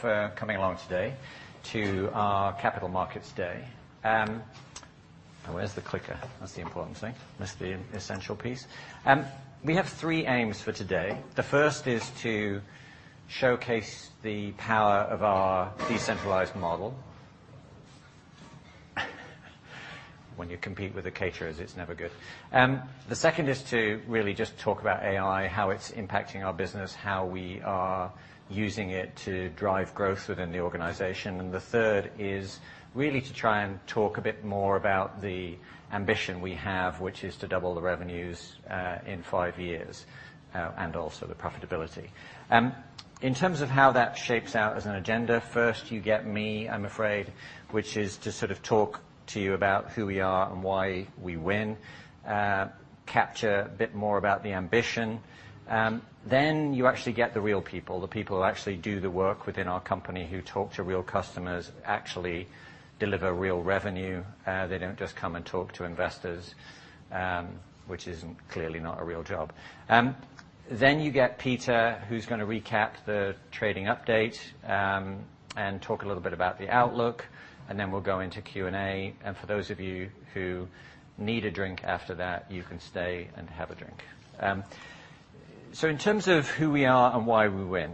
... you all for coming along today to our Capital Markets Day. Now where's the clicker? That's the important thing. That's the essential piece. We have three aims for today. The first is to showcase the power of our decentralized model. When you compete with the caterers, it's never good. The second is to really just talk about AI, how it's impacting our business, how we are using it to drive growth within the organization, and the third is really to try and talk a bit more about the ambition we have, which is to double the revenues in five years and also the profitability. In terms of how that shapes out as an agenda, first, you get me, I'm afraid, which is to sort of talk to you about who we are and why we win, capture a bit more about the ambition. Then you actually get the real people, the people who actually do the work within our company, who talk to real customers, actually deliver real revenue. They don't just come and talk to investors, which is clearly not a real job. Then you get Peter, who's gonna recap the trading update, and talk a little bit about the outlook. And then we'll go into Q&A, and for those of you who need a drink after that, you can stay and have a drink. So in terms of who we are and why we win,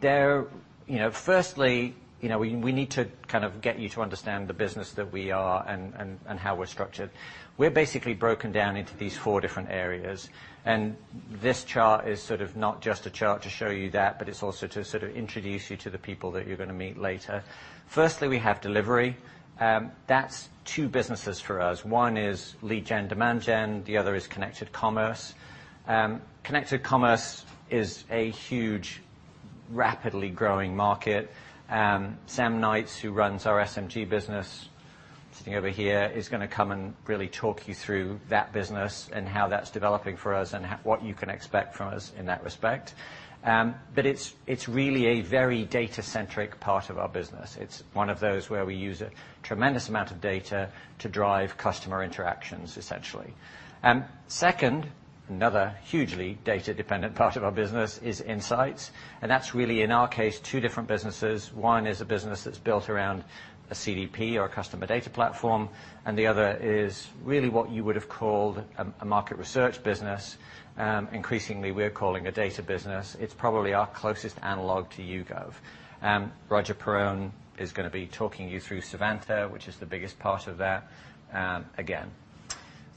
there... You know, firstly, you know, we, we need to kind of get you to understand the business that we are and, and, and how we're structured. We're basically broken down into these four different areas, and this chart is sort of not just a chart to show you that, but it's also to sort of introduce you to the people that you're gonna meet later. Firstly, we have Delivery. That's two businesses for us. One is lead gen, demand gen, the other is connected commerce. Connected commerce is a huge, rapidly growing market. Sam Knights, who runs our SMG business, sitting over here, is gonna come and really talk you through that business and how that's developing for us and what you can expect from us in that respect. But it's, it's really a very data-centric part of our business. It's one of those where we use a tremendous amount of data to drive customer interactions, essentially. Second, another hugely data-dependent part of our business is Insights, and that's really, in our case, two different businesses. One is a business that's built around a CDP or a customer data platform, and the other is really what you would have called a market research business. Increasingly, we're calling it a data business. It's probably our closest analog to YouGov. Roger Perowne is gonna be talking you through Savanta, which is the biggest part of that, again.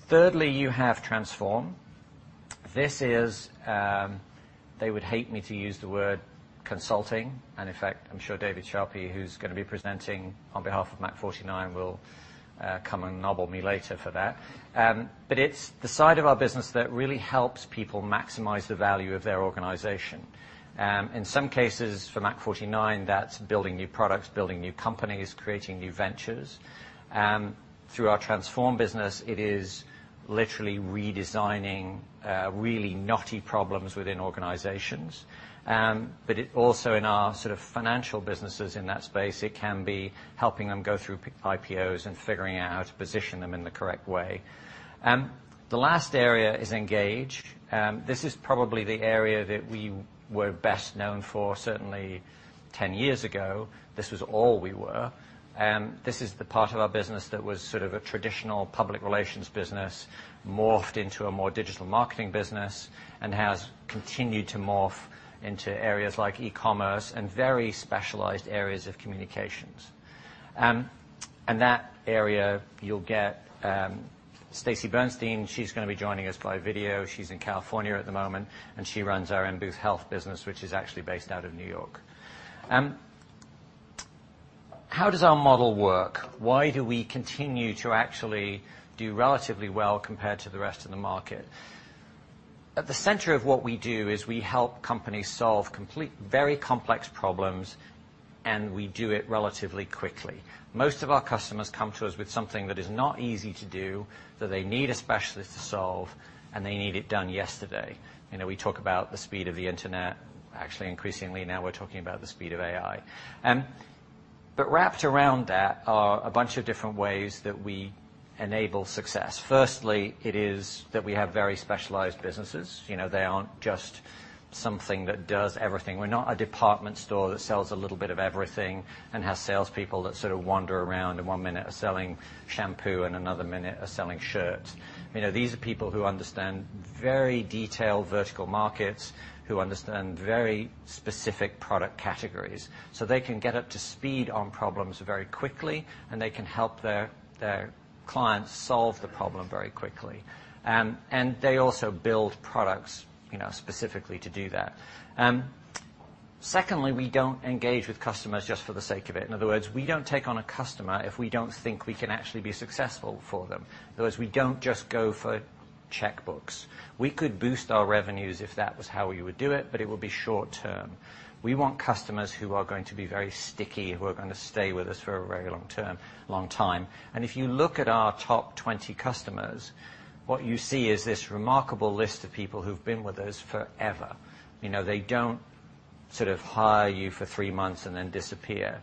Thirdly, you have Transform. This is... They would hate me to use the word consulting, and in fact, I'm sure David Schraa, who's gonna be presenting on behalf of Mach49, will come and nobble me later for that. But it's the side of our business that really helps people maximize the value of their organization. In some cases, for Mach49, that's building new products, building new companies, creating new ventures. Through our Transform business, it is literally redesigning really knotty problems within organizations. But it also, in our sort of financial businesses in that space, it can be helping them go through IPOs and figuring out how to position them in the correct way. The last area is Engage. This is probably the area that we were best known for. Certainly 10 years ago, this was all we were. This is the part of our business that was sort of a traditional public relations business, morphed into a more digital marketing business, and has continued to morph into areas like e-commerce and very specialized areas of communications. And that area, you'll get Stacey Bernstein. She's gonna be joining us by video. She's in California at the moment, and she runs our M Booth Health business, which is actually based out of New York. How does our model work? Why do we continue to actually do relatively well compared to the rest of the market? At the center of what we do is we help companies solve very complex problems, and we do it relatively quickly. Most of our customers come to us with something that is not easy to do, that they need a specialist to solve, and they need it done yesterday. You know, we talk about the speed of the Internet. Actually, increasingly now, we're talking about the speed of AI. But wrapped around that are a bunch of different ways that we enable success. Firstly, it is that we have very specialized businesses. You know, they aren't just something that does everything. We're not a department store that sells a little bit of everything and has salespeople that sort of wander around, and one minute are selling shampoo, and another minute are selling shirts. You know, these are people who understand very detailed vertical markets, who understand very specific product categories, so they can get up to speed on problems very quickly, and they can help their, their clients solve the problem very quickly. And they also build products, you know, specifically to do that. Secondly, we don't engage with customers just for the sake of it. In other words, we don't take on a customer if we don't think we can actually be successful for them. In other words, we don't just go for checkbooks. We could boost our revenues if that was how we would do it, but it would be short term. We want customers who are going to be very sticky and who are gonna stay with us for a very long term, long time. And if you look at our top 20 customers, what you see is this remarkable list of people who've been with us forever. You know, they don't sort of hire you for three months and then disappear.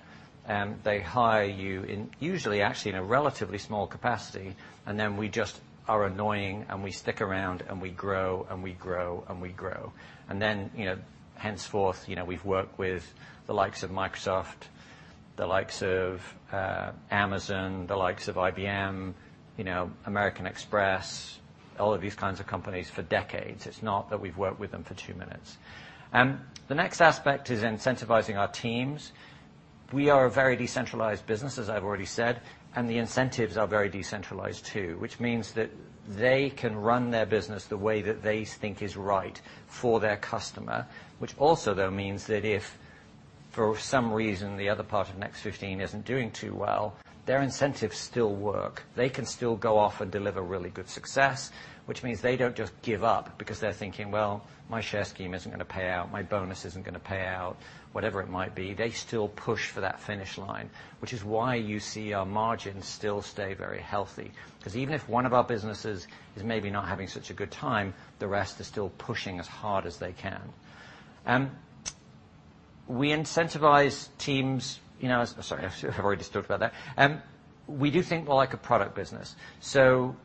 They hire you in usually, actually, in a relatively small capacity, and then we just are annoying, and we stick around, and we grow, and we grow, and we grow. And then, you know, henceforth, you know, we've worked with the likes of Microsoft, the likes of, Amazon, the likes of IBM, you know, American Express, all of these kinds of companies for decades. It's not that we've worked with them for two minutes. The next aspect is incentivizing our teams. We are a very decentralized business, as I've already said, and the incentives are very decentralized, too, which means that they can run their business the way that they think is right for their customer. Which also, though, means that if, for some reason, the other part of Next 15 isn't doing too well, their incentives still work. They can still go off and deliver really good success, which means they don't just give up because they're thinking, "Well, my share scheme isn't gonna pay out. My bonus isn't gonna pay out," whatever it might be. They still push for that finish line, which is why you see our margins still stay very healthy. 'Cause even if one of our businesses is maybe not having such a good time, the rest are still pushing as hard as they can. We incentivize teams, you know... I'm sorry, I've already talked about that. We do think more like a product business. So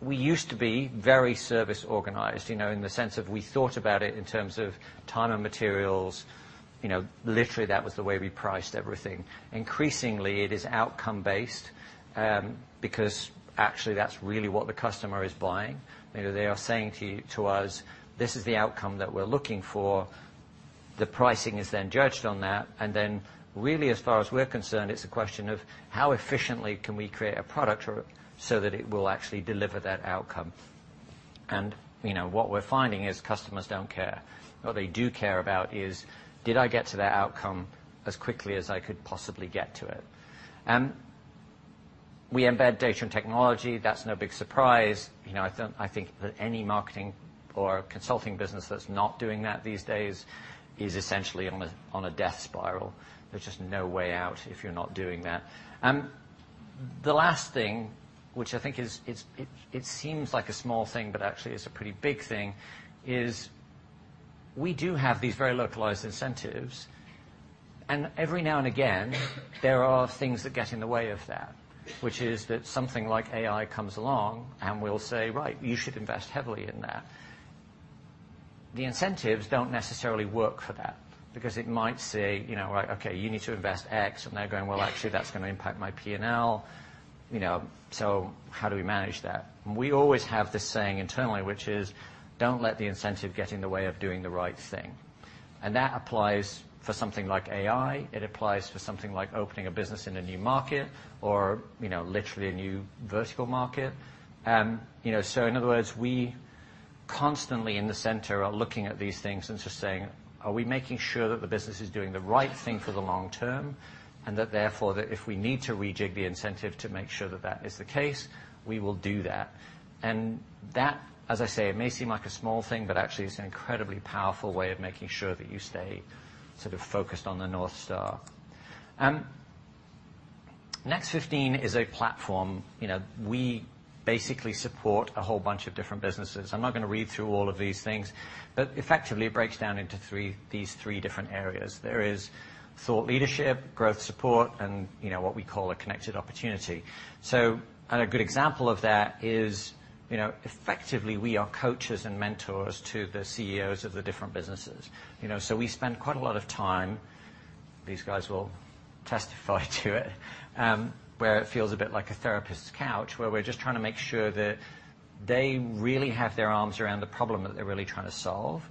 we used to be very service-organized, you know, in the sense of we thought about it in terms of time and materials. You know, literally, that was the way we priced everything. Increasingly, it is outcome-based, because actually, that's really what the customer is buying. You know, they are saying to, to us, "This is the outcome that we're looking for." The pricing is then judged on that, and then, really, as far as we're concerned, it's a question of how efficiently can we create a product so that it will actually deliver that outcome? You know, what we're finding is customers don't care. What they do care about is, did I get to that outcome as quickly as I could possibly get to it? We embed data and technology. That's no big surprise. You know, I don't, I think that any marketing or consulting business that's not doing that these days is essentially on a death spiral. There's just no way out if you're not doing that. The last thing, which I think is, it seems like a small thing, but actually is a pretty big thing, is we do have these very localized incentives, and every now and again, there are things that get in the way of that, which is that something like AI comes along, and we'll say, "Right, you should invest heavily in that." The incentives don't necessarily work for that because it might say, you know, "Okay, you need to invest X," and they're going, "Well, actually, that's gonna impact my P&L," you know, so how do we manage that? We always have this saying internally, which is, "Don't let the incentive get in the way of doing the right thing." And that applies for something like AI. It applies for something like opening a business in a new market or, you know, literally a new vertical market. You know, so in other words, we constantly in the center are looking at these things and just saying, "Are we making sure that the business is doing the right thing for the long term?" And that therefore, that if we need to rejig the incentive to make sure that that is the case, we will do that. And that, as I say, it may seem like a small thing, but actually, it's an incredibly powerful way of making sure that you stay sort of focused on the North Star. Next 15 is a platform. You know, we basically support a whole bunch of different businesses. I'm not gonna read through all of these things, but effectively, it breaks down into three-these three different areas. There is thought leadership, growth support, and, you know, what we call a connected opportunity. A good example of that is, you know, effectively, we are coaches and mentors to the CEOs of the different businesses. You know, we spend quite a lot of time, these guys will testify to it, where it feels a bit like a therapist's couch, where we're just trying to make sure that they really have their arms around the problem that they're really trying to solve.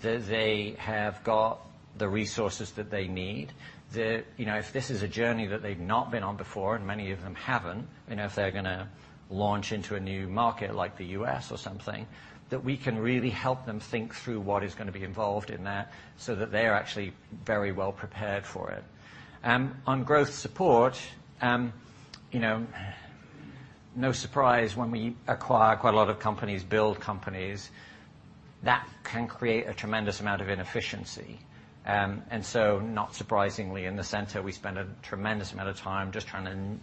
That they have got the resources that they need. That, you know, if this is a journey that they've not been on before, and many of them haven't, you know, if they're gonna launch into a new market like the U.S. or something, that we can really help them think through what is gonna be involved in that, so that they're actually very well prepared for it. On growth support, you know, no surprise, when we acquire quite a lot of companies, build companies, that can create a tremendous amount of inefficiency. And so, not surprisingly, in the center, we spend a tremendous amount of time just trying to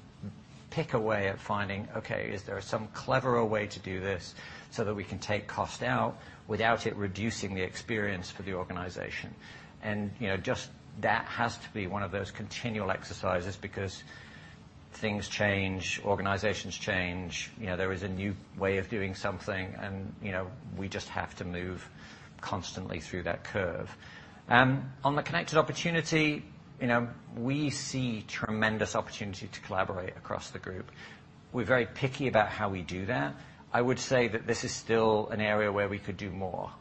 pick a way of finding, okay, is there some cleverer way to do this so that we can take cost out without it reducing the experience for the organization? And, you know, just that has to be one of those continual exercises because things change, organizations change, you know, there is a new way of doing something, and, you know, we just have to move constantly through that curve. On the connected opportunity, you know, we see tremendous opportunity to collaborate across the group. We're very picky about how we do that. I would say that this is still an area where we could do more.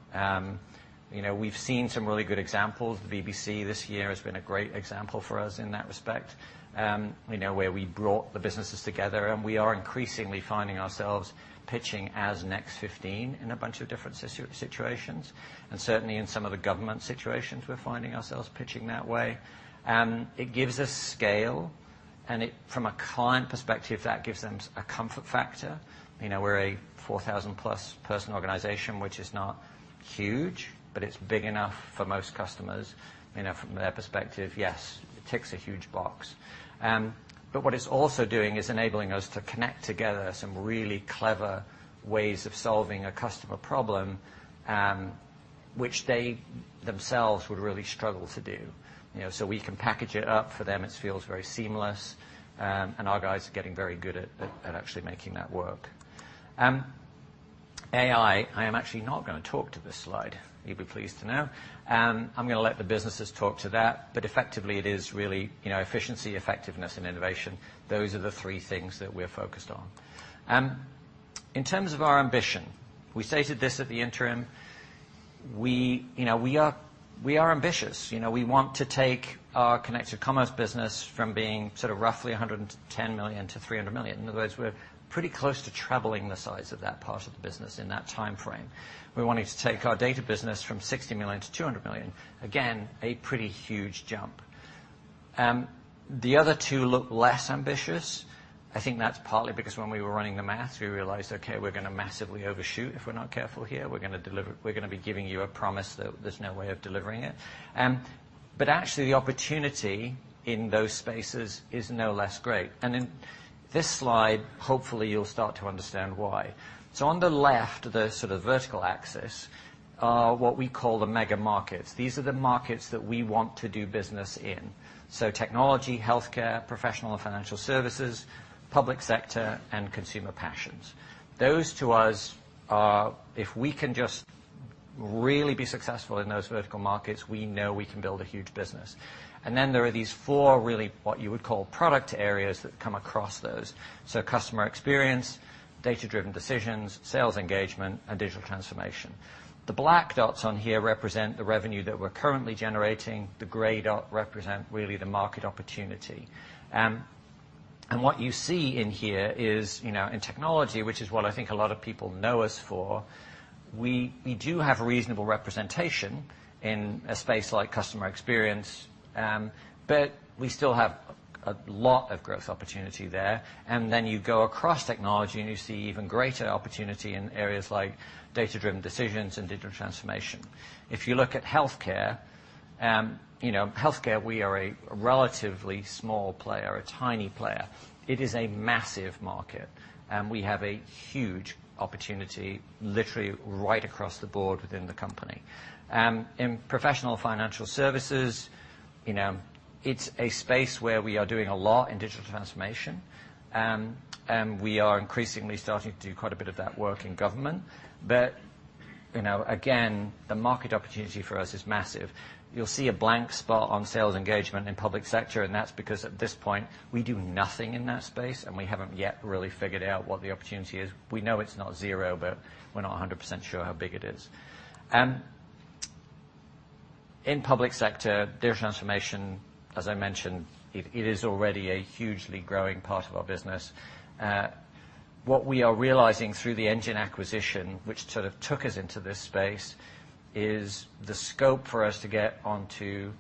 You know, we've seen some really good examples. The BBC this year has been a great example for us in that respect. You know, where we brought the businesses together, and we are increasingly finding ourselves pitching as Next 15 in a bunch of different situations, and certainly in some of the government situations, we're finding ourselves pitching that way. It gives us scale, and it, from a client perspective, that gives them a comfort factor. You know, we're a 4,000+-person organization, which is not huge, but it's big enough for most customers. You know, from their perspective, yes, it ticks a huge box. But what it's also doing is enabling us to Connect together some really clever ways of solving a customer problem. which they themselves would really struggle to do, you know. So we can package it up for them. It feels very seamless, and our guys are getting very good at actually making that work. AI, I am actually not going to talk to this slide, you'll be pleased to know. I'm going to let the businesses talk to that. But effectively, it is really, you know, efficiency, effectiveness, and innovation. Those are the three things that we're focused on. In terms of our ambition, we stated this at the interim. We, you know, we are, we are ambitious. You know, we want to take our connected commerce business from being sort of roughly 100 million to 300 million. In other words, we're pretty close to tripling the size of that part of the business in that time frame. We're wanting to take our data business from 60 million-200 million. Again, a pretty huge jump. The other two look less ambitious. I think that's partly because when we were running the math, we realized, okay, we're going to massively overshoot if we're not careful here. We're going to be giving you a promise that there's no way of delivering it. But actually, the opportunity in those spaces is no less great. In this slide, hopefully, you'll start to understand why. On the left, the sort of vertical axis, are what we call the mega markets. These are the markets that we want to do business in. So technology, healthcare, professional and financial services, public sector, and consumer passions. Those, to us, are if we can just really be successful in those vertical markets, we know we can build a huge business. And then there are these four, really, what you would call product areas that come across those. So customer experience, data-driven decisions, sales engagement, and digital transformation. The black dots on here represent the revenue that we're currently generating. The gray dot represent really the market opportunity. And what you see in here is, you know, in technology, which is what I think a lot of people know us for, we, we do have a reasonable representation in a space like customer experience, but we still have a lot of growth opportunity there. And then you go across technology, and you see even greater opportunity in areas like data-driven decisions and digital transformation. If you look at healthcare, you know, healthcare, we are a relatively small player, a tiny player. It is a massive market, and we have a huge opportunity, literally right across the board within the company. In professional financial services, you know, it's a space where we are doing a lot in digital transformation, and we are increasingly starting to do quite a bit of that work in government. But, you know, again, the market opportunity for us is massive. You'll see a blank spot on sales engagement in public sector, and that's because at this point, we do nothing in that space, and we haven't yet really figured out what the opportunity is. We know it's not zero, but we're not a hundred percent sure how big it is. In public sector, digital transformation, as I mentioned, it is already a hugely growing part of our business. What we are realizing through the Engine acquisition, which sort of took us into this space, is the scope for us to get onto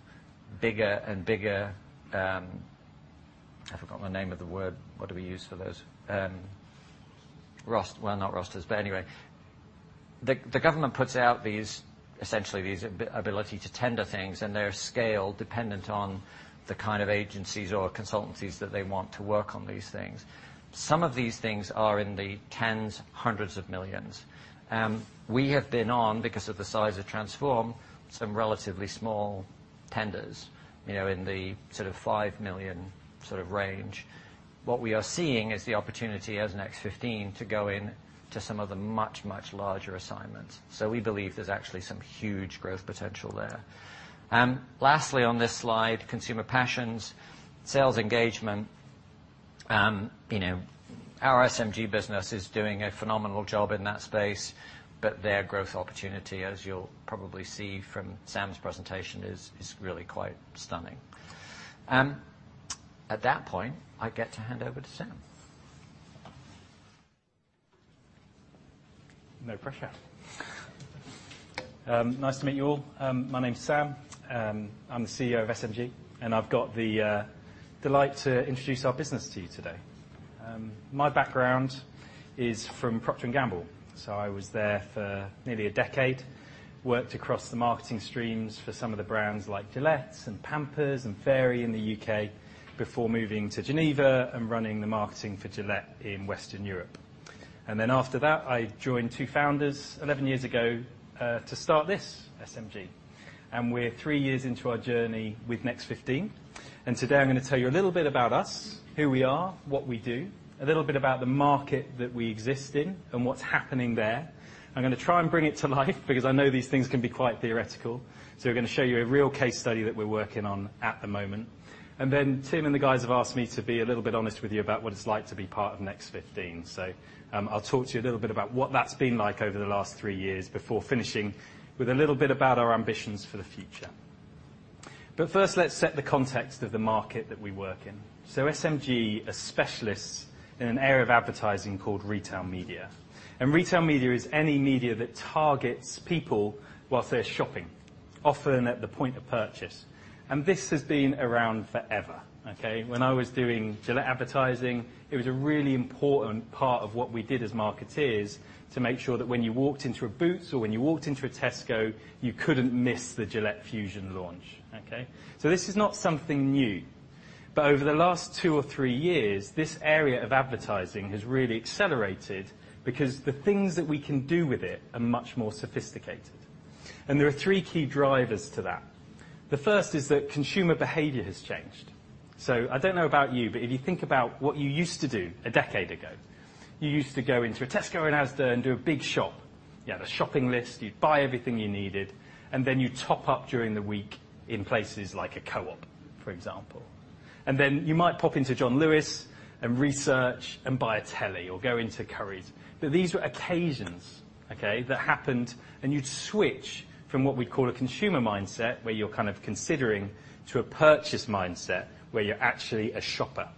bigger and bigger. I forgot the name of the word. What do we use for those? Well, not rosters, but anyway. The government puts out these essentially ability to tender things, and they're scale-dependent on the kind of agencies or consultancies that they want to work on these things. Some of these things are in the tens, hundreds of millions GBP. We have been on, because of the size of Transform, some relatively small tenders, you know, in the sort of 5 million sort of range. What we are seeing is the opportunity as Next 15 to go into some of the much, much larger assignments. So we believe there's actually some huge growth potential there. Lastly, on this slide, consumer passions, sales engagement. You know, our SMG business is doing a phenomenal job in that space, but their growth opportunity, as you'll probably see from Sam's presentation, is really quite stunning. At that point, I get to hand over to Sam. No pressure. Nice to meet you all. My name's Sam. I'm the CEO of SMG, and I've got the delight to introduce our business to you today. My background is from Procter & Gamble, so I was there for nearly a decade. Worked across the marketing streams for some of the brands like Gillette and Pampers and Fairy in the UK before moving to Geneva and running the marketing for Gillette in Western Europe. And then after that, I joined two founders 11 years ago to start this, SMG, and we're three years into our journey with Next 15. And today I'm going to tell you a little bit about us, who we are, what we do, a little bit about the market that we exist in, and what's happening there. I'm going to try and bring it to life because I know these things can be quite theoretical. So we're going to show you a real case study that we're working on at the moment. Then Tim and the guys have asked me to be a little bit honest with you about what it's like to be part of Next 15. So, I'll talk to you a little bit about what that's been like over the last three years before finishing with a little bit about our ambitions for the future. But first, let's set the context of the market that we work in. So SMG are specialists in an area of advertising called retail media, and retail media is any media that targets people while they're shopping, often at the point of purchase. This has been around forever, okay? When I was doing Gillette advertising, it was a really important part of what we did as marketeers to make sure that when you walked into a Boots or when you walked into a Tesco, you couldn't miss the Gillette Fusion launch, okay? So this is not something new.... But over the last two or three years, this area of advertising has really accelerated because the things that we can do with it are much more sophisticated, and there are three key drivers to that. The first is that consumer behavior has changed. So I don't know about you, but if you think about what you used to do a decade ago, you used to go into a Tesco and Asda and do a big shop. You had a shopping list, you'd buy everything you needed, and then you'd top up during the week in places like a Co-op, for example. And then you might pop into John Lewis and research and buy a telly or go into Currys. But these were occasions, okay, that happened, and you'd switch from what we call a consumer mindset, where you're kind of considering, to a purchase mindset, where you're actually a shopper.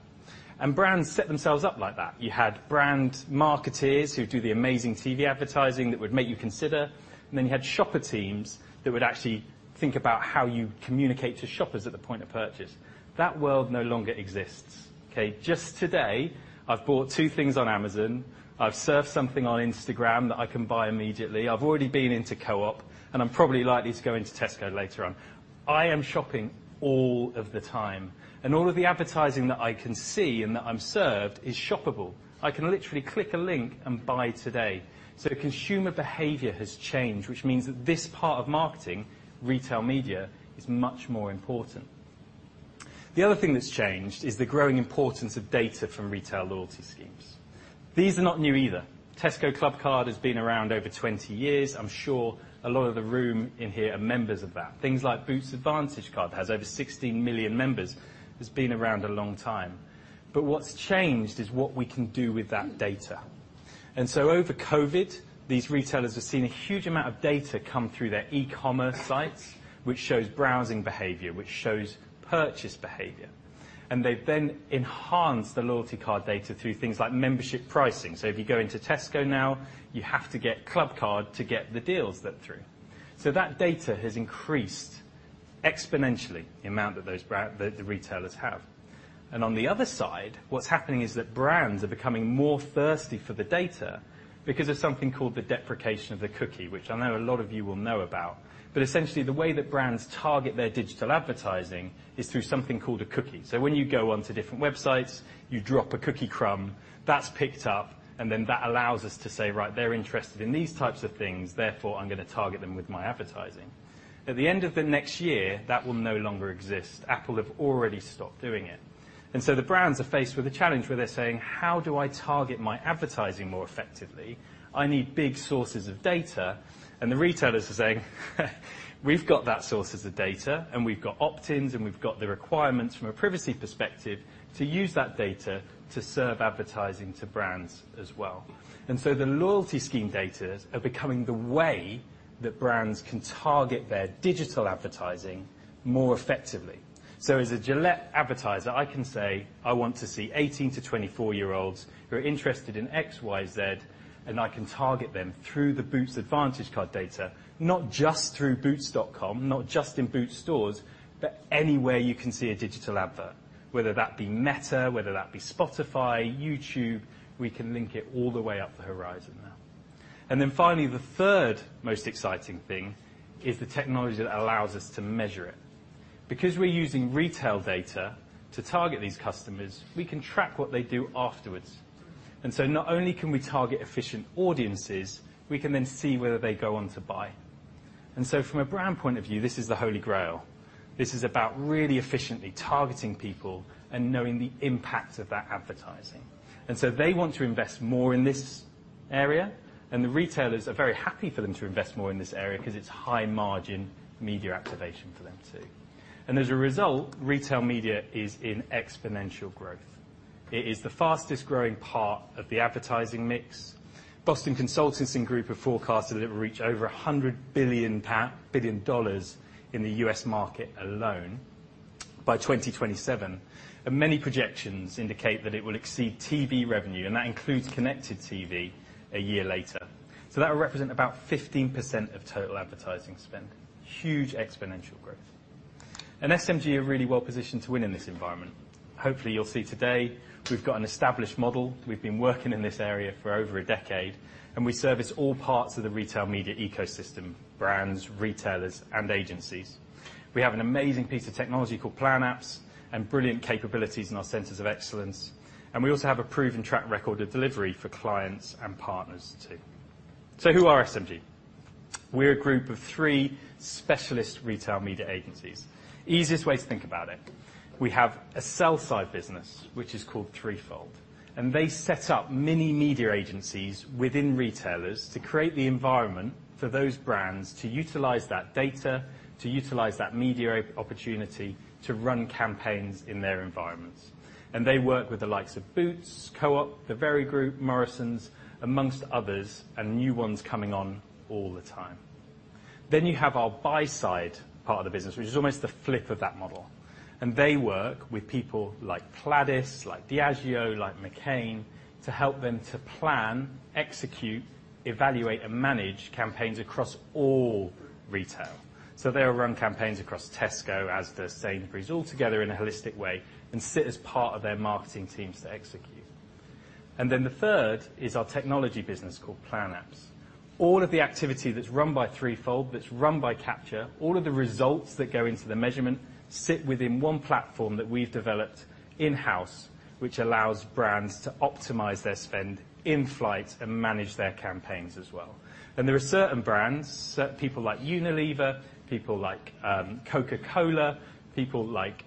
And brands set themselves up like that. You had brand marketeers who do the amazing TV advertising that would make you consider, and then you had shopper teams that would actually think about how you communicate to shoppers at the point of purchase. That world no longer exists, okay? Just today, I've bought two things on Amazon. I've surfed something on Instagram that I can buy immediately. I've already been into Co-op, and I'm probably likely to go into Tesco later on. I am shopping all of the time, and all of the advertising that I can see and that I'm served is shoppable. I can literally click a link and buy today. Consumer behavior has changed, which means that this part of marketing, retail media, is much more important. The other thing that's changed is the growing importance of data from retail loyalty schemes. These are not new either. Tesco Clubcard has been around over 20 years. I'm sure a lot of the room in here are members of that. Things like Boots Advantage Card has over 16 million members, has been around a long time. But what's changed is what we can do with that data. Over COVID, these retailers have seen a huge amount of data come through their e-commerce sites, which shows browsing behavior, which shows purchase behavior. They've then enhanced the loyalty card data through things like membership pricing. So if you go into Tesco now, you have to get Clubcard to get the deals that through. So that data has increased exponentially, the amount that those retailers have. On the other side, what's happening is that brands are becoming more thirsty for the data because of something called the cookie deprecation, which I know a lot of you will know about. But essentially, the way that brands target their digital advertising is through something called a cookie. So when you go onto different websites, you drop a cookie crumb, that's picked up, and then that allows us to say, "Right, they're interested in these types of things, therefore, I'm gonna target them with my advertising." At the end of the next year, that will no longer exist. Apple have already stopped doing it. And so the brands are faced with a challenge where they're saying, "How do I target my advertising more effectively? I need big sources of data." And the retailers are saying, "We've got that sources of data, and we've got opt-ins, and we've got the requirements from a privacy perspective to use that data to serve advertising to brands as well." And so the loyalty scheme datas are becoming the way that brands can target their digital advertising more effectively. So as a Gillette advertiser, I can say, "I want to see 18-24-year-olds who are interested in X, Y, Z," and I can target them through the Boots Advantage Card data, not just through Boots.com, not just in Boots stores, but anywhere you can see a digital advert, whether that be Meta, whether that be Spotify, YouTube, we can link it all the way up the horizon now. And then finally, the third most exciting thing is the technology that allows us to measure it. Because we're using retail data to target these customers, we can track what they do afterwards. And so not only can we target efficient audiences, we can then see whether they go on to buy. And so from a brand point of view, this is the Holy Grail. This is about really efficiently targeting people and knowing the impact of that advertising. So they want to invest more in this area, and the retailers are very happy for them to invest more in this area because it's high-margin media activation for them, too. As a result, retail media is in exponential growth. It is the fastest-growing part of the advertising mix. Boston Consulting Group have forecasted that it will reach over $100 billion in the US market alone by 2027, and many projections indicate that it will exceed TV revenue, and that includes Connected TV, a year later. So that will represent about 15% of total advertising spend. Huge exponential growth. SMG are really well positioned to win in this environment. Hopefully, you'll see today we've got an established model. We've been working in this area for over a decade, and we service all parts of the retail media ecosystem: brands, retailers, and agencies. We have an amazing piece of technology called Plan-Apps and brilliant capabilities in our centers of excellence, and we also have a proven track record of delivery for clients and partners, too. So who are SMG? We're a group of three specialist retail media agencies. Easiest way to think about it: we have a sell-side business, which is called Threefold, and they set up mini media agencies within retailers to create the environment for those brands to utilize that data, to utilize that media opportunity to run campaigns in their environments. And they work with the likes of Boots, Co-op, The Very Group, Morrisons, among others, and new ones coming on all the time. Then you have our buy side part of the business, which is almost the flip of that model, and they work with people like Pladis, like Diageo, like McCain, to help them to plan, execute, evaluate, and manage campaigns across all retail. So they'll run campaigns across Tesco, Asda, Sainsbury's, all together in a holistic way, and sit as part of their marketing teams to execute. And then the third is our technology business called Plan-Apps. All of the activity that's run by Threefold, that's run by Capture, all of the results that go into the measurement sit within one platform that we've developed in-house, which allows brands to optimize their spend in-flight and manage their campaigns as well. There are certain brands, certain people like Unilever, people like, Coca-Cola, people like,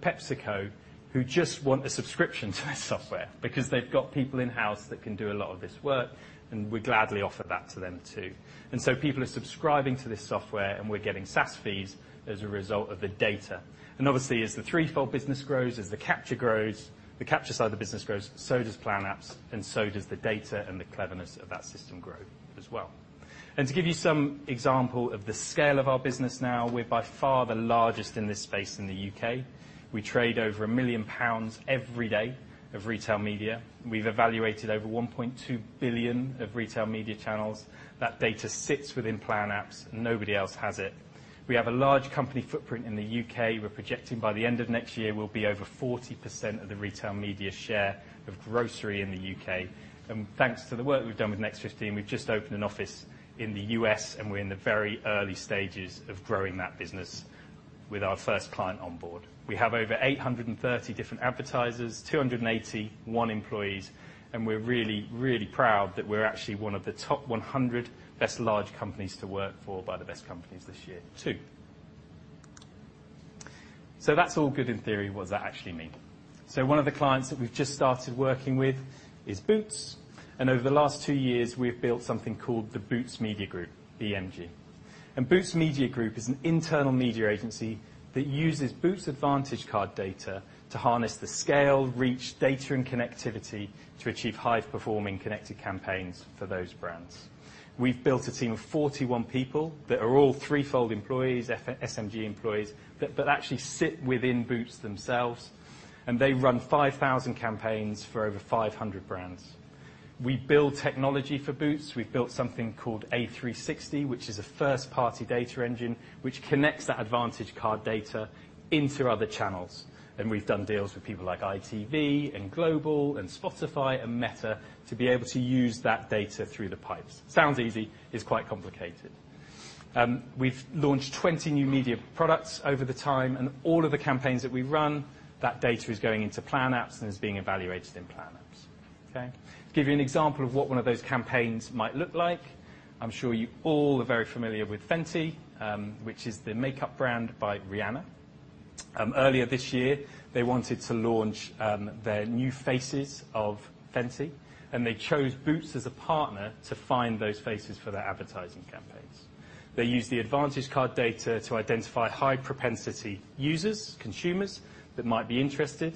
PepsiCo, who just want a subscription to our software because they've got people in-house that can do a lot of this work, and we gladly offer that to them, too. So people are subscribing to this software, and we're getting SaaS fees as a result of the data. And obviously, as the Threefold business grows, as the Capture grows, the Capture side of the business grows, so does Plan Apps, and so does the data, and the cleverness of that system grow as well. To give you some example of the scale of our business now, we're by far the largest in this space in the UK. We trade over 1 million pounds every day of retail media. We've evaluated over 1.2 billion of retail media channels. That data sits within Plan-Apps, and nobody else has it. We have a large company footprint in the U.K. We're projecting by the end of next year, we'll be over 40% of the retail media share of grocery in the U.K. And thanks to the work we've done with Next 15, we've just opened an office in the U.S., and we're in the very early stages of growing that business with our first client on board. We have over 830 different advertisers, 281 employees, and we're really, really proud that we're actually one of the top 100 best large companies to work for by the best companies this year, too. So that's all good in theory. What does that actually mean? So one of the clients that we've just started working with is Boots, and over the last two years, we've built something called the Boots Media Group, BMG. Boots Media Group is an internal media agency that uses Boots Advantage Card data to harness the scale, reach, data, and connectivity to achieve high-performing connected campaigns for those brands. We've built a team of 41 people that are all Threefold employees, SMG employees, but actually sit within Boots themselves, and they run 5,000 campaigns for over 500 brands. We build technology for Boots. We've built something called A360, which is a first-party data engine, which connects that Advantage Card data into other channels. We've done deals with people like ITV, Global, and Spotify, and Meta to be able to use that data through the pipes. Sounds easy, it's quite complicated. We've launched 20 new media products over the time, and all of the campaigns that we run, that data is going into Plan-Apps and is being evaluated in Plan-Apps. Okay? Give you an example of what one of those campaigns might look like. I'm sure you all are very familiar with Fenty, which is the makeup brand by Rihanna. Earlier this year, they wanted to launch their new faces of Fenty, and they chose Boots as a partner to find those faces for their advertising campaigns. They used the Advantage Card data to identify high-propensity users, consumers, that might be interested.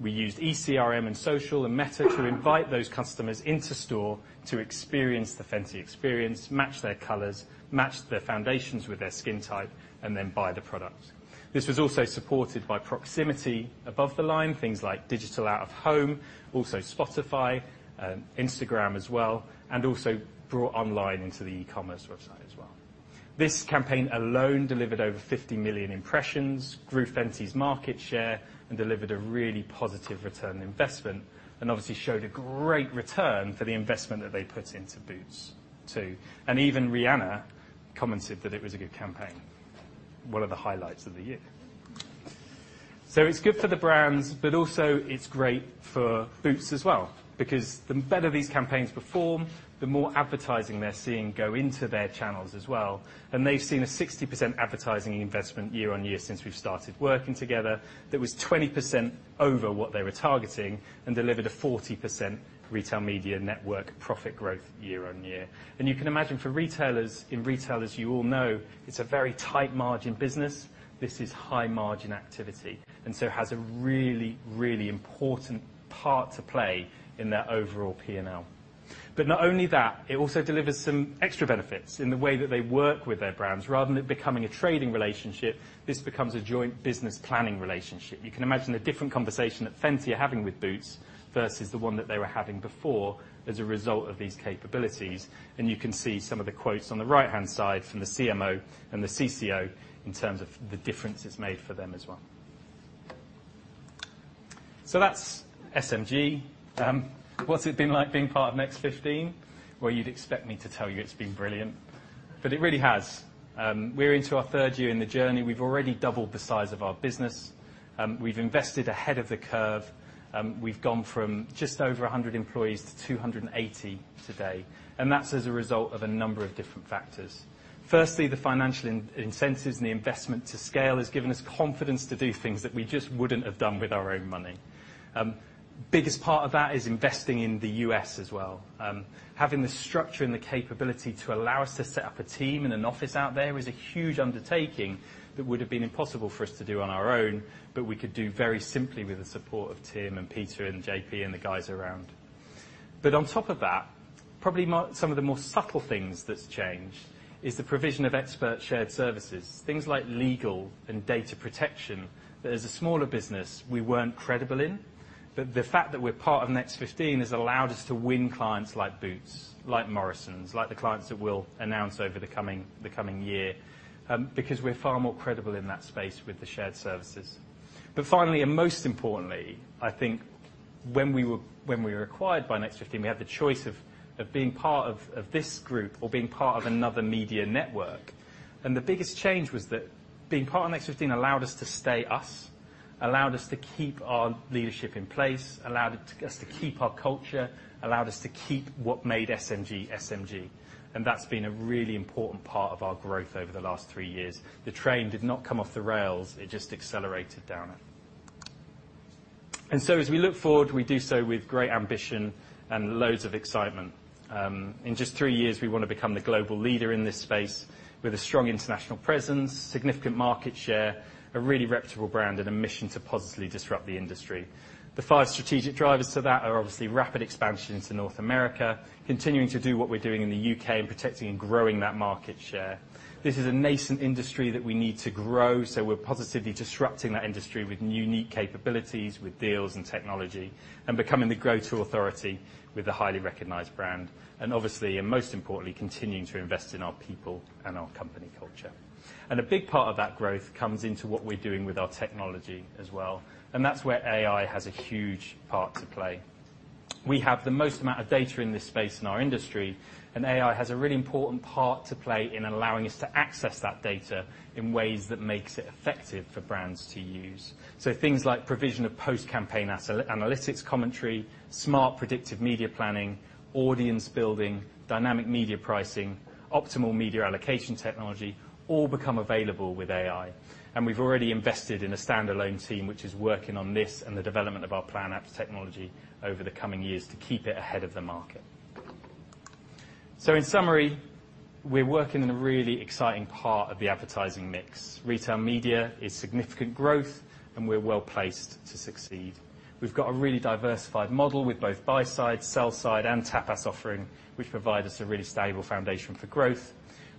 We used ECRM, and social, and Meta to invite those customers into store to experience the Fenty experience, match their colors, match their foundations with their skin type, and then buy the product. This was also supported by proximity above the line, things like digital out-of-home, also Spotify, Instagram as well, and also brought online into the e-commerce website as well. This campaign alone delivered over 50 million impressions, grew Fenty's market share, and delivered a really positive return on investment, and obviously showed a great return for the investment that they put into Boots, too. Even Rihanna commented that it was a good campaign, one of the highlights of the year. It's good for the brands, but also it's great for Boots as well, because the better these campaigns perform, the more advertising they're seeing go into their channels as well. They've seen a 60% advertising investment year-on-year since we've started working together. That was 20% over what they were targeting and delivered a 40% retail media network profit growth year-on-year. You can imagine for retailers, in retail, as you all know, it's a very tight margin business. This is high-margin activity, and so it has a really, really important part to play in their overall P&L. But not only that, it also delivers some extra benefits in the way that they work with their brands. Rather than it becoming a trading relationship, this becomes a joint business planning relationship. You can imagine the different conversation that Fenty are having with Boots versus the one that they were having before as a result of these capabilities, and you can see some of the quotes on the right-hand side from the CMO and the CCO in terms of the difference it's made for them as well. So that's SMG. What's it been like being part of Next 15? Well, you'd expect me to tell you it's been brilliant, but it really has. We're into our third year in the journey. We've already doubled the size of our business. We've invested ahead of the curve. We've gone from just over 100 employees to 280 today, and that's as a result of a number of different factors. Firstly, the financial incentives and the investment to scale has given us confidence to do things that we just wouldn't have done with our own money. Biggest part of that is investing in the U.S. as well. Having the structure and the capability to allow us to set up a team and an office out there is a huge undertaking that would have been impossible for us to do on our own, but we could do very simply with the support of Tim, and Peter, and JP, and the guys around. But on top of that, probably some of the more subtle things that's changed is the provision of expert shared services, things like legal and data protection, that as a smaller business, we weren't credible in. But the fact that we're part of Next 15 has allowed us to win clients like Boots, like Morrisons, like the clients that we'll announce over the coming, the coming year, because we're far more credible in that space with the shared services. But finally, and most importantly, I think... When we were acquired by Next 15, we had the choice of being part of this group or being part of another media network. And the biggest change was that being part of Next 15 allowed us to stay us, allowed us to keep our leadership in place, allowed us to keep our culture, allowed us to keep what made SMG, SMG. And that's been a really important part of our growth over the last three years. The train did not come off the rails, it just accelerated down it. And so as we look forward, we do so with great ambition and loads of excitement. In just three years, we want to become the global leader in this space with a strong international presence, significant market share, a really reputable brand, and a mission to positively disrupt the industry. The five strategic drivers to that are obviously rapid expansion into North America, continuing to do what we're doing in the U.K., and protecting and growing that market share. This is a nascent industry that we need to grow, so we're positively disrupting that industry with unique capabilities, with deals and technology, and becoming the go-to authority with a highly recognized brand, and obviously, and most importantly, continuing to invest in our people and our company culture. And a big part of that growth comes into what we're doing with our technology as well, and that's where AI has a huge part to play. We have the most amount of data in this space in our industry, and AI has a really important part to play in allowing us to access that data in ways that makes it effective for brands to use. So things like provision of post-campaign analytics, commentary, smart, predictive media planning, audience building, dynamic media pricing, optimal media allocation technology, all become available with AI. And we've already invested in a standalone team, which is working on this and the development of our Plan-Apps technology over the coming years to keep it ahead of the market. So in summary, we're working in a really exciting part of the advertising mix. Retail media is significant growth, and we're well-placed to succeed. We've got a really diversified model with both buy side, sell side, and Plan-Apps offering, which provide us a really stable foundation for growth.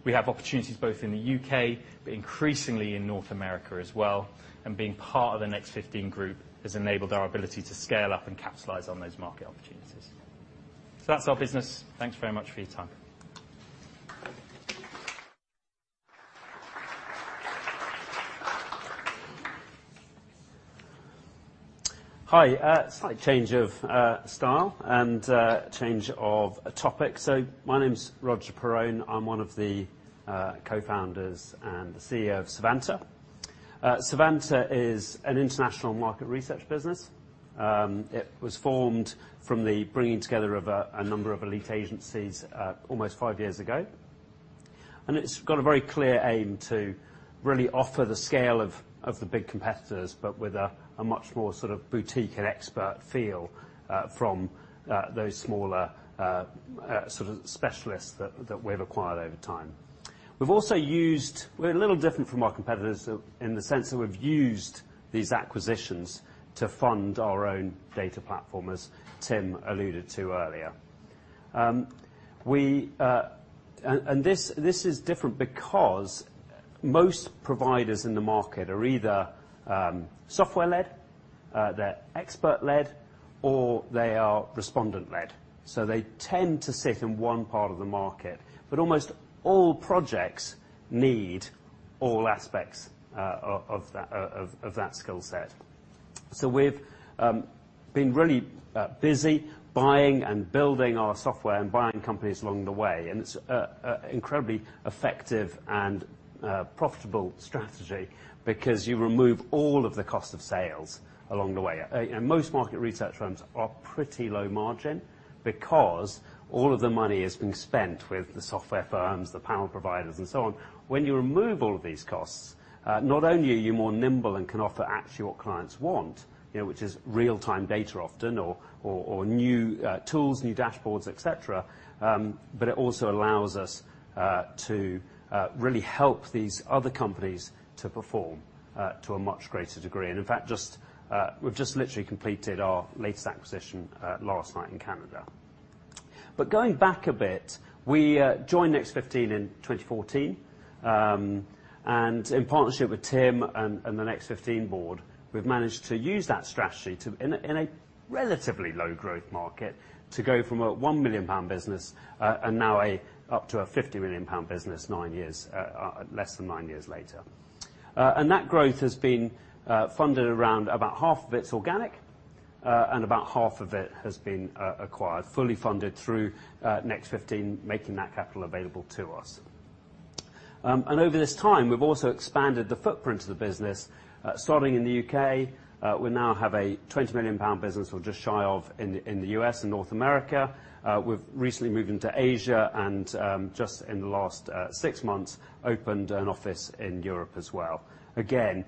We have opportunities both in the U.K., but increasingly in North America as well, and being part of the Next 15 group has enabled our ability to scale up and capitalize on those market opportunities. So that's our business. Thanks very much for your time. Hi. Slight change of style and change of topic. So my name's Roger Perowne. I'm one of the co-founders and the CEO of Savanta. Savanta is an international market research business. It was formed from the bringing together of a number of elite agencies almost five years ago. And it's got a very clear aim to really offer the scale of the big competitors, but with a much more sort of boutique and expert feel from those smaller sort of specialists that we've acquired over time. We're a little different from our competitors in the sense that we've used these acquisitions to fund our own data platform, as Tim alluded to earlier. We... This is different because most providers in the market are either software-led, they're expert-led, or they are respondent-led, so they tend to sit in one part of the market. But almost all projects need all aspects of that skill set. So we've been really busy buying and building our software and buying companies along the way, and it's a incredibly effective and profitable strategy because you remove all of the cost of sales along the way. And most market research firms are pretty low margin because all of the money is being spent with the software firms, the panel providers, and so on. When you remove all of these costs, not only are you more nimble and can offer actually what clients want, you know, which is real-time data often or, or, or new, tools, new dashboards, et cetera, but it also allows us, to, really help these other companies to perform, to a much greater degree. And in fact, just, we've just literally completed our latest acquisition, last night in Canada. But going back a bit, we, joined Next 15 in 2014. And in partnership with Tim and, and the Next 15 board, we've managed to use that strategy to... in a, in a relatively low growth market, to go from a 1 million pound business, and now up to a 50 million pound business, nine years, less than nine years later. That growth has been funded around about half of it's organic, and about half of it has been acquired, fully funded through Next 15, making that capital available to us. Over this time, we've also expanded the footprint of the business. Starting in the U.K., we now have a 20 million pound business or just shy of in the U.S. and North America. We've recently moved into Asia, and just in the last 6 months, opened an office in Europe as well. Again,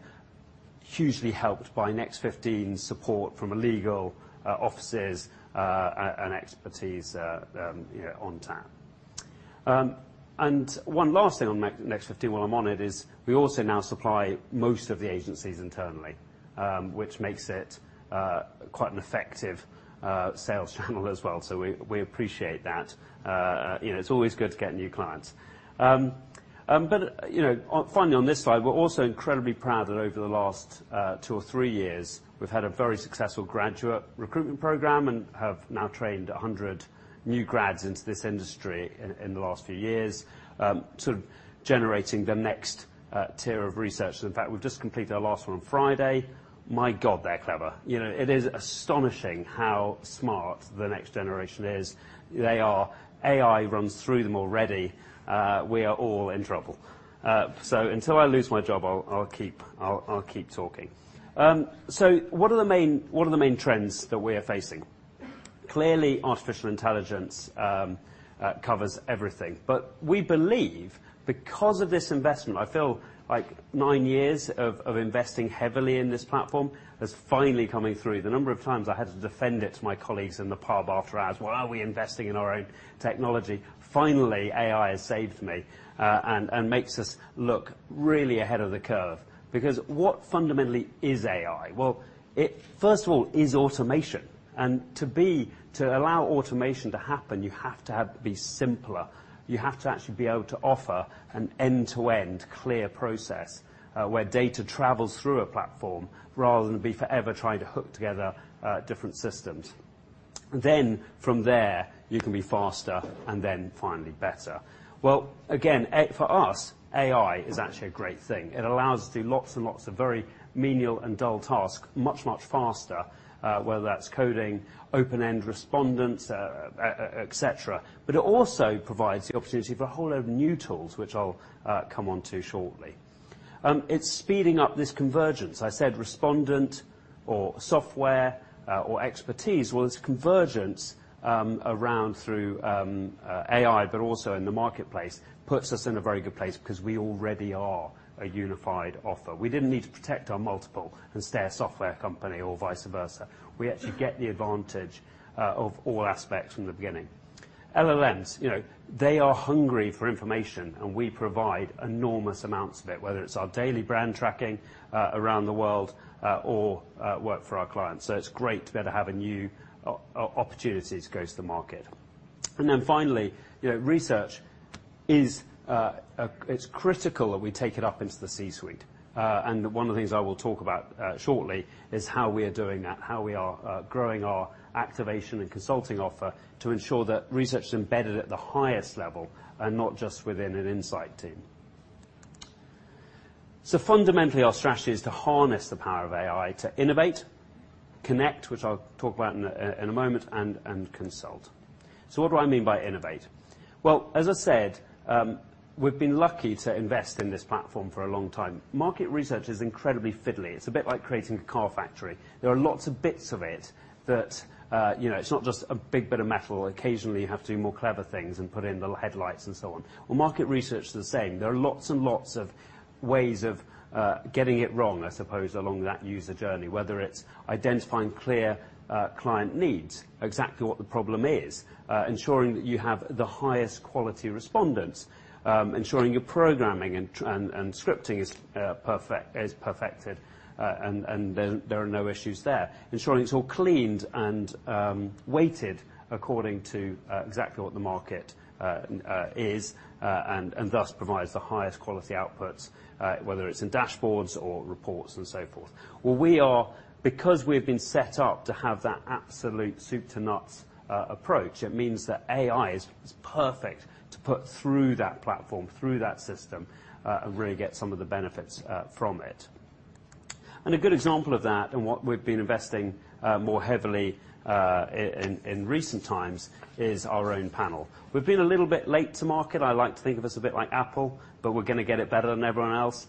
hugely helped by Next 15's support from a legal offices and expertise, you know, on tap. And one last thing on Next 15, while I'm on it, is we also now supply most of the agencies internally, which makes it quite an effective sales channel as well, so we appreciate that. You know, it's always good to get new clients. But, you know, finally, on this slide, we're also incredibly proud that over the last two or three years, we've had a very successful graduate recruitment program and have now trained 100 new grads into this industry in the last few years. Sort of generating the next tier of research. In fact, we've just completed our last one on Friday. My God, they're clever! You know, it is astonishing how smart the next generation is. They are... AI runs through them already. We are all in trouble. So until I lose my job, I'll keep talking. So what are the main trends that we are facing? Clearly, artificial intelligence covers everything, but we believe, because of this investment, I feel like nine years of investing heavily in this platform is finally coming through. The number of times I had to defend it to my colleagues in the pub after hours, "Why are we investing in our own technology?" Finally, AI has saved me, and makes us look really ahead of the curve. Because what fundamentally is AI? Well, first of all, is automation, and to allow automation to happen, you have to have it be simpler. You have to actually be able to offer an end-to-end clear process, where data travels through a platform, rather than be forever trying to hook together different systems. Then from there, you can be faster, and then finally better. Well, again, for us, AI is actually a great thing. It allows us to do lots and lots of very menial and dull tasks, much, much faster, whether that's coding, open-end respondents, et cetera. But it also provides the opportunity for a whole load of new tools, which I'll come on to shortly. It's speeding up this convergence. I said respondent or software or expertise. Well, it's convergence around through AI, but also in the marketplace, puts us in a very good place because we already are a unified offer. We didn't need to protect our multiple and stay a software company or vice versa. We actually get the advantage of all aspects from the beginning. LLMs, you know, they are hungry for information, and we provide enormous amounts of it, whether it's our daily brand tracking around the world or work for our clients. So it's great to be able to have a new opportunity as it goes to the market. And then finally, you know, research is. It's critical that we take it up into the C-suite. And one of the things I will talk about shortly is how we are doing that, how we are growing our activation and consulting offer to ensure that research is embedded at the highest level and not just within an insight team. So fundamentally, our strategy is to harness the power of AI, to Innovate, connect, which I'll talk about in a moment, and consult. So what do I mean by Innovate? Well, as I said, we've been lucky to invest in this platform for a long time. Market research is incredibly fiddly. It's a bit like creating a car factory. There are lots of bits of it that, you know, it's not just a big bit of metal. Occasionally, you have to do more clever things and put in the headlights and so on. Well, market research is the same. There are lots and lots of ways of, getting it wrong, I suppose, along that user journey, whether it's identifying clear, client needs, exactly what the problem is. Ensuring that you have the highest quality respondents, ensuring your programming and scripting is perfect, and there are no issues there. Ensuring it's all cleaned and weighted according to exactly what the market is, and thus provides the highest quality outputs, whether it's in dashboards or reports and so forth. Well, because we've been set up to have that absolute soup to nuts approach, it means that AI is perfect to put through that platform, through that system, and really get some of the benefits from it. And a good example of that, and what we've been investing more heavily in recent times, is our own panel. We've been a little bit late to market. I like to think of us a bit like Apple, but we're going to get it better than everyone else.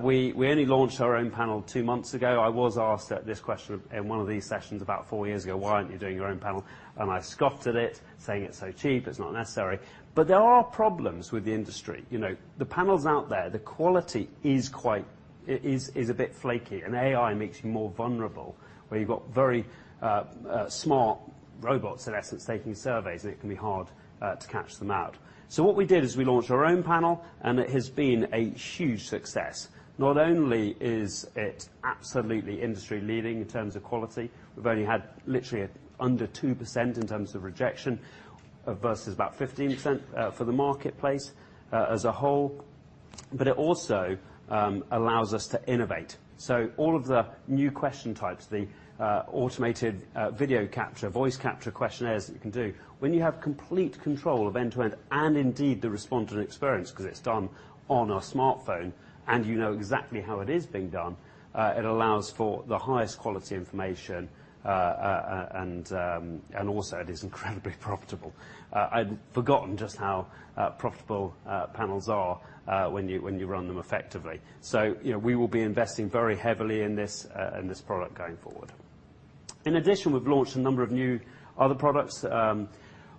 We, we only launched our own panel two months ago. I was asked this question in one of these sessions about four years ago: "Why aren't you doing your own panel?" And I scoffed at it, saying, "It's so cheap, it's not necessary." But there are problems with the industry. You know, the panels out there, the quality is quite... is, is a bit flaky, and AI makes you more vulnerable, where you've got very, smart robots, in essence, taking surveys, and it can be hard, to catch them out. So what we did is we launched our own panel, and it has been a huge success. Not only is it absolutely industry-leading in terms of quality, we've only had literally under 2% in terms of rejection, versus about 15%, for the marketplace, as a whole, but it also allows us to Innovate. So all of the new question types, the automated video capture, voice capture, questionnaires that you can do, when you have complete control of end-to-end, and indeed the respondent experience, because it's done on a smartphone, and you know exactly how it is being done, it allows for the highest quality information. And also it is incredibly profitable. I'd forgotten just how profitable panels are, when you run them effectively. So, you know, we will be investing very heavily in this, in this product going forward. In addition, we've launched a number of new other products.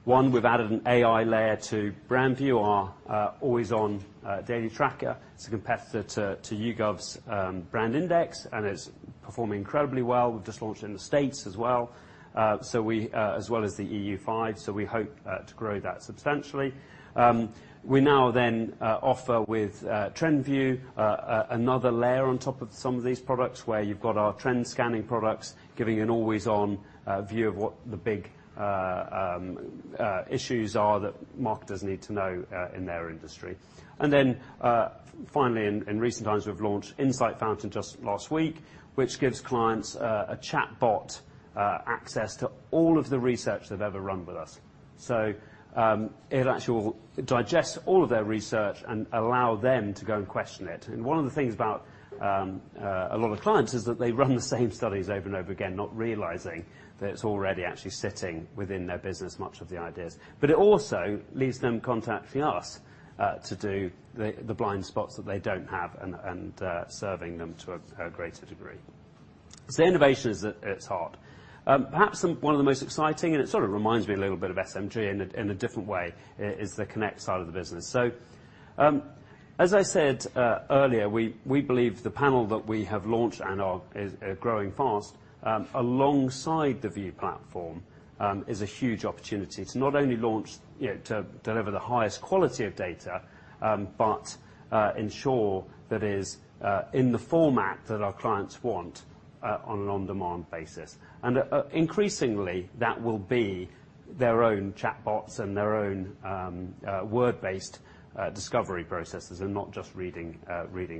One, we've added an AI layer to BrandVue, our always-on daily tracker. It's a competitor to YouGov's BrandIndex, and it's performing incredibly well. We've just launched in the States as well as the EU5, so we hope to grow that substantially. We now then offer with TrendVue another layer on top of some of these products, where you've got our trend scanning products, giving you an always-on view of what the big issues are that marketers need to know in their industry. And then, finally, in recent times, we've launched Insight Fountain just last week, which gives clients a chatbot access to all of the research they've ever run with us. So, it'll actually digest all of their research and allow them to go and question it. And one of the things about a lot of clients is that they run the same studies over and over again, not realizing that it's already actually sitting within their business, much of the ideas. But it also leaves them contacting us to do the blind spots that they don't have and serving them to a greater degree. So innovation is at heart. Perhaps one of the most exciting, and it sort of reminds me a little bit of SMG in a, in a different way, is the connect side of the business. So, as I said, earlier, we believe the panel that we have launched and are is growing fast, alongside the Vue platform, is a huge opportunity to not only launch, you know, to deliver the highest quality of data, but ensure that it is in the format that our clients want, on an on-demand basis. And increasingly, that will be their own chatbots and their own word-based discovery processes and not just reading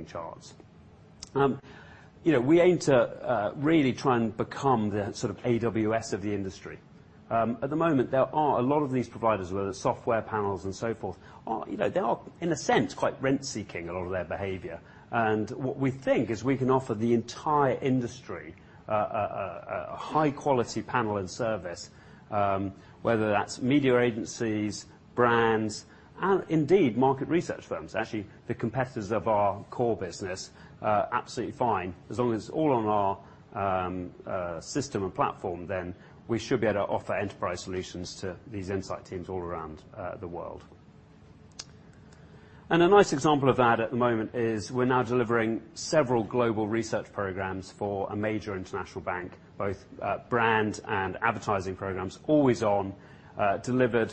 charts. You know, we aim to really try and become the sort of AWS of the industry. At the moment, there are a lot of these providers, whether software panels and so forth, you know, they are in a sense, quite rent-seeking a lot of their behavior. And what we think is we can offer the entire industry a high-quality panel and service, whether that's media agencies, brands, and indeed, market research firms. Actually, the competitors of our core business are absolutely fine. As long as it's all on our system and platform, then we should be able to offer enterprise solutions to these insight teams all around the world. And a nice example of that at the moment is we're now delivering several global research programs for a major international bank, both brand and advertising programs, always on, delivered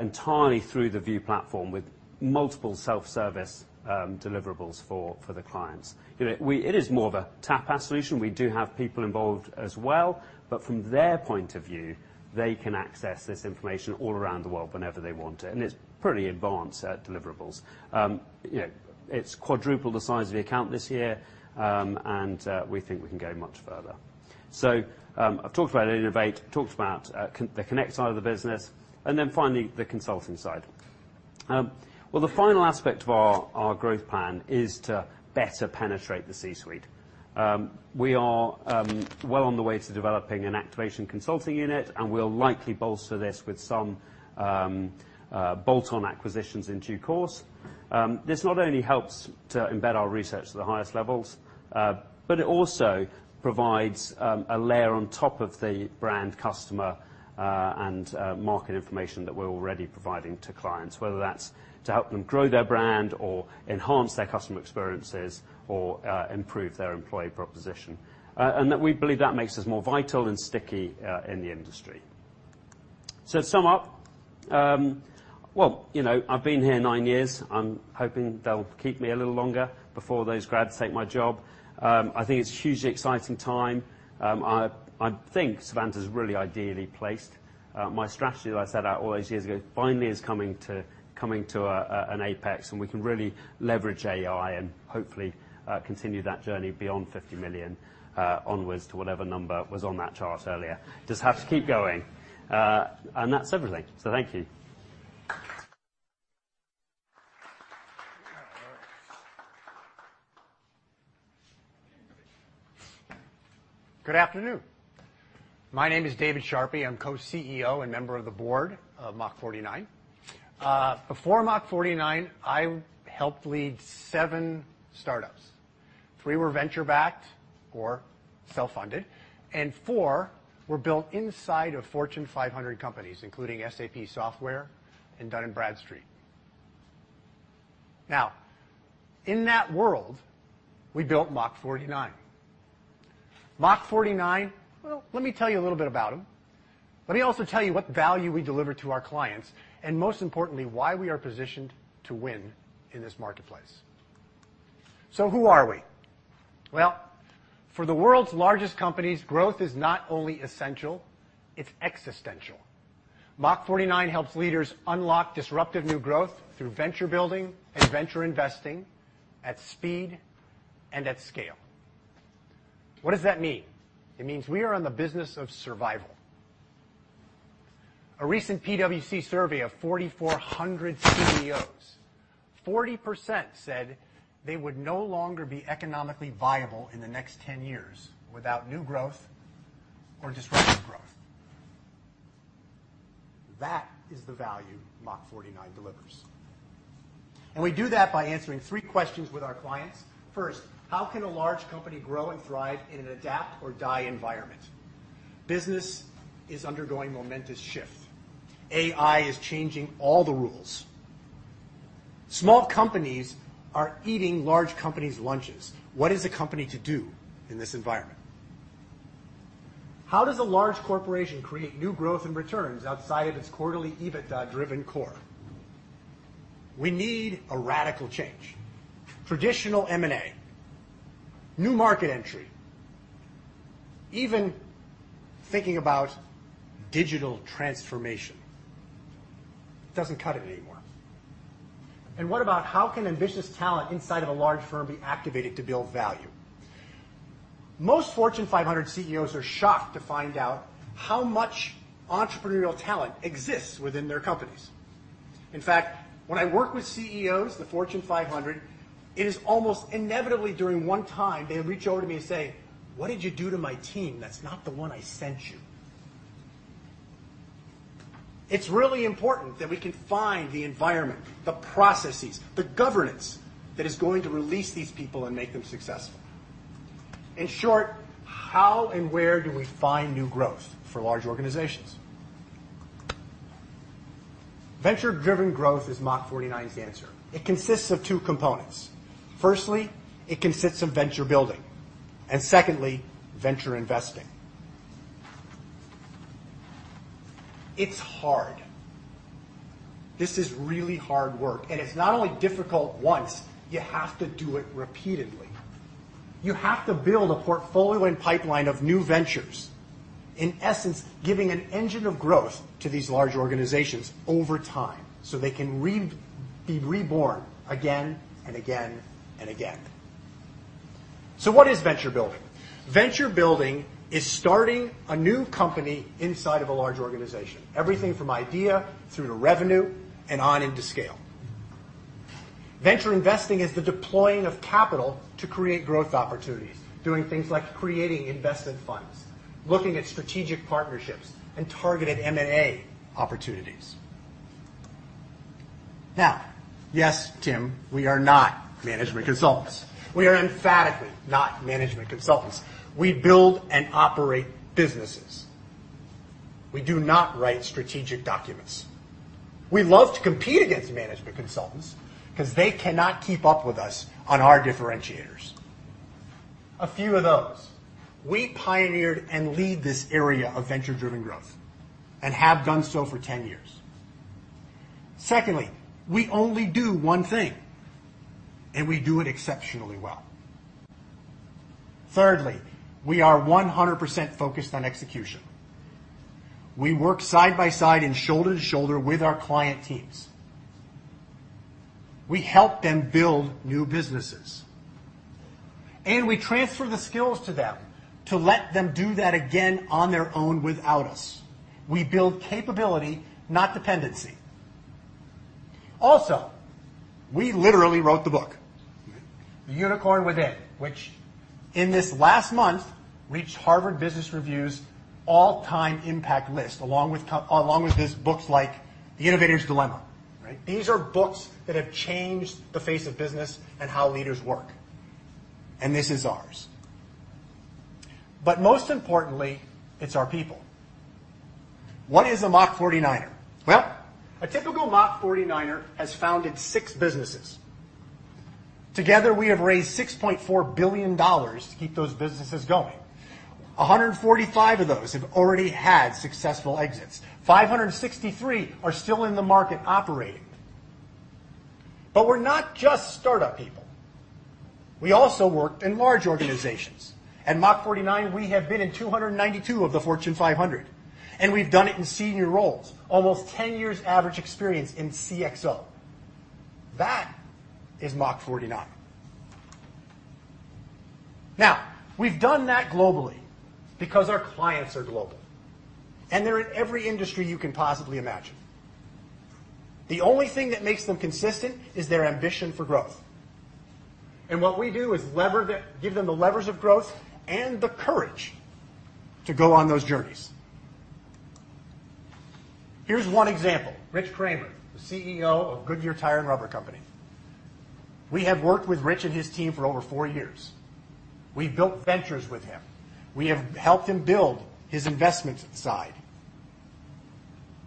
entirely through the Vue platform, with multiple self-service deliverables for the clients. You know, it is more of a Tableu solution. We do have people involved as well, but from their point of view, they can access this information all around the world whenever they want it, and it's pretty advanced deliverables. You know, it's quadruple the size of the account this year, and we think we can go much further. So, I've talked about Innovate, talked about the connect side of the business, and then finally, the consulting side. Well, the final aspect of our growth plan is to better penetrate the C-suite. We are well on the way to developing an activation consulting unit, and we'll likely bolster this with some bolt-on acquisitions in due course. This not only helps to embed our research to the highest levels, but it also provides a layer on top of the brand customer and market information that we're already providing to clients, whether that's to help them grow their brand or enhance their customer experiences or improve their employee proposition. And that we believe that makes us more vital and sticky in the industry. So to sum up, well, you know, I've been here nine years. I'm hoping they'll keep me a little longer before those grads take my job. I think it's a hugely exciting time. I think Savanta is really ideally placed. My strategy that I set out all those years ago finally is coming to an apex, and we can really leverage AI and hopefully continue that journey beyond 50 million onwards to whatever number was on that chart earlier. Just have to keep going. And that's everything. So thank you. Good afternoon. My name is David Schraa. I'm co-CEO and member of the board of Mach49. Before Mach49, I helped lead seven startups. Three were venture-backed or self-funded, and four were built inside of Fortune 500 companies, including SAP software and Dun & Bradstreet. Now, in that world, we built Mach49. Mach49, well, let me tell you a little bit about them. Let me also tell you what value we deliver to our clients, and most importantly, why we are positioned to win in this marketplace. So who are we? Well, for the world's largest companies, growth is not only essential, it's existential. Mach49 helps leaders unlock disruptive new growth through venture building and venture investing at speed and at scale. What does that mean? It means we are in the business of survival. A recent PwC survey of 4,400 CEOs, 40% said they would no longer be economically viable in the next 10 years without new growth or disruptive growth. That is the value Mach49 delivers.... We do that by answering three questions with our clients. First, how can a large company grow and thrive in an adapt or die environment? Business is undergoing momentous shift. AI is changing all the rules. Small companies are eating large companies' lunches. What is a company to do in this environment? How does a large corporation create new growth and returns outside of its quarterly EBITDA-driven core? We need a radical change. Traditional M&A, new market entry, even thinking about digital transformation doesn't cut it anymore. What about how can ambitious talent inside of a large firm be activated to build value? Most Fortune 500 CEOs are shocked to find out how much entrepreneurial talent exists within their companies. In fact, when I work with CEOs, the Fortune 500, it is almost inevitably during one time they reach over to me and say, "What did you do to my team? That's not the one I sent you." It's really important that we can find the environment, the processes, the governance that is going to release these people and make them successful. In short, how and where do we find new growth for large organizations? Venture-driven growth is Mach49's answer. It consists of two components. Firstly, it consists of venture building, and secondly, venture investing. It's hard. This is really hard work, and it's not only difficult once, you have to do it repeatedly. You have to build a portfolio and pipeline of new ventures. In essence, giving an engine of growth to these large organizations over time, so they can be reborn again and again and again. So what is venture building? Venture building is starting a new company inside of a large organization. Everything from idea through to revenue and on into scale. Venture investing is the deploying of capital to create growth opportunities, doing things like creating investment funds, looking at strategic partnerships and targeted M&A opportunities. Now, yes, Tim, we are not management consultants. We are emphatically not management consultants. We build and operate businesses. We do not write strategic documents. We love to compete against management consultants because they cannot keep up with us on our differentiators. A few of those: We pioneered and lead this area of venture-driven growth and have done so for 10 years. Secondly, we only do one thing, and we do it exceptionally well. Thirdly, we are 100% focused on execution. We work side by side and shoulder to shoulder with our client teams. We help them build new businesses, and we transfer the skills to them to let them do that again on their own without us. We build capability, not dependency. Also, we literally wrote the book, The Unicorn Within, which in this last month reached Harvard Business Review's all-time impact list, along with these books like The Innovator's Dilemma, right? These are books that have changed the face of business and how leaders work, and this is ours. But most importantly, it's our people. What is a Mach49er? Well, a typical Mach49er has founded six businesses. Together, we have raised $6.4 billion to keep those businesses going. 145 of those have already had successful exits. 563 are still in the market operating. But we're not just startup people. We also work in large organizations. At Mach49, we have been in 292 of the Fortune 500, and we've done it in senior roles, almost 10 years average experience in CXO. That is Mach49. Now, we've done that globally because our clients are global, and they're in every industry you can possibly imagine. The only thing that makes them consistent is their ambition for growth, and what we do is give them the levers of growth and the courage to go on those journeys. Here's one example: Rich Kramer, the CEO of Goodyear Tire and Rubber Company. We have worked with Rich and his team for over four years. We've built ventures with him. We have helped him build his investment side.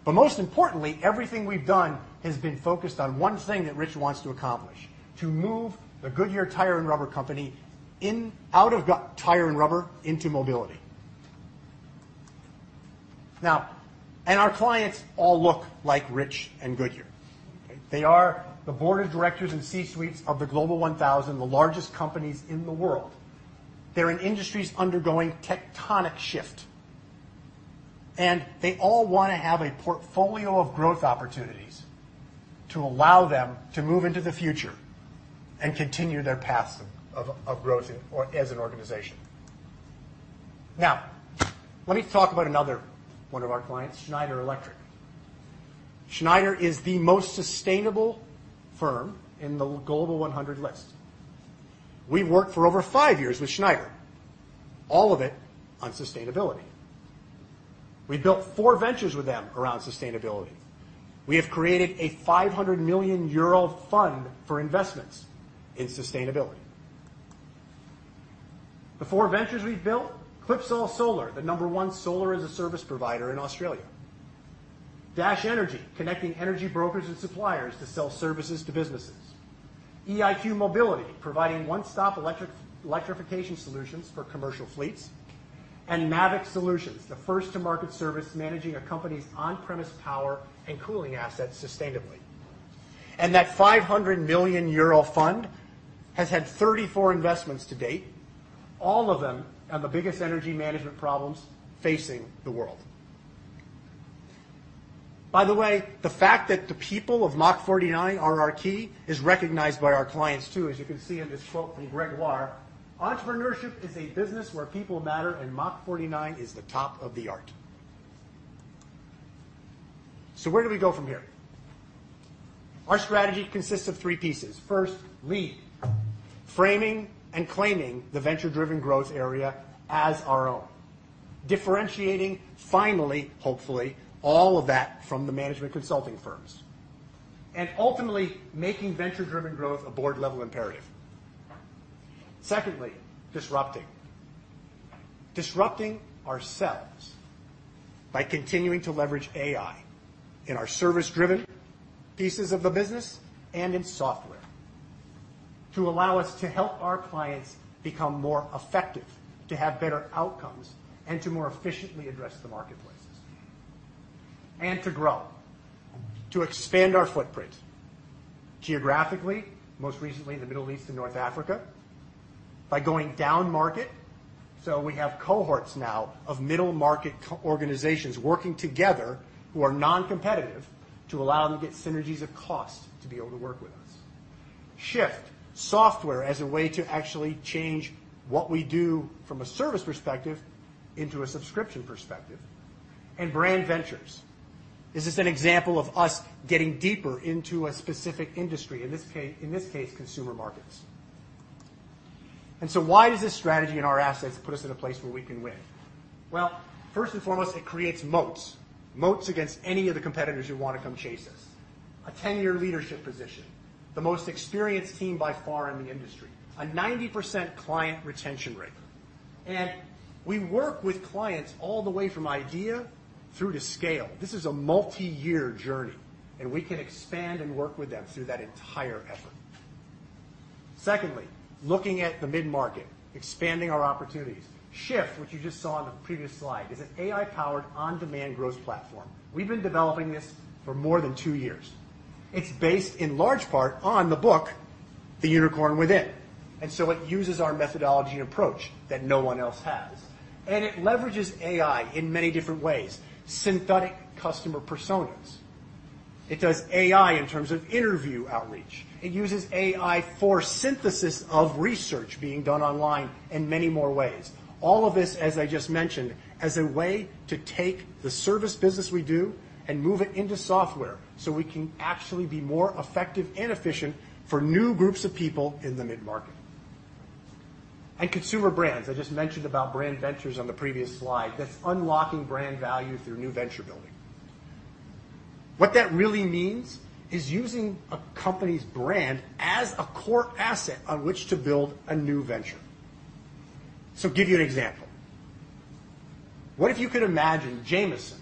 But most importantly, everything we've done has been focused on one thing that Rich wants to accomplish: to move the Goodyear Tire and Rubber Company out of tire and rubber into mobility. Now, our clients all look like Rich and Goodyear. They are the board of directors and C-suites of the Global 1,000, the largest companies in the world. They're in industries undergoing tectonic shift, and they all want to have a portfolio of growth opportunities to allow them to move into the future and continue their paths of growth as an organization. Now, let me talk about another one of our clients, Schneider Electric. Schneider is the most sustainable firm in the Global 100 list. We've worked for over five years with Schneider, all of it on sustainability. We've built four ventures with them around sustainability. We have created a 500 million euro fund for investments in sustainability. The four ventures we've built: Clipsal Solar, the number one solar-as-a-service provider in Australia; Dash Energy, connecting energy brokers and suppliers to sell services to businesses; eIQ Mobility, providing one-stop electrification solutions for commercial fleets; and Mavric Solutions, the first-to-market service managing a company's on-premise power and cooling assets sustainably. That 500 million euro fund has had 34 investments to date. All of them have the biggest energy management problems facing the world. By the way, the fact that the people of Mach49 are our key is recognized by our clients, too, as you can see in this quote from Gregoire. "Entrepreneurship is a business where people matter, and Mach49 is the top of the art." So where do we go from here? Our strategy consists of three pieces. First, lead. Framing and claiming the venture-driven growth area as our own. Differentiating, finally, hopefully, all of that from the management consulting firms, and ultimately, making venture-driven growth a board-level imperative. Secondly, disrupting. Disrupting ourselves by continuing to leverage AI in our service-driven pieces of the business and in software to allow us to help our clients become more effective, to have better outcomes, and to more efficiently address the marketplaces. And to grow, to expand our footprint geographically, most recently in the Middle East and North Africa, by going down market. So we have cohorts now of middle-market companies, organizations working together, who are non-competitive, to allow them to get synergies of cost to be able to work with us. Shift: software as a way to actually change what we do from a service perspective into a subscription perspective. And brand ventures. This is an example of us getting deeper into a specific industry, in this case, consumer markets. And so why does this strategy and our assets put us in a place where we can win? Well, first and foremost, it creates moats, moats against any of the competitors who want to come chase us. A 10-year leadership position, the most experienced team by far in the industry, a 90% client retention rate. And we work with clients all the way from idea through to scale. This is a multi-year journey, and we can expand and work with them through that entire effort. Secondly, looking at the mid-market, expanding our opportunities. Shift, which you just saw on the previous slide, is an AI-powered, on-demand growth platform. We've been developing this for more than two years. It's based in large part on the book, The Unicorn Within, and so it uses our methodology and approach that no one else has. It leverages AI in many different ways, synthetic customer personas. It does AI in terms of interview outreach. It uses AI for synthesis of research being done online in many more ways. All of this, as I just mentioned, as a way to take the service business we do and move it into software, so we can actually be more effective and efficient for new groups of people in the mid-market. And consumer brands. I just mentioned about brand ventures on the previous slide. That's unlocking brand value through new venture building. What that really means is using a company's brand as a core asset on which to build a new venture. So give you an example. What if you could imagine Jameson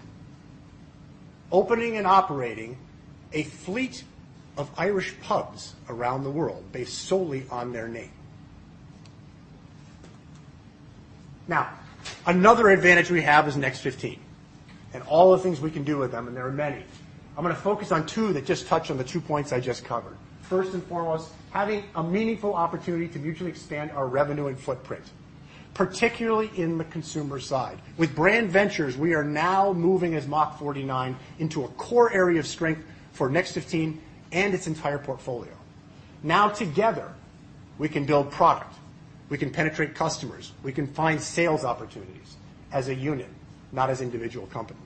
opening and operating a fleet of Irish pubs around the world based solely on their name? Now, another advantage we have is Next 15 and all the things we can do with them, and there are many. I'm going to focus on two that just touch on the two points I just covered. First and foremost, having a meaningful opportunity to mutually expand our revenue and footprint, particularly in the consumer side. With brand ventures, we are now moving as Mach49 into a core area of strength for Next 15 and its entire portfolio. Now, together, we can build product, we can penetrate customers, we can find sales opportunities as a unit, not as individual companies.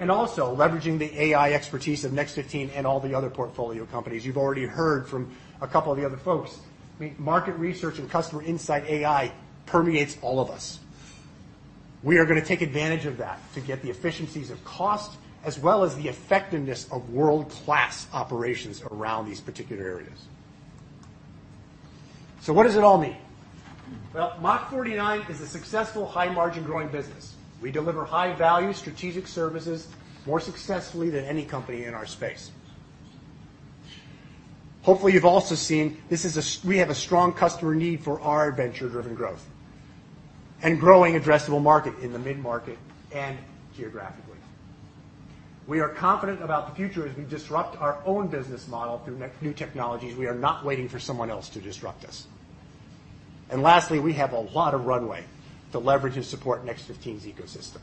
And also leveraging the AI expertise of Next 15 and all the other portfolio companies. You've already heard from a couple of the other folks. I mean, market research and customer insight AI permeates all of us. We are going to take advantage of that to get the efficiencies of cost, as well as the effectiveness of world-class operations around these particular areas. So what does it all mean? Well, Mach49 is a successful, high-margin growing business. We deliver high-value strategic services more successfully than any company in our space. Hopefully, you've also seen this. We have a strong customer need for our venture-driven growth and growing addressable market in the mid-market and geographically. We are confident about the future as we disrupt our own business model through new technologies. We are not waiting for someone else to disrupt us. And lastly, we have a lot of runway to leverage and support Next 15's ecosystem.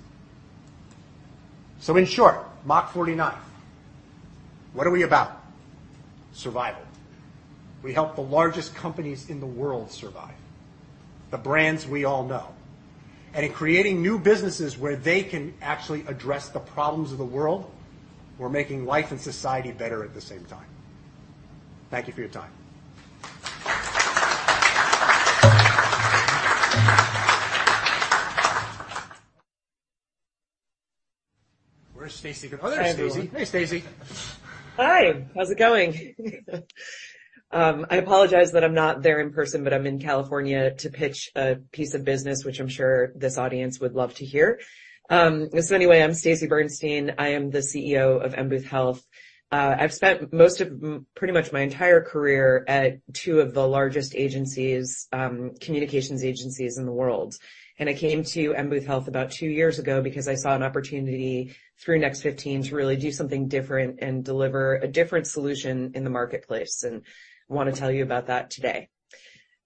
So in short, Mach49, what are we about? Survival. We help the largest companies in the world survive, the brands we all know. In creating new businesses where they can actually address the problems of the world, we're making life and society better at the same time. Thank you for your time.... Where's Stacey? Oh, there's Stacey. Hi, Stacey. Hi, how's it going? I apologize that I'm not there in person, but I'm in California to pitch a piece of business, which I'm sure this audience would love to hear. So anyway, I'm Stacey Bernstein. I am the CEO of M Booth Health. I've spent most of, pretty much my entire career at two of the largest agencies, communications agencies in the world. And I came to M Booth Health about two years ago because I saw an opportunity through Next 15 to really do something different and deliver a different solution in the marketplace, and I want to tell you about that today.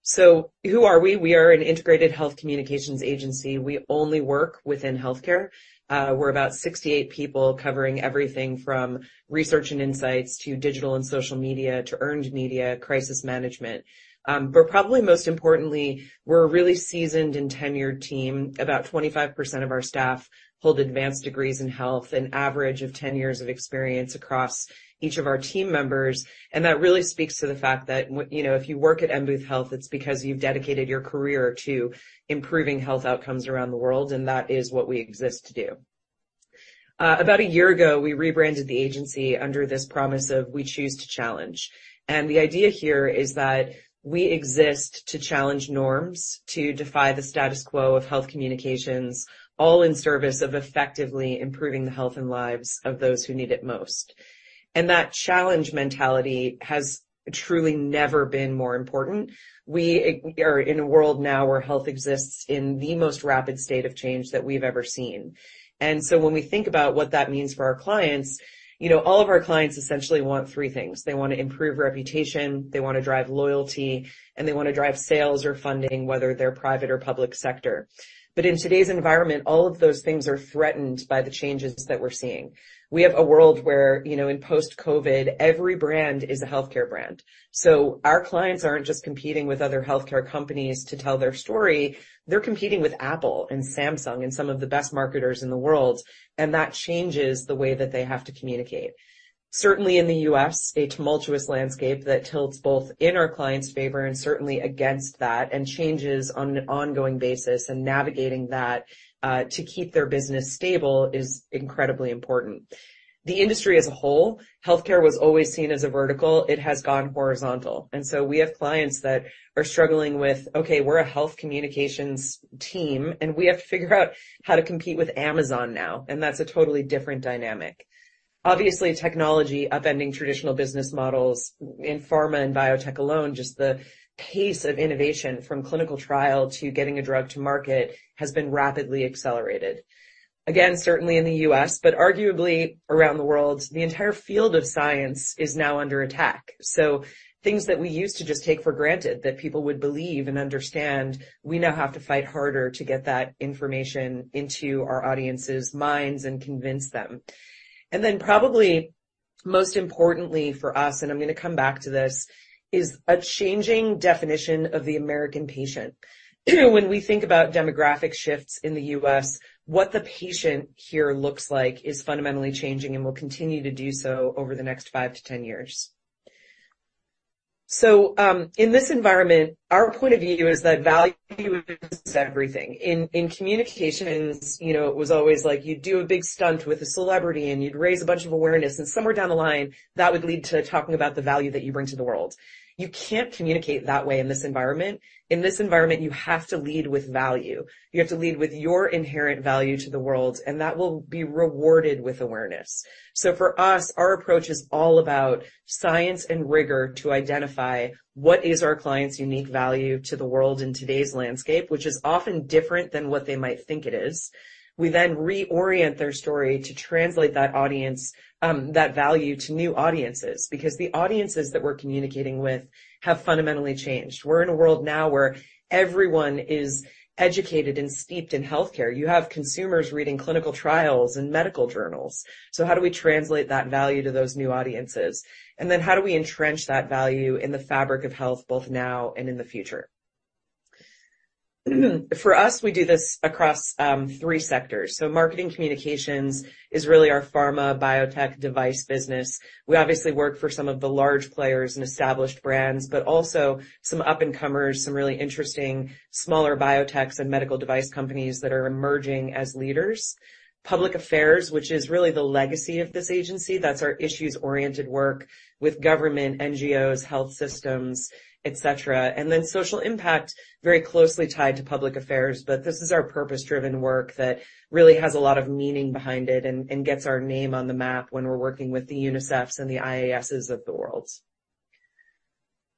So who are we? We are an integrated health communications agency. We only work within healthcare. We're about 68 people covering everything from research and Insights to digital and social media, to earned media, crisis management. But probably most importantly, we're a really seasoned and tenured team. About 25% of our staff hold advanced degrees in health, an average of 10 years of experience across each of our team members, and that really speaks to the fact that, you know, if you work at M Booth Health, it's because you've dedicated your career to improving health outcomes around the world, and that is what we exist to do. About a year ago, we rebranded the agency under this promise of We Choose to Challenge. The idea here is that we exist to challenge norms, to defy the status quo of health communications, all in service of effectively improving the health and lives of those who need it most. That challenge mentality has truly never been more important. We are in a world now where health exists in the most rapid state of change that we've ever seen. So when we think about what that means for our clients, you know, all of our clients essentially want three things: They want to improve reputation, they want to drive loyalty, and they want to drive sales or funding, whether they're private or public sector. But in today's environment, all of those things are threatened by the changes that we're seeing. We have a world where, you know, in post-COVID, every brand is a healthcare brand. So our clients aren't just competing with other healthcare companies to tell their story, they're competing with Apple and Samsung and some of the best marketers in the world, and that changes the way that they have to communicate. Certainly, in the U.S., a tumultuous landscape that tilts both in our client's favor and certainly against that, and changes on an ongoing basis, and navigating that, to keep their business stable is incredibly important. The industry as a whole, healthcare was always seen as a vertical. It has gone horizontal, and so we have clients that are struggling with, okay, we're a health communications team, and we have to figure out how to compete with Amazon now, and that's a totally different dynamic. Obviously, technology upending traditional business models in pharma and biotech alone, just the pace of innovation, from clinical trial to getting a drug to market, has been rapidly accelerated. Again, certainly in the U.S., but arguably around the world, the entire field of science is now under attack. So things that we used to just take for granted that people would believe and understand, we now have to fight harder to get that information into our audience's minds and convince them. And then, probably, most importantly for us, and I'm going to come back to this, is a changing definition of the American patient. When we think about demographic shifts in the U.S., what the patient here looks like is fundamentally changing and will continue to do so over the next five-10 years. So, in this environment, our point of view is that value is everything. In communications, you know, it was always like you'd do a big stunt with a celebrity, and you'd raise a bunch of awareness, and somewhere down the line, that would lead to talking about the value that you bring to the world. You can't communicate that way in this environment. In this environment, you have to lead with value. You have to lead with your inherent value to the world, and that will be rewarded with awareness. So for us, our approach is all about science and rigor to identify what is our client's unique value to the world in today's landscape, which is often different than what they might think it is. We then reorient their story to translate that audience, that value to new audiences, because the audiences that we're communicating with have fundamentally changed. We're in a world now where everyone is educated and steeped in healthcare. You have consumers reading clinical trials and medical journals. So how do we translate that value to those new audiences? And then how do we entrench that value in the fabric of health, both now and in the future? For us, we do this across three sectors. So marketing communications is really our pharma, biotech device business. We obviously work for some of the large players and established brands, but also some up-and-comers, some really interesting smaller biotechs and medical device companies that are emerging as leaders. Public affairs, which is really the legacy of this agency. That's our issues-oriented work with government, NGOs, health systems, etc. And then social impact, very closely tied to public affairs, but this is our purpose-driven work that really has a lot of meaning behind it and, and gets our name on the map when we're working with the UNICEFs and the INGOs of the world.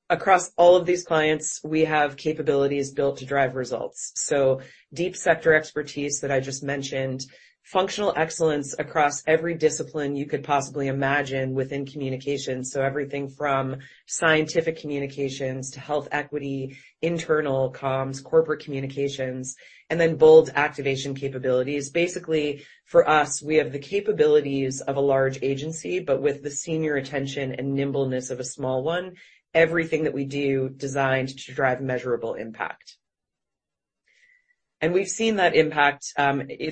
Across all of these clients, we have capabilities built to drive results. So deep sector expertise that I just mentioned, functional excellence across every discipline you could possibly imagine within communications. So everything from scientific communications to health equity, internal comms, corporate communications, and then bold activation capabilities. Basically, for us, we have the capabilities of a large agency, but with the senior attention and nimbleness of a small one, everything that we do designed to drive measurable impact. And we've seen that impact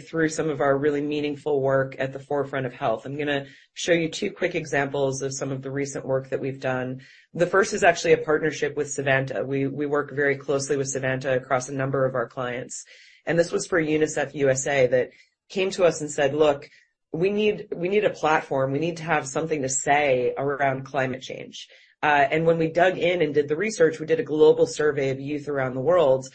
through some of our really meaningful work at the forefront of health. I'm gonna show you two quick examples of some of the recent work that we've done. The first is actually a partnership with Savanta. We, we work very closely with Savanta across a number of our clients, and this was for UNICEF USA, that came to us and said, "Look, we need, we need a platform. We need to have something to say around climate change." And when we dug in and did the research, we did a global survey of youth around the world,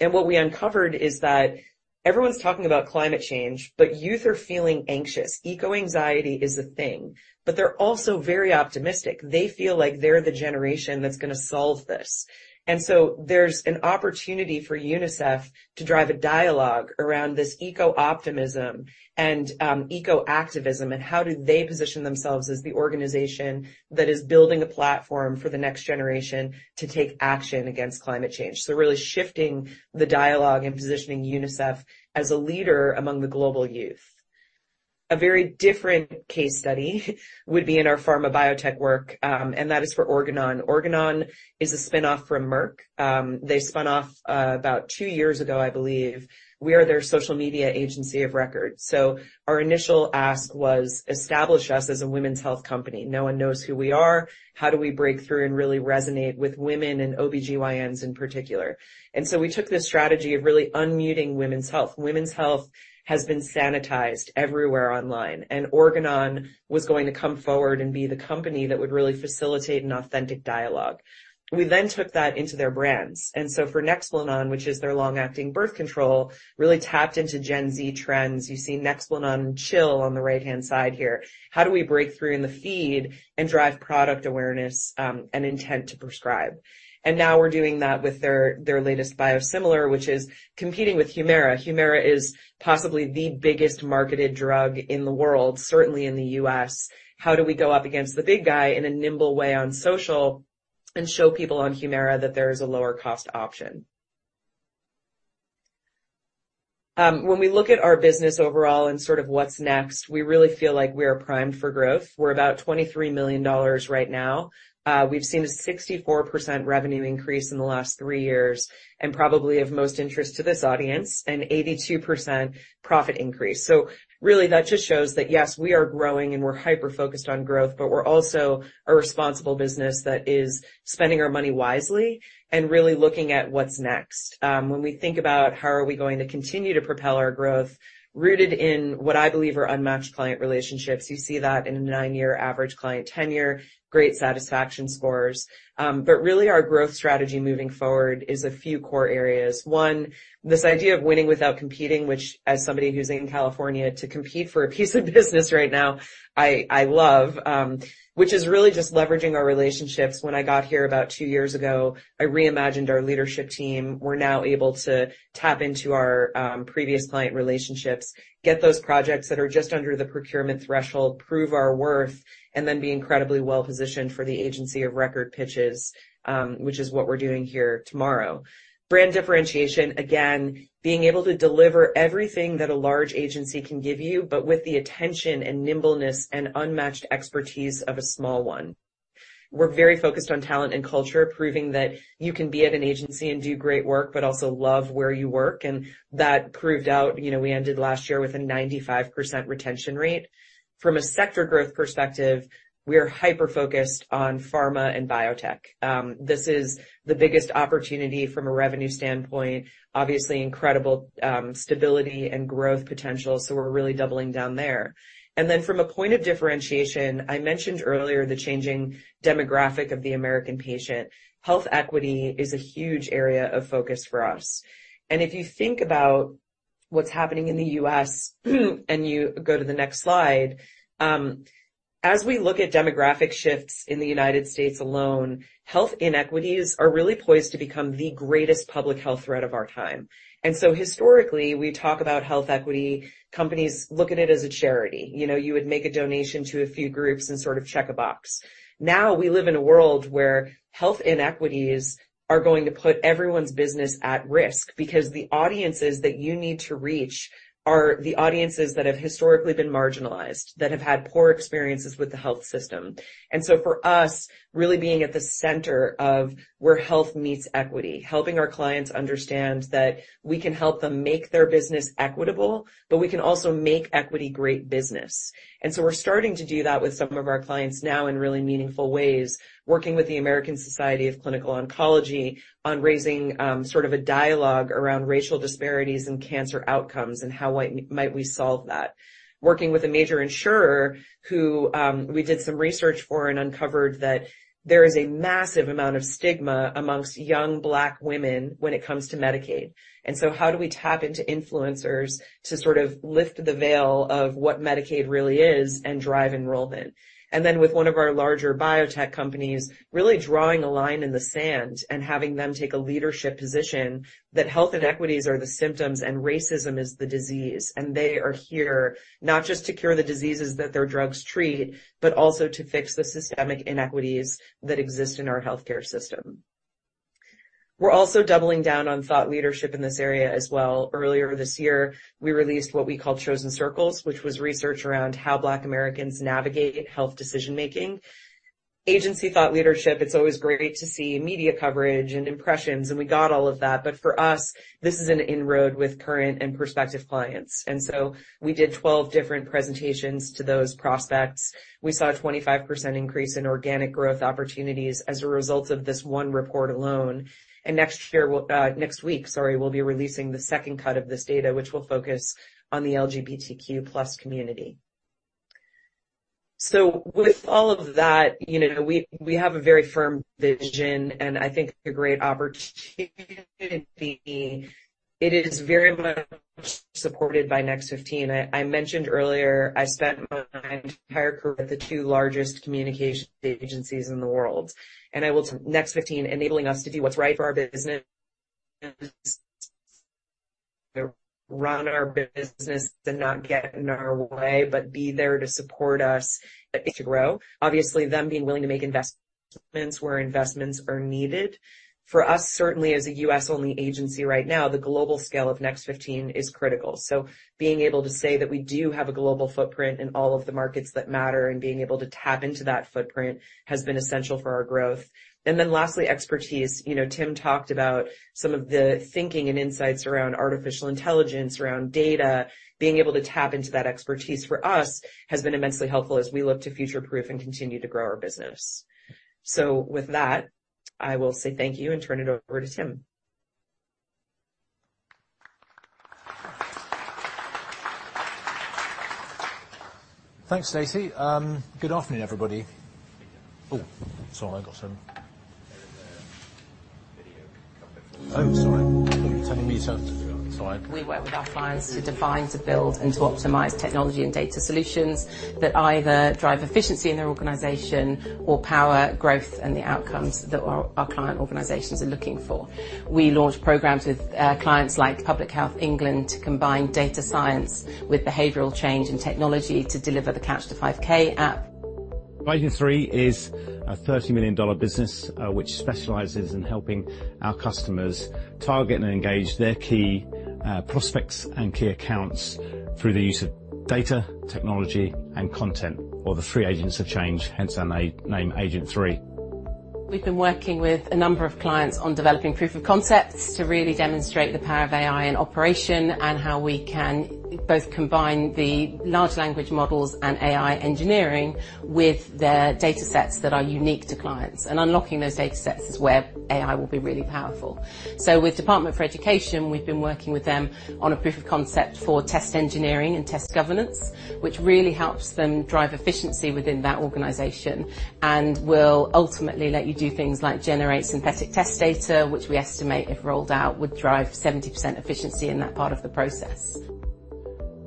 and what we uncovered is that everyone's talking about climate change, but youth are feeling anxious. Eco-anxiety is a thing, but they're also very optimistic. They feel like they're the generation that's gonna solve this. And so there's an opportunity for UNICEF to drive a dialogue around this eco-optimism and eco-activism, and how do they position themselves as the organization that is building a platform for the next generation to take action against climate change? So really shifting the dialogue and positioning UNICEF as a leader among the global youth. A very different case study would be in our pharma biotech work, and that is for Organon. Organon is a spin-off from Merck. They spun off about two years ago, I believe. We are their social media agency of record. So our initial ask was: Establish us as a women's health company. No one knows who we are. How do we break through and really resonate with women and OB-GYNs in particular? And so we took that into their brands, and so for Nexplanon, which is their long-acting birth control, really tapped into Gen Z trends. You see Nexplanon chill on the right-hand side here. How do we break through in the feed and drive product awareness, and intent to prescribe? Now we're doing that with their, their latest biosimilar, which is competing with Humira. Humira is possibly the biggest marketed drug in the world, certainly in the U.S. How do we go up against the big guy in a nimble way on social and show people on Humira that there is a lower cost option? When we look at our business overall and sort of what's next, we really feel like we are primed for growth. We're about $23 million right now. We've seen a 64% revenue increase in the last three years, and probably of most interest to this audience, an 82% profit increase. So really, that just shows that, yes, we are growing and we're hyper-focused on growth, but we're also a responsible business that is spending our money wisely and really looking at what's next. When we think about how are we going to continue to propel our growth, rooted in what I believe are unmatched client relationships, you see that in a nine-year average client tenure, great satisfaction scores. But really our growth strategy moving forward is a few core areas. One, this idea of winning without competing, which as somebody who's in California, to compete for a piece of business right now, I love, which is really just leveraging our relationships. When I got here about two years ago, I reimagined our leadership team. We're now able to tap into our previous client relationships, get those projects that are just under the procurement threshold, prove our worth, and then be incredibly well-positioned for the agency of record pitches, which is what we're doing here tomorrow. Brand differentiation, again, being able to deliver everything that a large agency can give you, but with the attention and nimbleness and unmatched expertise of a small one. We're very focused on talent and culture, proving that you can be at an agency and do great work, but also love where you work, and that proved out. You know, we ended last year with a 95% retention rate. From a sector growth perspective, we are hyper-focused on pharma and biotech. This is the biggest opportunity from a revenue standpoint. Obviously, incredible stability and growth potential, so we're really doubling down there. And then from a point of differentiation, I mentioned earlier the changing demographic of the American patient. Health Equity is a huge area of focus for us. If you think about what's happening in the U.S., and you go to the next slide, as we look at demographic shifts in the United States alone, health inequities are really poised to become the greatest public health threat of our time. So historically, we talk about health equity, companies look at it as a charity. You know, you would make a donation to a few groups and sort of check a box. Now, we live in a world where health inequities are going to put everyone's business at risk because the audiences that you need to reach are the audiences that have historically been marginalized, that have had poor experiences with the health system. And so for us, really being at the center of where health meets equity, helping our clients understand that we can help them make their business equitable, but we can also make equity great business. And so we're starting to do that with some of our clients now in really meaningful ways, working with the American Society of Clinical Oncology on raising sort of a dialogue around racial disparities in cancer outcomes, and how might we solve that? Working with a major insurer who we did some research for and uncovered that there is a massive amount of stigma among young Black women when it comes to Medicaid. And so how do we tap into influencers to sort of lift the veil of what Medicaid really is and drive enrollment? Then with one of our larger biotech companies, really drawing a line in the sand and having them take a leadership position, that health inequities are the symptoms, and racism is the disease. They are here not just to cure the diseases that their drugs treat, but also to fix the systemic inequities that exist in our healthcare system. We're also doubling down on thought leadership in this area as well. Earlier this year, we released what we called Chosen Circles, which was research around how Black Americans navigate health decision-making. Agency thought leadership, it's always great to see media coverage and impressions, and we got all of that. But for us, this is an inroad with current and prospective clients. So we did 12 different presentations to those prospects. We saw a 25% increase in organic growth opportunities as a result of this one report alone. And next year, well, next week, sorry, we'll be releasing the second cut of this data, which will focus on the LGBTQ plus community. So with all of that, you know, we, we have a very firm vision, and I think a great opportunity. It is very much supported by Next 15. I, I mentioned earlier, I spent my entire career with the two largest communication agencies in the world. Next 15, enabling us to do what's right for our business, run our business, and not get in our way, but be there to support us to grow. Obviously, them being willing to make investments where investments are needed. For us, certainly as a U.S.-only agency right now, the global scale of Next 15 is critical. So being able to say that we do have a global footprint in all of the markets that matter, and being able to tap into that footprint has been essential for our growth. And then lastly, expertise. You know, Tim talked about some of the thinking and Insights around artificial intelligence, around data. Being able to tap into that expertise for us has been immensely helpful as we look to future-proof and continue to grow our business. So with that, I will say thank you and turn it over to Tim. Thanks, Stacey. Good afternoon, everybody. Oh, sorry, I got some... There is a video coming. Oh, sorry. You're telling me so. Sorry. We work with our clients to define, to build, and to optimize technology and data solutions that either drive efficiency in their organization or power growth and the outcomes that our client organizations are looking for. We launch programs with clients like Public Health England to combine data science with behavioral change and technology to deliver the Couch to 5K app. Agent3 is a $30 million business, which specializes in helping our customers target and engage their key prospects and key accounts through the use of data, technology, and content, or the three agents of change, hence our name Agent3. We've been working with a number of clients on developing proof of concepts to really demonstrate the power of AI in operation, and how we can both combine the large language models and AI engineering with the data sets that are unique to clients. Unlocking those data sets is where AI will be really powerful. With Department for Education, we've been working with them on a proof of concept for test engineering and test governance, which really helps them drive efficiency within that organization and will ultimately let you do things like generate synthetic test data, which we estimate, if rolled out, would drive 70% efficiency in that part of the process.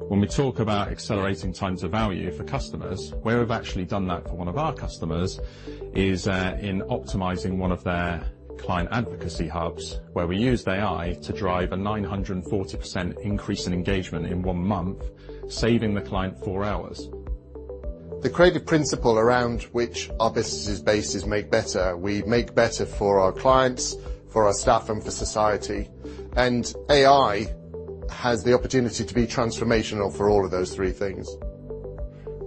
When we talk about accelerating times of value for customers, where we've actually done that for one of our customers is, in optimizing one of their client advocacy hubs, where we used AI to drive a 940% increase in engagement in one month, saving the client four hours. The creative principle around which our business is based is Make Better. We Make Better for our clients, for our staff, and for society, and AI has the opportunity to be transformational for all of those three things.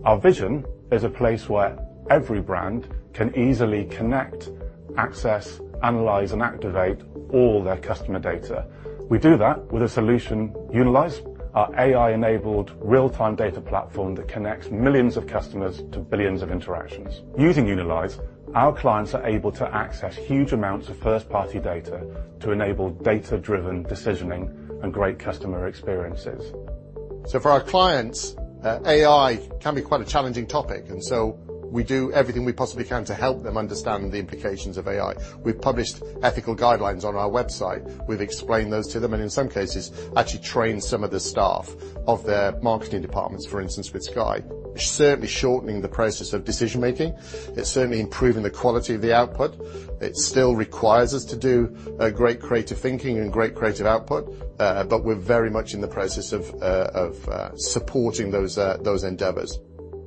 Our vision is a place where every brand can easily Connect, access, analyze, and activate all their customer data. We do that with a solution, Unilyze, our AI-enabled real-time data platform that connects millions of customers to billions of interactions. Using Unilyze, our clients are able to access huge amounts of first-party data to enable data-driven decisioning and great customer experiences. For our clients, AI can be quite a challenging topic, and so we do everything we possibly can to help them understand the implications of AI. We've published ethical guidelines on our website. We've explained those to them, and in some cases, actually trained some of the staff of their marketing departments, for instance, with Sky. Certainly shortening the process of decision making. It's certainly improving the quality of the output. It still requires us to do great creative thinking and great creative output, but we're very much in the process of supporting those endeavors.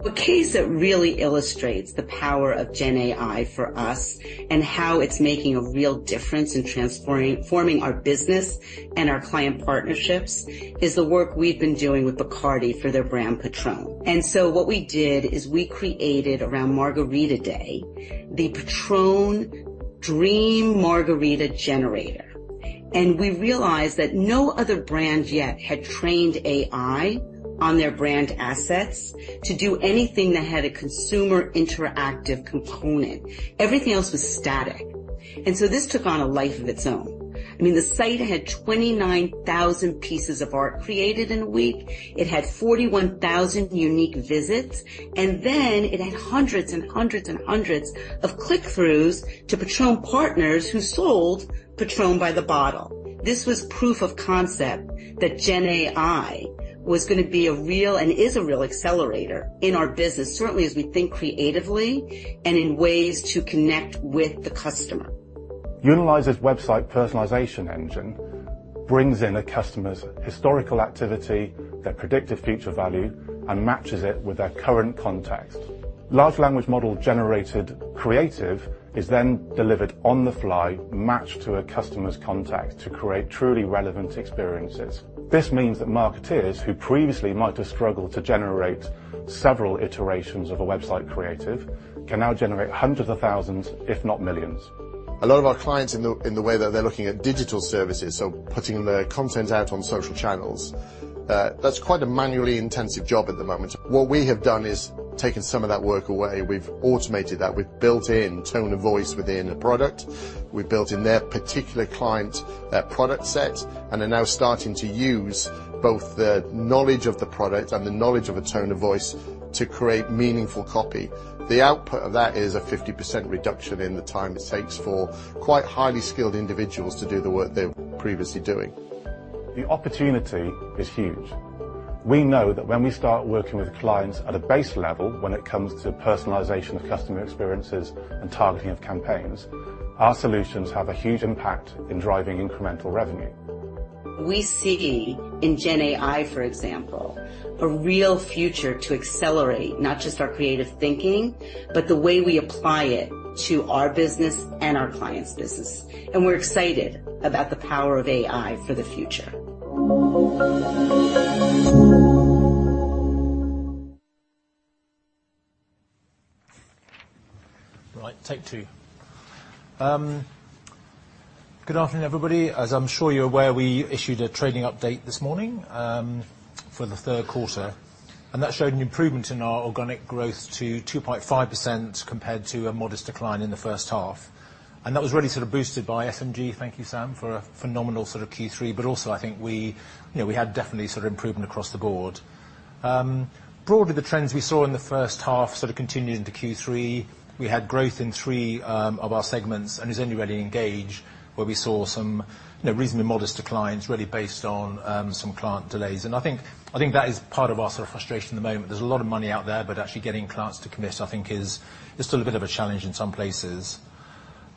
A case that really illustrates the power of Gen AI for us, and how it's making a real difference in transforming our business and our client partnerships, is the work we've been doing with Bacardi for their brand, Patrón. And so what we did is we created, around Margarita Day, the Patrón Dream Margarita Generator, and we realized that no other brand yet had trained AI on their brand assets to do anything that had a consumer interactive component. Everything else was static. And so this took on a life of its own. I mean, the site had 29,000 pieces of art created in a week. It had 41,000 unique visits, and then it had hundreds and hundreds and hundreds of click-throughs to Patrón partners who sold Patrón by the bottle. This was proof of concept that Gen AI was gonna be a real, and is a real accelerator in our business. Certainly, as we think creatively and in ways to Connect with the customer. Unilyze's website personalization engine brings in a customer's historical activity, their predictive future value, and matches it with their current context. Large language model-generated creative is then delivered on the fly, matched to a customer's context to create truly relevant experiences. This means that marketers who previously might have struggled to generate several iterations of a website creative, can now generate hundreds of thousands, if not millions. A lot of our clients, in the way that they're looking at digital services, so putting their content out on social channels, that's quite a manually intensive job at the moment. What we have done is taken some of that work away. We've automated that. We've built in tone of voice within a product. We've built in their particular client, their product set, and are now starting to use both the knowledge of the product and the knowledge of a tone of voice to create meaningful copy. The output of that is a 50% reduction in the time it takes for quite highly skilled individuals to do the work they were previously doing. The opportunity is huge. We know that when we start working with clients at a base level, when it comes to personalization of customer experiences and targeting of campaigns, our solutions have a huge impact in driving incremental revenue. We see in Gen AI, for example, a real future to accelerate not just our creative thinking, but the way we apply it to our business and our clients' business. We're excited about the power of AI for the future. Right, take two. Good afternoon, everybody. As I'm sure you're aware, we issued a trading update this morning, for the third quarter, and that showed an improvement in our organic growth to 2.5%, compared to a modest decline in the first half. And that was really sort of boosted by SMG. Thank you, Sam, for a phenomenal sort of Q3, but also, I think we, you know, we had definitely sort of improvement across the board. Broadly, the trends we saw in the first half sort of continued into Q3. We had growth in three of our segments, and it's only really Engage where we saw some, you know, reasonably modest declines, really based on some client delays. I think that is part of our sort of frustration at the moment. There's a lot of money out there, but actually getting clients to commit, I think, is still a bit of a challenge in some places.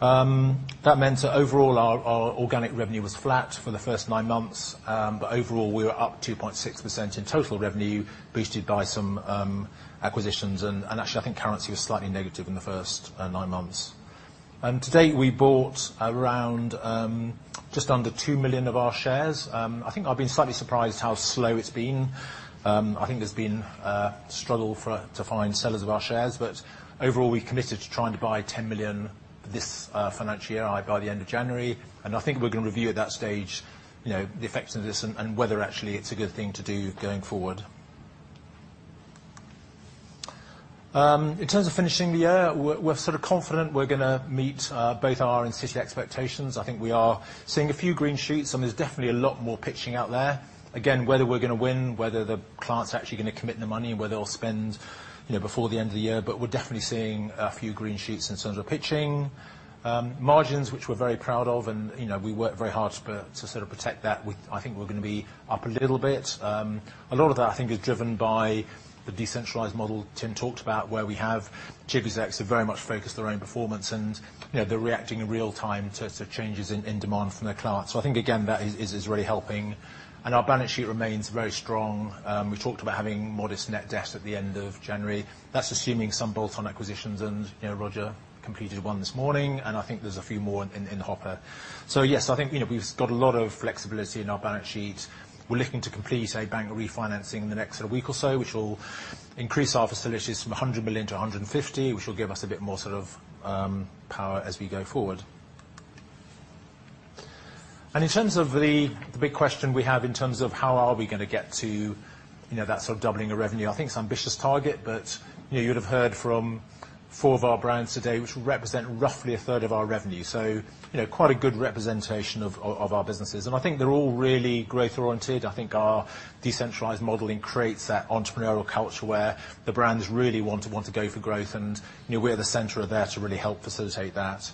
That meant that overall, our organic revenue was flat for the first nine months. But overall, we were up 2.6% in total revenue, boosted by some acquisitions. And actually, I think currency was slightly negative in the first nine months. And to date, we bought around just under two million of our shares. I think I've been slightly surprised how slow it's been. I think there's been a struggle to find sellers of our shares, but overall, we've committed to trying to buy 10 million this financial year, by the end of January. I think we're going to review at that stage, you know, the effects of this and whether actually it's a good thing to do going forward. In terms of finishing the year, we're sort of confident we're gonna meet both our institute expectations. I think we are seeing a few green shoots, and there's definitely a lot more pitching out there. Again, whether we're gonna win, whether the client's actually gonna commit the money, and whether they'll spend, you know, before the end of the year, but we're definitely seeing a few green shoots in terms of pitching. Margins, which we're very proud of, and, you know, we work very hard to sort of protect that. I think we're gonna be up a little bit. A lot of that, I think, is driven by the decentralized model Tim talked about, where we have chief execs who are very much focused on their own performance and, you know, they're reacting in real time to sort of changes in demand from their clients. So I think, again, that is really helping. And our balance sheet remains very strong. We talked about having modest net debt at the end of January. That's assuming some bolt-on acquisitions, and, you know, Roger completed one this morning, and I think there's a few more in the hopper. So yes, I think, you know, we've got a lot of flexibility in our balance sheet. We're looking to complete a bank refinancing in the next week or so, which will increase our facilities from 100 million to 150 million, which will give us a bit more sort of power as we go forward. And in terms of the big question we have in terms of how are we gonna get to, you know, that sort of doubling of revenue, I think it's an ambitious target, but, you know, you'd have heard from four of our brands today, which represent roughly a third of our revenue. So, you know, quite a good representation of our businesses. And I think they're all really growth-oriented. I think our decentralized modeling creates that entrepreneurial culture where the brands really want to, want to go for growth, and, you know, we're the center of there to really help facilitate that.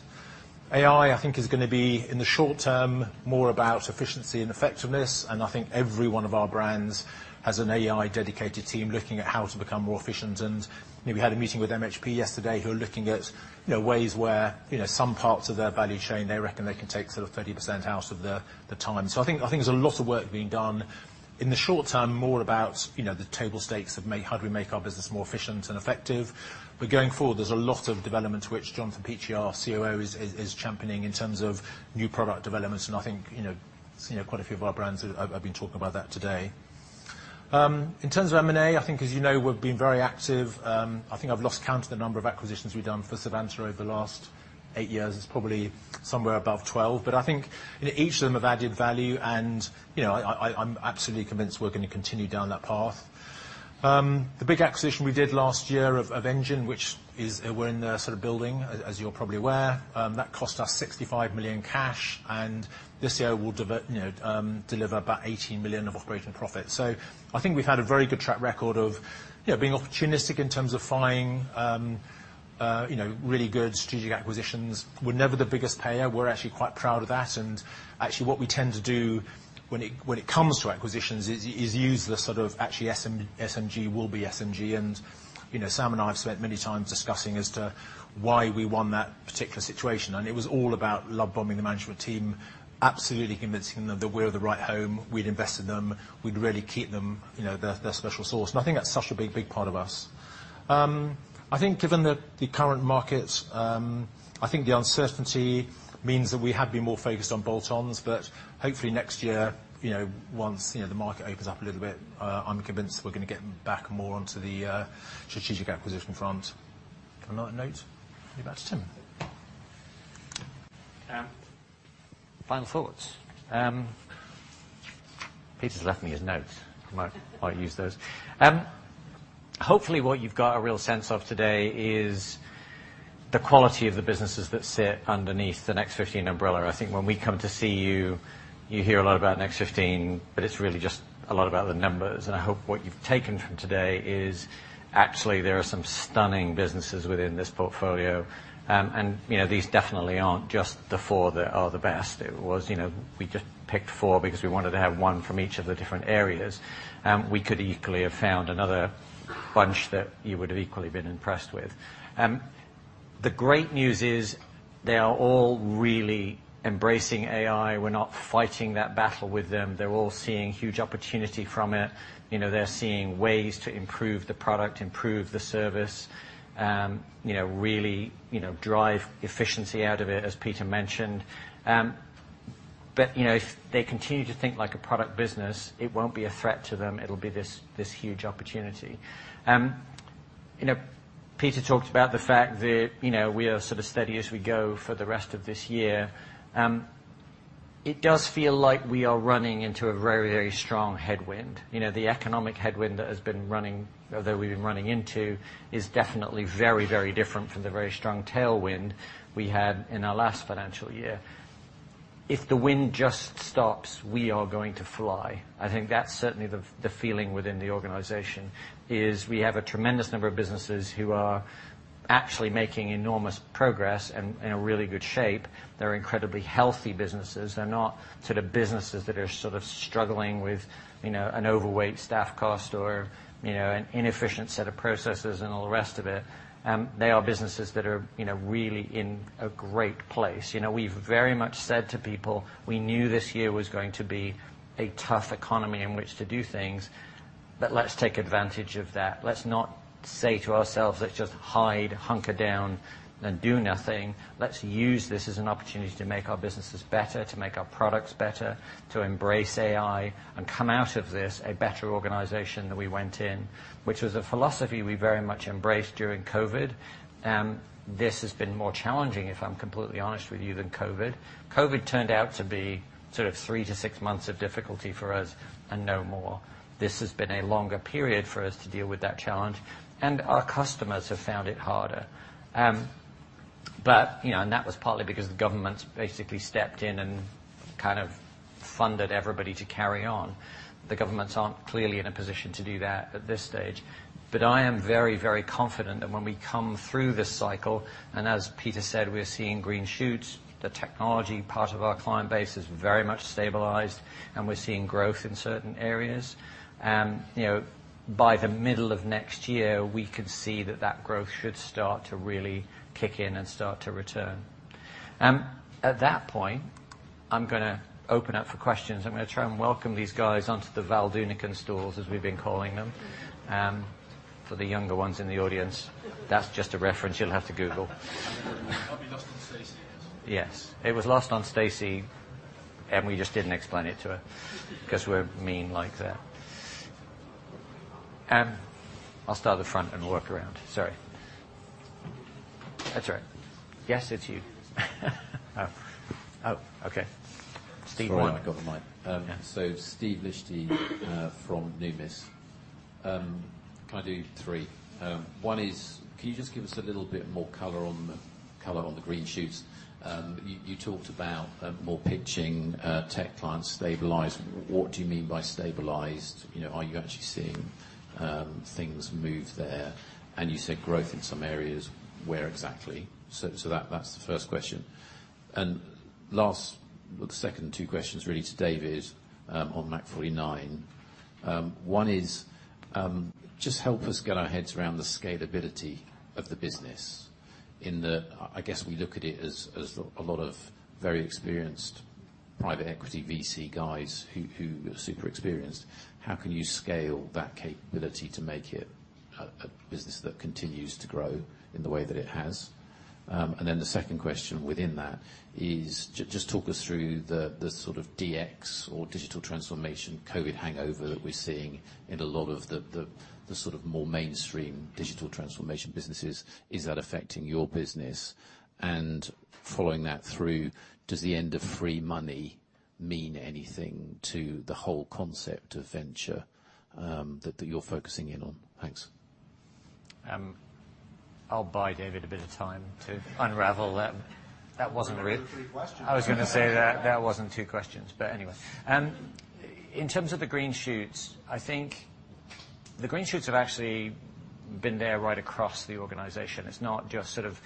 AI, I think, is gonna be, in the short term, more about efficiency and effectiveness, and I think every one of our brands has an AI-dedicated team looking at how to become more efficient. And, you know, we had a meeting with MHP yesterday, who are looking at, you know, ways where, you know, some parts of their value chain, they reckon they can take sort of 30% out of the time. So I think there's a lot of work being done. In the short term, more about, you know, the table stakes of how do we make our business more efficient and effective? But going forward, there's a lot of development, which John DiPietro, our COO, is championing in terms of new product developments, and I think, you know, quite a few of our brands have been talking about that today. In terms of M&A, I think, as you know, we've been very active. I think I've lost count to the number of acquisitions we've done for Savanta over the last eight years. It's probably somewhere above 12, but I think each of them have added value, and, you know, I'm absolutely convinced we're going to continue down that path. The big acquisition we did last year of Engine, which is we're in the sort of building, as you're probably aware, that cost us 65 million cash, and this year will deliver about 18 million of operating profit. So I think we've had a very good track record of, you know, being opportunistic in terms of finding, you know, really good strategic acquisitions. We're never the biggest payer. We're actually quite proud of that. Actually, what we tend to do when it comes to acquisitions is use the sort of actually SMG will be SMG. And, you know, Sam and I have spent many times discussing as to why we won that particular situation, and it was all about love-bombing the management team, absolutely convincing them that we're the right home, we'd invest in them, we'd really keep them, you know, their special source. And I think that's such a big, big part of us. I think given the current market, I think the uncertainty means that we have been more focused on bolt-ons, but hopefully next year, you know, once the market opens up a little bit, I'm convinced we're gonna get back more onto the strategic acquisition front. Come on, note. Give it back to Tim. Final thoughts. Peter's left me his notes. I might use those. Hopefully, what you've got a real sense of today is the quality of the businesses that sit underneath the Next 15 umbrella. I think when we come to see you, you hear a lot about Next 15, but it's really just a lot about the numbers. And I hope what you've taken from today is actually there are some stunning businesses within this portfolio. And, you know, these definitely aren't just the four that are the best. It was, you know, we just picked four because we wanted to have one from each of the different areas, and we could equally have found another bunch that you would have equally been impressed with. The great news is they are all really embracing AI. We're not fighting that battle with them. They're all seeing huge opportunity from it. You know, they're seeing ways to improve the product, improve the service, you know, really, you know, drive efficiency out of it, as Peter mentioned. But, you know, if they continue to think like a product business, it won't be a threat to them. It'll be this, this huge opportunity. You know, Peter talked about the fact that, you know, we are sort of steady as we go for the rest of this year. It does feel like we are running into a very, very strong headwind. You know, the economic headwind that has been running, or that we've been running into, is definitely very, very different from the very strong tailwind we had in our last financial year. If the wind just stops, we are going to fly. I think that's certainly the feeling within the organization, is we have a tremendous number of businesses who are actually making enormous progress and in a really good shape. They're incredibly healthy businesses. They're not sort of businesses that are sort of struggling with, you know, an overweight staff cost or, you know, an inefficient set of processes and all the rest of it. They are businesses that are, you know, really in a great place. You know, we've very much said to people, we knew this year was going to be a tough economy in which to do things, but let's take advantage of that. Let's not say to ourselves, let's just hide, hunker down, and do nothing. Let's use this as an opportunity to make our businesses better, to make our products better, to embrace AI, and come out of this a better organization than we went in, which was a philosophy we very much embraced during COVID. This has been more challenging, if I'm completely honest with you, than COVID. COVID turned out to be sort of three-six months of difficulty for us and no more. This has been a longer period for us to deal with that challenge, and our customers have found it harder. But, you know, and that was partly because the governments basically stepped in and kind of funded everybody to carry on. The governments aren't clearly in a position to do that at this stage. But I am very, very confident that when we come through this cycle, and as Peter said, we're seeing green shoots, the technology part of our client base is very much stabilized, and we're seeing growth in certain areas. You know, by the middle of next year, we could see that that growth should start to really kick in and start to return. At that point, I'm gonna open up for questions. I'm gonna try and welcome these guys onto the Val Doonican stools, as we've been calling them. For the younger ones in the audience, that's just a reference you'll have to Google. Probably lost on Stacey. Yes, it was lost on Stacey, and we just didn't explain it to her 'cause we're mean like that. I'll start at the front and work around. Sorry. That's right. Yes, it's you. Oh, oh, okay. Steve- Sorry, I've got the mic. Yeah. So Steve Liechti from Numis. Can I do 3? One is, can you just give us a little bit more color on the color on the green shoots? You talked about more pitching, tech clients stabilized. What do you mean by stabilized? You know, are you actually seeing things move there? And you said growth in some areas. Where exactly? So that that's the first question. And last, well, the second two questions really to David on Mach49. One is just help us get our heads around the scalability of the business in that I guess we look at it as a lot of very experienced private equity VC guys who are super experienced. How can you scale that capability to make it a business that continues to grow in the way that it has? And then the second question within that is just talk us through the sort of DX or digital transformation COVID hangover that we're seeing in a lot of the sort of more mainstream digital transformation businesses. Is that affecting your business? And following that through, does the end of free money mean anything to the whole concept of venture that you're focusing in on? Thanks. I'll buy David a bit of time to unravel that. That wasn't really- Three questions. I was gonna say that that wasn't two questions, but anyway. In terms of the green shoots, I think the green shoots have actually been there right across the organization. It's not just sort of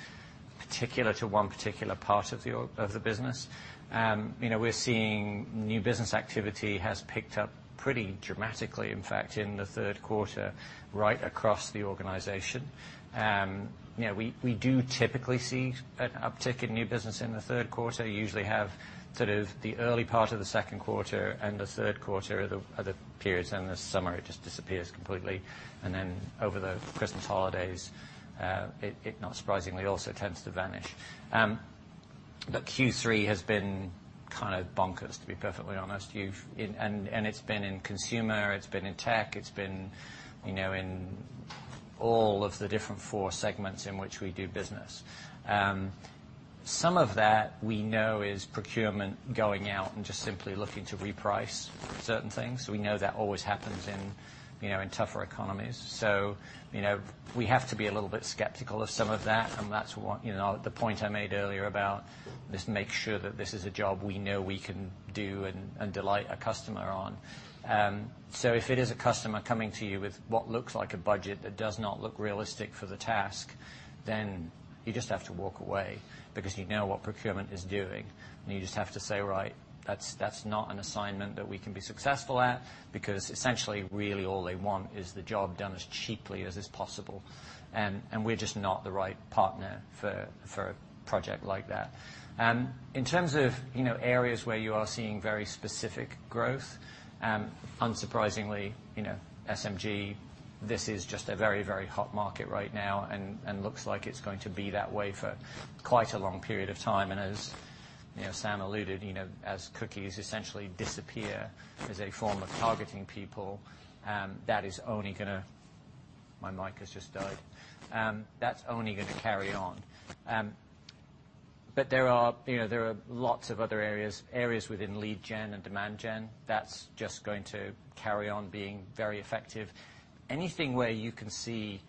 particular to one particular part of the org, of the business. You know, we're seeing new business activity has picked up pretty dramatically, in fact, in the third quarter, right across the organization. You know, we do typically see an uptick in new business in the third quarter. You usually have sort of the early part of the second quarter and the third quarter are the periods, and the summer, it just disappears completely. And then over the Christmas holidays, it, not surprisingly, also tends to vanish. Look, Q3 has been kind of bonkers, to be perfectly honest. And it's been in consumer, it's been in tech, it's been, you know, in all of the different four segments in which we do business. Some of that we know is procurement going out and just simply looking to reprice certain things. We know that always happens in, you know, in tougher economies. So, you know, we have to be a little bit skeptical of some of that, and that's what, you know, the point I made earlier about just make sure that this is a job we know we can do and delight a customer on. So if it is a customer coming to you with what looks like a budget that does not look realistic for the task, then you just have to walk away because you know what procurement is doing, and you just have to say, right, that's not an assignment that we can be successful at, because essentially, really, all they want is the job done as cheaply as is possible. And we're just not the right partner for a project like that. In terms of, you know, areas where you are seeing very specific growth, unsurprisingly, you know, SMG, this is just a very, very hot market right now and looks like it's going to be that way for quite a long period of time. As you know, Sam alluded, you know, as cookies essentially disappear as a form of targeting people, that is only gonna carry on. But there are, you know, there are lots of other areas, areas within lead gen and demand gen, that's just going to carry on being very effective. Anything where you can see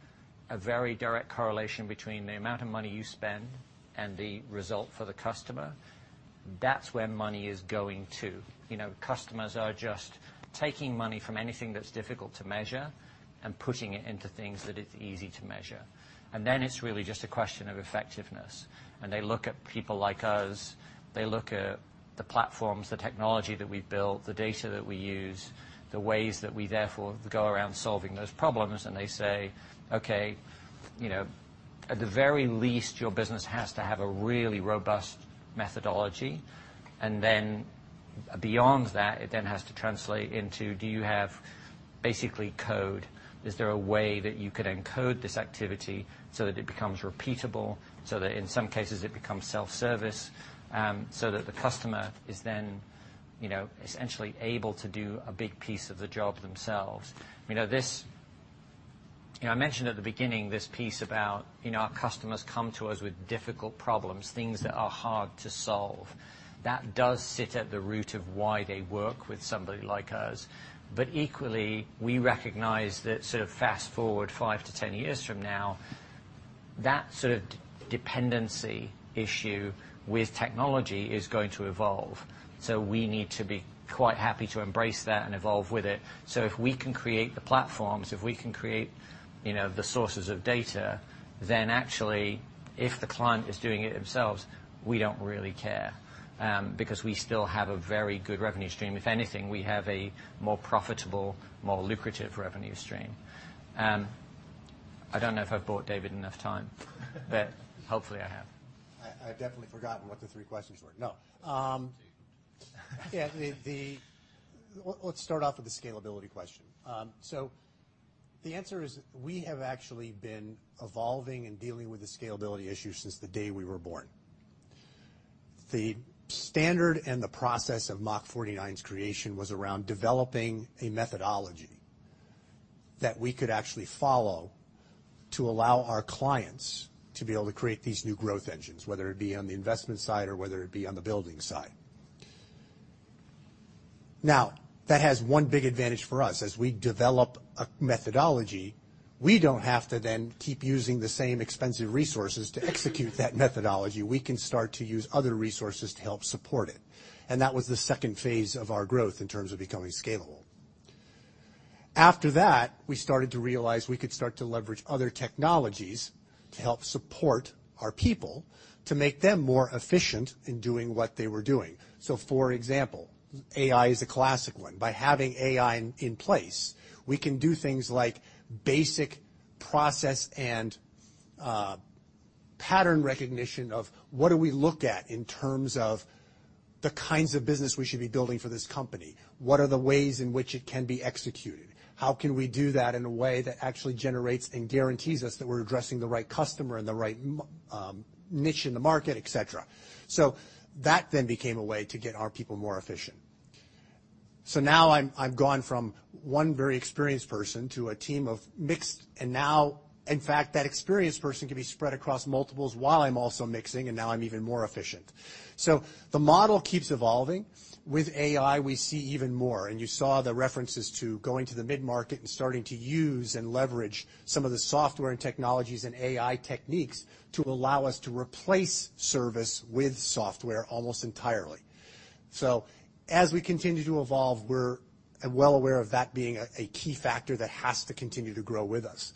a very direct correlation between the amount of money you spend and the result for the customer, that's where money is going to. You know, customers are just taking money from anything that's difficult to measure and putting it into things that it's easy to measure. And then it's really just a question of effectiveness. They look at people like us, they look at the platforms, the technology that we've built, the data that we use, the ways that we therefore go around solving those problems, and they say, "Okay, you know, at the very least, your business has to have a really robust methodology." And then beyond that, it then has to translate into, do you have basically code? Is there a way that you could encode this activity so that it becomes repeatable, so that in some cases it becomes self-service, so that the customer is then, you know, essentially able to do a big piece of the job themselves. You know, this. You know, I mentioned at the beginning this piece about, you know, our customers come to us with difficult problems, things that are hard to solve. That does sit at the root of why they work with somebody like us. But equally, we recognize that sort of fast-forward 5-10 years from now, that sort of dependency issue with technology is going to evolve. So we need to be quite happy to embrace that and evolve with it. So if we can create the platforms, if we can create, you know, the sources of data, then actually, if the client is doing it themselves, we don't really care, because we still have a very good revenue stream. If anything, we have a more profitable, more lucrative revenue stream. I don't know if I've bought David enough time, but hopefully I have. I've definitely forgotten what the three questions were. No. Let's start off with the scalability question. So the answer is, we have actually been evolving and dealing with the scalability issue since the day we were born. The standard and the process of Mach49's creation was around developing a methodology that we could actually follow to allow our clients to be able to create these new growth engines, whether it be on the investment side or whether it be on the building side. Now, that has one big advantage for us. As we develop a methodology, we don't have to then keep using the same expensive resources to execute that methodology. We can start to use other resources to help support it, and that was the second phase of our growth in terms of becoming scalable. After that, we started to realize we could start to leverage other technologies to help support our people, to make them more efficient in doing what they were doing. So for example, AI is a classic one. By having AI in place, we can do things like basic process and pattern recognition of what do we look at in terms of the kinds of business we should be building for this company? What are the ways in which it can be executed? How can we do that in a way that actually generates and guarantees us that we're addressing the right customer and the right niche in the market, et cetera. So that then became a way to get our people more efficient. So now I'm. I've gone from one very experienced person to a team of mixed, and now, in fact, that experienced person can be spread across multiples while I'm also mixing, and now I'm even more efficient. So the model keeps evolving. With AI, we see even more, and you saw the references to going to the mid-market and starting to use and leverage some of the software and technologies and AI techniques to allow us to replace service with software almost entirely. So as we continue to evolve, we're well aware of that being a key factor that has to continue to grow with us.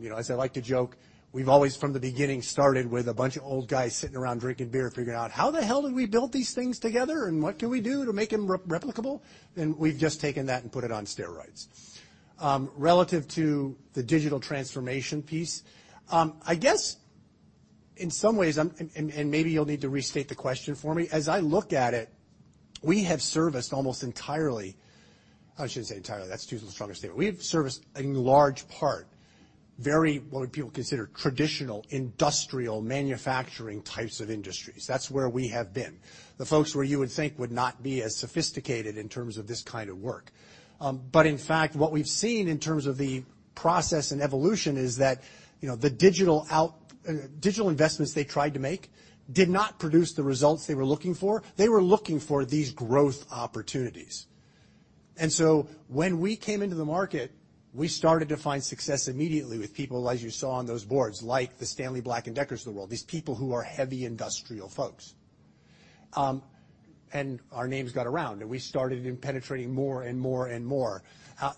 You know, as I like to joke, we've always, from the beginning, started with a bunch of old guys sitting around drinking beer, figuring out, "How the hell did we build these things together, and what can we do to make them replicable?" And we've just taken that and put it on steroids. Relative to the digital transformation piece, I guess in some ways, maybe you'll need to restate the question for me. As I look at it, we have serviced almost entirely, I shouldn't say entirely, that's too strong a statement. We've serviced a large part, very, what people consider traditional industrial manufacturing types of industries. That's where we have been. The folks where you would think would not be as sophisticated in terms of this kind of work. But in fact, what we've seen in terms of the process and evolution is that, you know, the digital investments they tried to make did not produce the results they were looking for. They were looking for these growth opportunities. And so when we came into the market, we started to find success immediately with people, as you saw on those boards, like the Stanley Black & Deckers of the world, these people who are heavy industrial folks. And our names got around, and we started in penetrating more and more and more.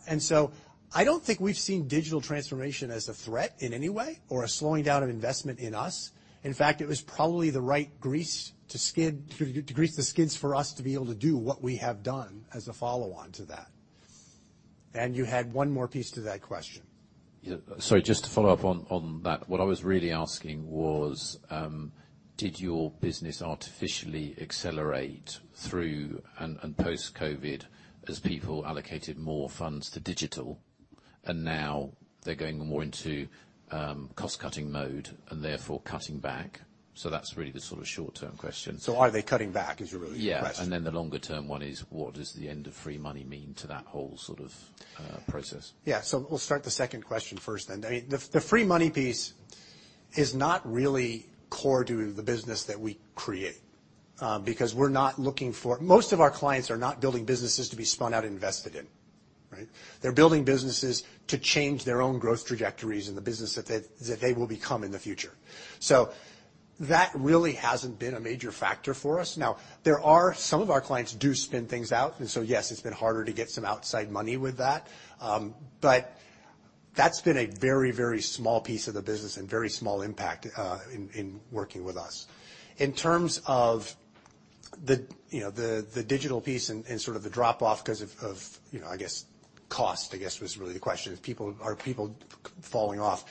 And so I don't think we've seen digital transformation as a threat in any way or a slowing down of investment in us. In fact, it was probably the right grease to skid, to grease the skids for us to be able to do what we have done as a follow-on to that. You had one more piece to that question. Yeah. Sorry, just to follow up on that, what I was really asking was, did your business artificially accelerate through and post-COVID as people allocated more funds to digital, and now they're going more into cost-cutting mode and therefore cutting back? So that's really the sort of short-term question. So, are they cutting back? Is that really the question? Yeah, and then the longer-term one is, what does the end of free money mean to that whole sort of process? Yeah. So we'll start the second question first then. I mean, the free money piece is not really core to the business that we create, because we're not looking for—Most of our clients are not building businesses to be spun out and invested in, right? They're building businesses to change their own growth trajectories and the business that they, that they will become in the future. So that really hasn't been a major factor for us. Now, there are... Some of our clients do spin things out, and so, yes, it's been harder to get some outside money with that. But that's been a very, very small piece of the business and very small impact, in, in working with us. In terms of, you know, the digital piece and sort of the drop-off because of, you know, I guess, cost, I guess, was really the question, if people are falling off?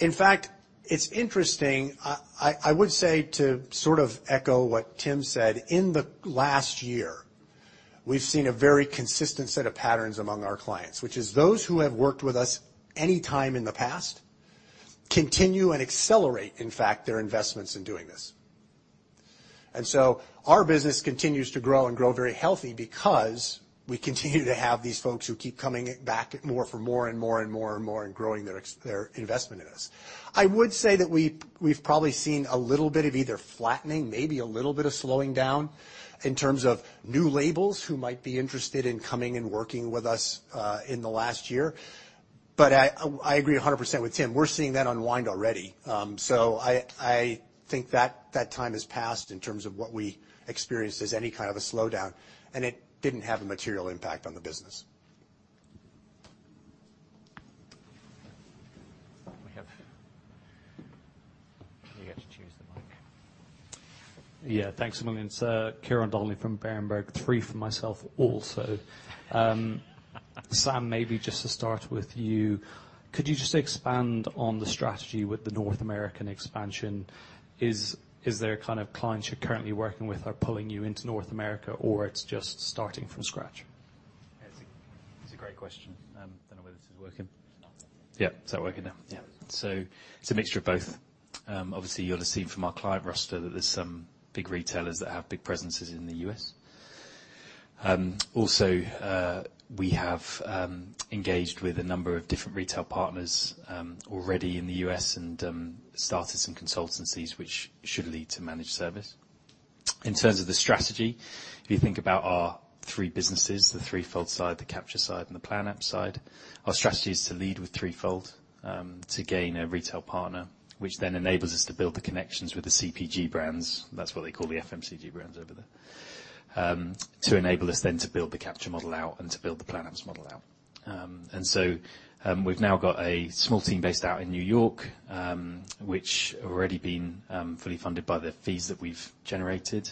In fact, it's interesting. I would say, to sort of echo what Tim said, in the last year, we've seen a very consistent set of patterns among our clients, which is those who have worked with us any time in the past continue and accelerate, in fact, their investments in doing this. And so our business continues to grow and grow very healthy because we continue to have these folks who keep coming back more, for more and more and more and more and growing their investment in us. I would say that we've probably seen a little bit of either flattening, maybe a little bit of slowing down in terms of new labels who might be interested in coming and working with us, in the last year. But I agree 100% with Tim. We're seeing that unwind already. So I think that that time has passed in terms of what we experienced as any kind of a slowdown, and it didn't have a material impact on the business. We have... You get to choose the mic. Yeah, thanks a million. It's Ciarán Donnelly from Berenberg, three for myself also. Sam, maybe just to start with you, could you just expand on the strategy with the North American expansion? Is there kind of clients you're currently working with are pulling you into North America, or it's just starting from scratch? It's a great question, and I don't know whether this is working. Yeah, is that working now? Yeah. So it's a mixture of both. Obviously, you'll have seen from our client roster that there's some big retailers that have big presences in the U.S. Also, we have engaged with a number of different retail partners already in the U.S. and started some consultancies, which should lead to managed service. In terms of the strategy, if you think about our three businesses, the Threefold side, the Capture side, and the Plan-Apps side, our strategy is to lead with Threefold, to gain a retail partner, which then enables us to build the connections with the CPG brands, that's what they call the FMCG brands over there, to enable us then to build the Capture model out and to build the Plan-Apps model out. And so, we've now got a small team based out in New York, which already been, fully funded by the fees that we've generated.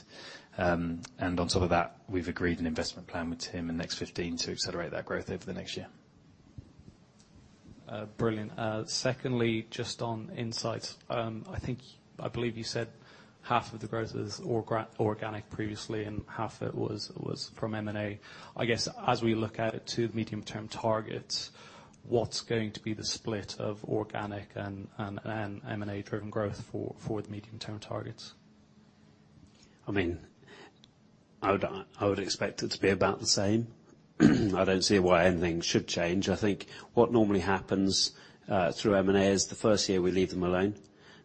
And on top of that, we've agreed an investment plan with Tim and Next 15 to accelerate that growth over the next year. Brilliant. Secondly, just on Insights, I think, I believe you said half of the growth is organic previously, and half it was from M&A. I guess, as we look out at to the medium-term targets, what's going to be the split of organic and M&A-driven growth for the medium-term targets? I mean, I would, I would expect it to be about the same. I don't see why anything should change. I think what normally happens through M&A is the first year we leave them alone,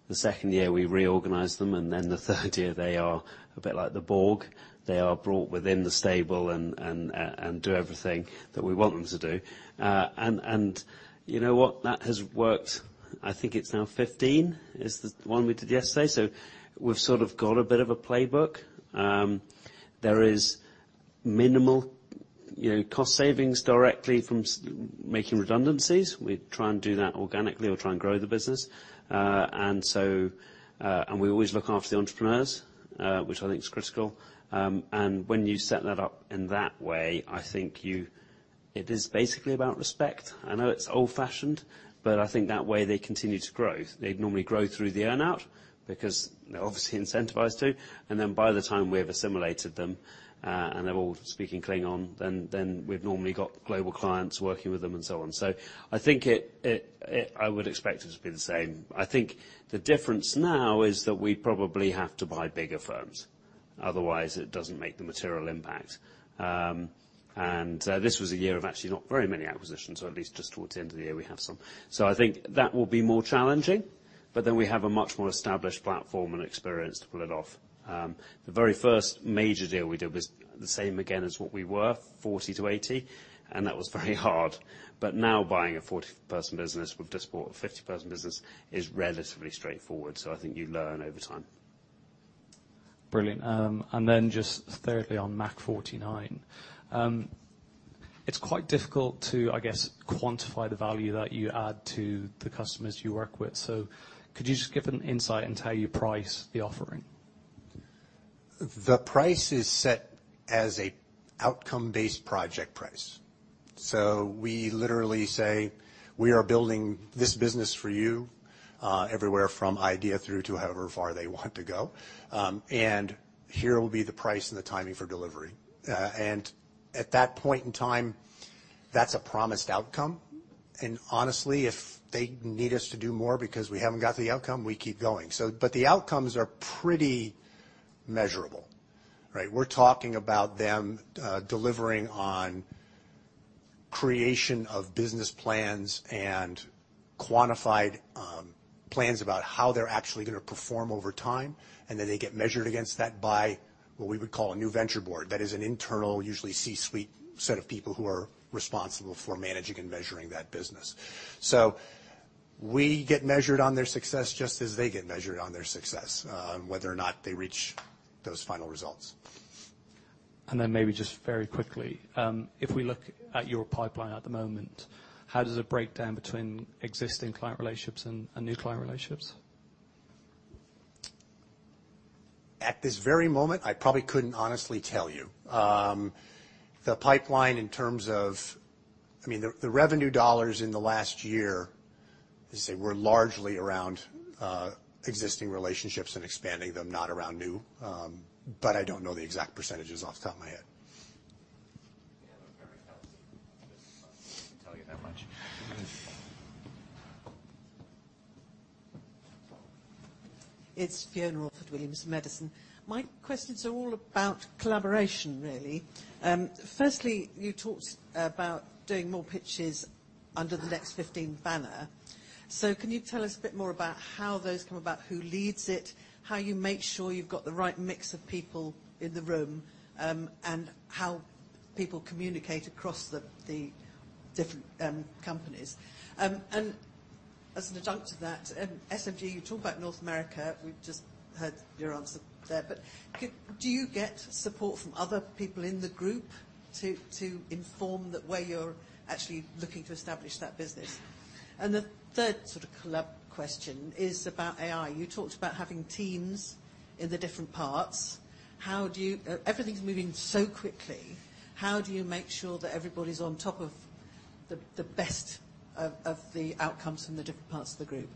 the second year we reorganize them, and then the third year, they are a bit like the Borg. They are brought within the stable and do everything that we want them to do. And you know what? That has worked. I think it's now 15, is the one we did yesterday, so we've sort of got a bit of a playbook. There is minimal, you know, cost savings directly from making redundancies. We try and do that organically or try and grow the business. And so... And we always look after the entrepreneurs, which I think is critical. And when you set that up in that way, I think you-... It is basically about respect. I know it's old-fashioned, but I think that way they continue to grow. They'd normally grow through the earn-out, because they're obviously incentivized to, and then by the time we have assimilated them, and they're all speaking Klingon, then we've normally got global clients working with them, and so on. So I think it I would expect it to be the same. I think the difference now is that we probably have to buy bigger firms, otherwise it doesn't make the material impact. This was a year of actually not very many acquisitions, or at least just towards the end of the year, we have some. So I think that will be more challenging, but then we have a much more established platform and experience to pull it off. The very first major deal we did was the same again as what we were, 40-80, and that was very hard. But now buying a 40-person business, we've just bought a 50-person business, is relatively straightforward, so I think you learn over time. Brilliant. Just thirdly, on Mach49. It's quite difficult to, I guess, quantify the value that you add to the customers you work with. Could you just give an insight into how you price the offering? The price is set as an outcome-based project price. So we literally say: We are building this business for you, everywhere from idea through to however far they want to go. And here will be the price and the timing for Delivery. And at that point in time, that's a promised outcome, and honestly, if they need us to do more because we haven't got the outcome, we keep going. So, but the outcomes are pretty measurable, right? We're talking about them delivering on creation of business plans and quantified plans about how they're actually gonna perform over time, and then they get measured against that by what we would call a new venture board. That is an internal, usually C-suite, set of people who are responsible for managing and measuring that business. So we get measured on their success just as they get measured on their success, whether or not they reach those final results. Then maybe just very quickly, if we look at your pipeline at the moment, how does it break down between existing client relationships and new client relationships? At this very moment, I probably couldn't honestly tell you. The pipeline in terms of... I mean, the revenue dollars in the last year, let's say, were largely around existing relationships and expanding them, not around new. But I don't know the exact percentages off the top of my head. We have a very healthy business. I can tell you that much. It's Fiona Orford-Williams at Edison. My questions are all about collaboration, really. Firstly, you talked about doing more pitches under the Next 15 banner. So can you tell us a bit more about how those come about, who leads it, how you make sure you've got the right mix of people in the room, and how people communicate across the different companies? And as an adjunct to that, SMG, you talk about North America, we've just heard your answer there, but do you get support from other people in the group to inform the way you're actually looking to establish that business? And the third sort of collab question is about AI. You talked about having teams in the different parts. How do you, everything's moving so quickly, how do you make sure that everybody's on top of the best of the outcomes from the different parts of the group?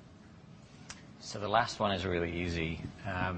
So the last one is really easy. The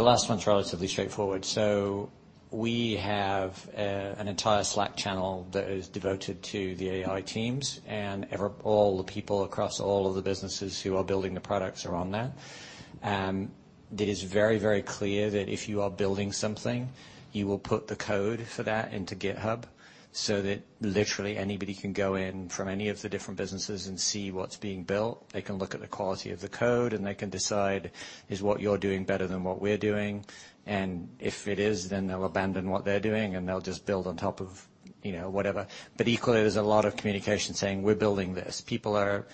last one's relatively straightforward. So we have an entire Slack channel that is devoted to the AI teams, and every, all the people across all of the businesses who are building the products are on that. It is very, very clear that if you are building something, you will put the code for that into GitHub, so that literally anybody can go in from any of the different businesses and see what's being built. They can look at the quality of the code, and they can decide, is what you're doing better than what we're doing? And if it is, then they'll abandon what they're doing, and they'll just build on top of, you know, whatever. But equally, there's a lot of communication saying, "We're building this." People are,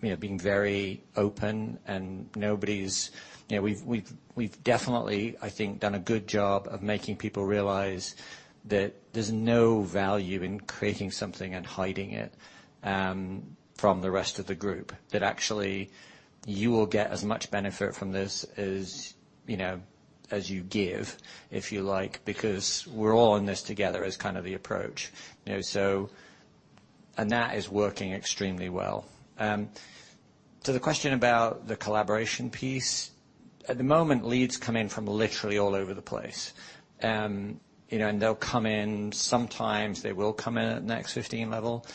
you know, being very open, and nobody's... You know, we've definitely, I think, done a good job of making people realize that there's no value in creating something and hiding it from the rest of the group. That actually, you will get as much benefit from this as, you know, as you give, if you like, because we're all in this together, is kind of the approach. You know, so... And that is working extremely well. To the question about the collaboration piece, at the moment, leads come in from literally all over the place. You know, and they'll come in, sometimes they will come in at Next 15 level,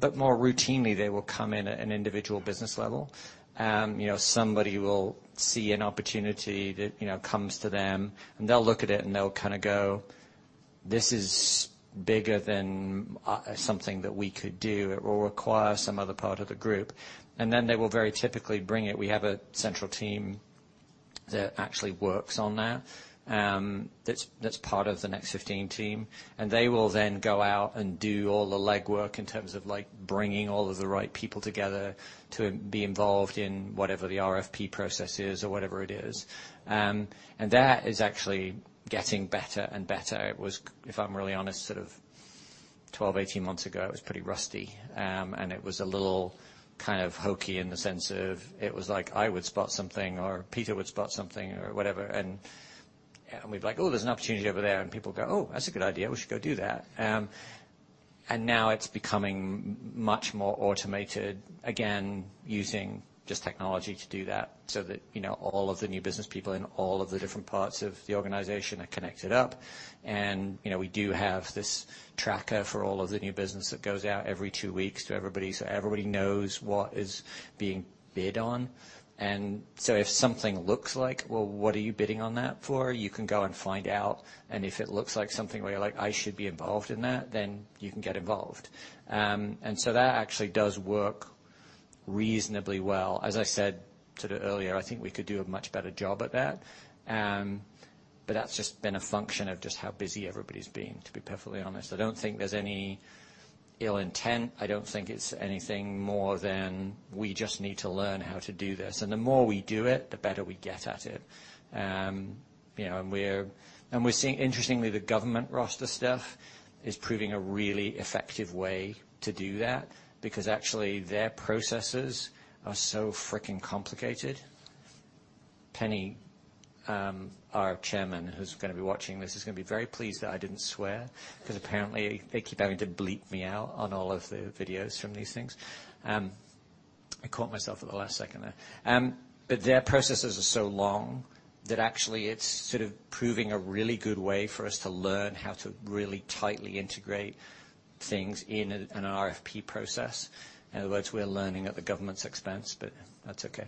but more routinely, they will come in at an individual business level. You know, somebody will see an opportunity that, you know, comes to them, and they'll look at it, and they'll kind of go: This is bigger than something that we could do. It will require some other part of the group. And then they will very typically bring it. We have a central team that actually works on that, that's part of the Next 15 team, and they will then go out and do all the legwork in terms of, like, bringing all of the right people together to be involved in whatever the RFP process is or whatever it is. And that is actually getting better and better. It was, if I'm really honest, sort of 12, 18 months ago, it was pretty rusty. And it was a little kind of hokey in the sense of it was like I would spot something or Peter would spot something or whatever, and we'd be like: Oh, there's an opportunity over there, and people go, "Oh, that's a good idea. We should go do that." And now it's becoming much more automated, again, using just technology to do that, so that, you know, all of the new business people in all of the different parts of the organization are connected up. And, you know, we do have this tracker for all of the new business that goes out every two weeks to everybody, so everybody knows what is being bid on. And so if something looks like, "Well, what are you bidding on that for?" You can go and find out, and if it looks like something where you're like, "I should be involved in that," then you can get involved. And so that actually does work reasonably well. As I said today earlier, I think we could do a much better job at that, but that's just been a function of just how busy everybody's been, to be perfectly honest. I don't think there's any ill intent. I don't think it's anything more than we just need to learn how to do this, and the more we do it, the better we get at it. You know, and we're seeing interestingly, the government roster stuff is proving a really effective way to do that because actually, their processes are so freaking complicated. Penny, our chairman, who's gonna be watching this, is gonna be very pleased that I didn't swear, 'cause apparently, they keep having to bleep me out on all of the videos from these things. I caught myself at the last second there. But their processes are so long that actually it's sort of proving a really good way for us to learn how to really tightly integrate things in an RFP process. In other words, we're learning at the government's expense, but that's okay.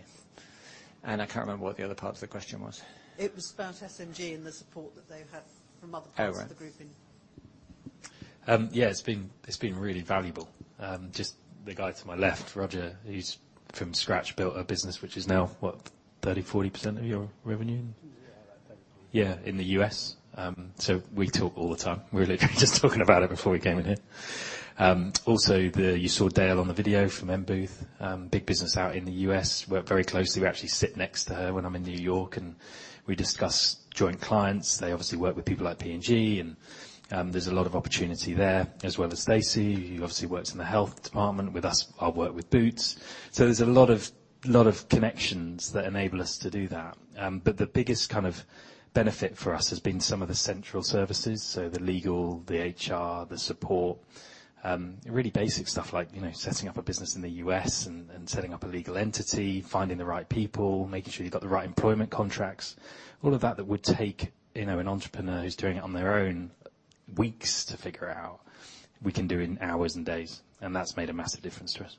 I can't remember what the other part of the question was. It was about SMG and the support that they've had from other parts- Oh, right. of the grouping. Yeah, it's been, it's been really valuable. Just the guy to my left, Roger, he's from scratch, built a business which is now, what? 30%-40% of your revenue? Yeah, I think. Yeah, in the US. So we talk all the time. We were literally just talking about it before we came in here. Also, you saw Dale on the video from M Booth. Big business out in the US. We work very closely. We actually sit next to her when I'm in New York, and we discuss joint clients. They obviously work with people like P&G, and there's a lot of opportunity there, as well as Stacey, who obviously works in the health department with us. I work with Boots, so there's a lot of, lot of connections that enable us to do that. But the biggest kind of benefit for us has been some of the central services, so the legal, the HR, the support, really basic stuff like, you know, setting up a business in the U.S. and, and setting up a legal entity, finding the right people, making sure you've got the right employment contracts. All of that, that would take, you know, an entrepreneur who's doing it on their own, weeks to figure out; we can do in hours and days, and that's made a massive difference to us.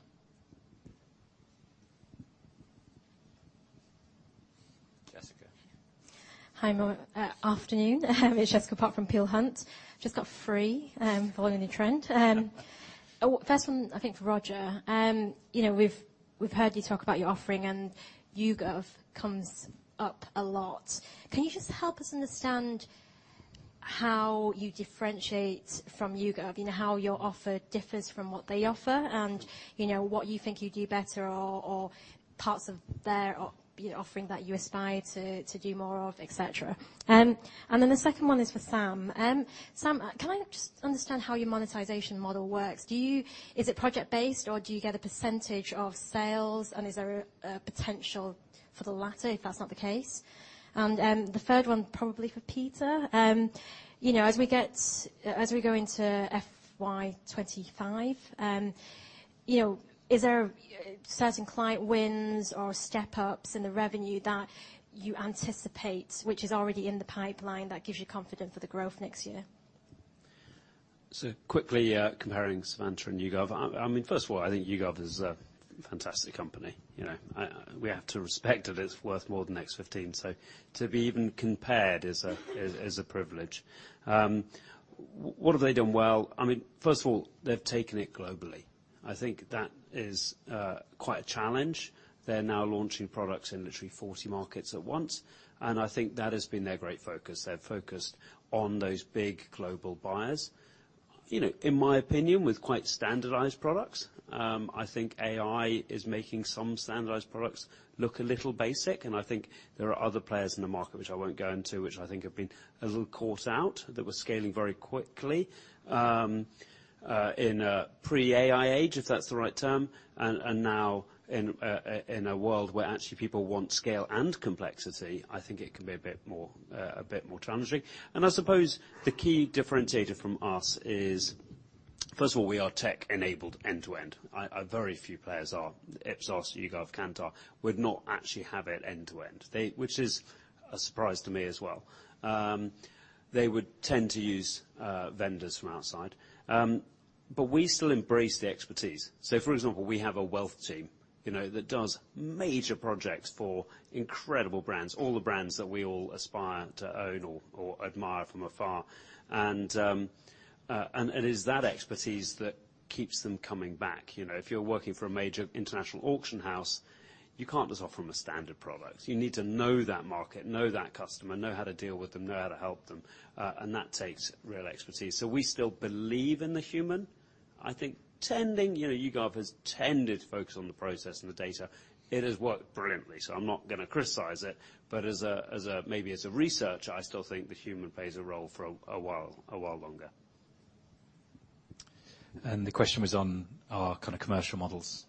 Jessica. Hi, afternoon. It's Jessica Pok from Peel Hunt. Just got free, following the trend. First one, I think, for Roger. You know, we've heard you talk about your offering, and YouGov comes up a lot. Can you just help us understand how you differentiate from YouGov? You know, how your offer differs from what they offer, and, you know, what you think you do better or parts of their offering that you aspire to do more of, et cetera. And then the second one is for Sam. Sam, can I just understand how your monetization model works? Is it project-based, or do you get a percentage of sales, and is there a potential for the latter, if that's not the case? And the third one, probably for Peter. You know, as we go into FY 25, you know, is there certain client wins or step-ups in the revenue that you anticipate, which is already in the pipeline that gives you confidence for the growth next year? So quickly, comparing Savanta and YouGov, I mean, first of all, I think YouGov is a fantastic company. You know, we have to respect that it's worth more than Next 15. So to be even compared is a privilege. What have they done well? I mean, first of all, they've taken it globally. I think that is quite a challenge. They're now launching products in literally 40 markets at once, and I think that has been their great focus. They've focused on those big global buyers. You know, in my opinion, with quite standardized products, I think AI is making some standardized products look a little basic, and I think there are other players in the market, which I won't go into, which I think have been a little caught out, that were scaling very quickly, in a pre-AI age, if that's the right term, and now in a world where actually people want scale and complexity, I think it can be a bit more, a bit more challenging. And I suppose the key differentiator from us is, first of all, we are tech-enabled end-to-end. Very few players are Ipsos, YouGov, Kantar, would not actually have it end-to-end. Which is a surprise to me as well. They would tend to use vendors from outside, but we still embrace the expertise. So, for example, we have a wealth team, you know, that does major projects for incredible brands, all the brands that we all aspire to own or admire from afar. And it is that expertise that keeps them coming back. You know, if you're working for a major international auction house, you can't just offer them a standard product. You need to know that market, know that customer, know how to deal with them, know how to help them, and that takes real expertise. So we still believe in the human.... I think, you know, YouGov has tended to focus on the process and the data. It has worked brilliantly, so I'm not gonna criticize it, but as a researcher, I still think the human plays a role for a while longer. The question was on our kind of commercial models.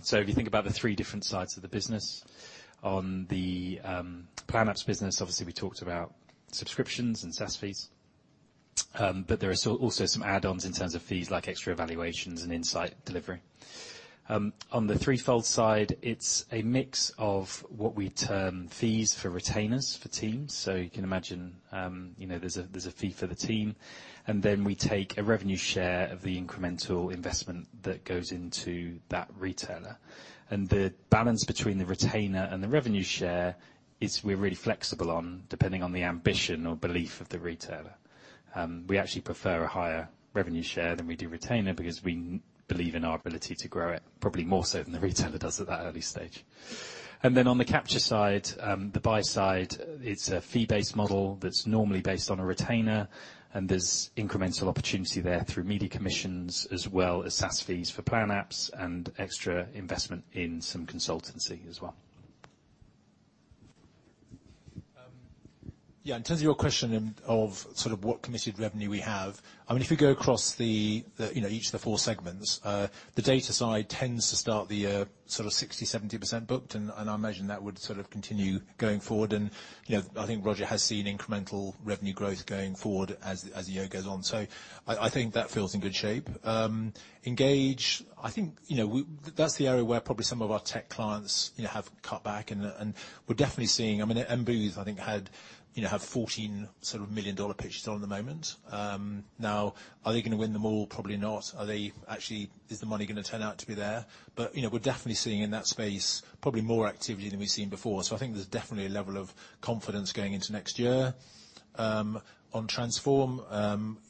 So if you think about the three different sides of the business, on the Plan-Apps business, obviously, we talked about subscriptions and SaaS fees. But there are so also some add-ons in terms of fees, like extra evaluations and insight Delivery. On the Threefold side, it's a mix of what we term fees for retainers, for teams. So you can imagine, you know, there's a fee for the team, and then we take a revenue share of the incremental investment that goes into that retailer. And the balance between the retainer and the revenue share is we're really flexible on, depending on the ambition or belief of the retailer. We actually prefer a higher revenue share than we do retainer because we believe in our ability to grow it, probably more so than the retailer does at that early stage. And then on the Capture side, the buy side, it's a fee-based model that's normally based on a retainer, and there's incremental opportunity there through media commissions, as well as SaaS fees for Plan-Apps and extra investment in some consultancy as well. Yeah, in terms of your question in of sort of what committed revenue we have, I mean, if you go across the you know each of the four segments, the data side tends to start the year sort of 60%-70% booked, and I imagine that would sort of continue going forward. You know, I think Roger has seen incremental revenue growth going forward as the year goes on. So I think that feels in good shape. Engage, I think, you know, we, that's the area where probably some of our tech clients, you know, have cut back, and we're definitely seeing. I mean, M Booth, I think, had, you know, have 14 sort of $1 million pitches on at the moment. Now, are they gonna win them all? Probably not. Actually, is the money gonna turn out to be there? But, you know, we're definitely seeing in that space, probably more activity than we've seen before. So I think there's definitely a level of confidence going into next year. On Transform,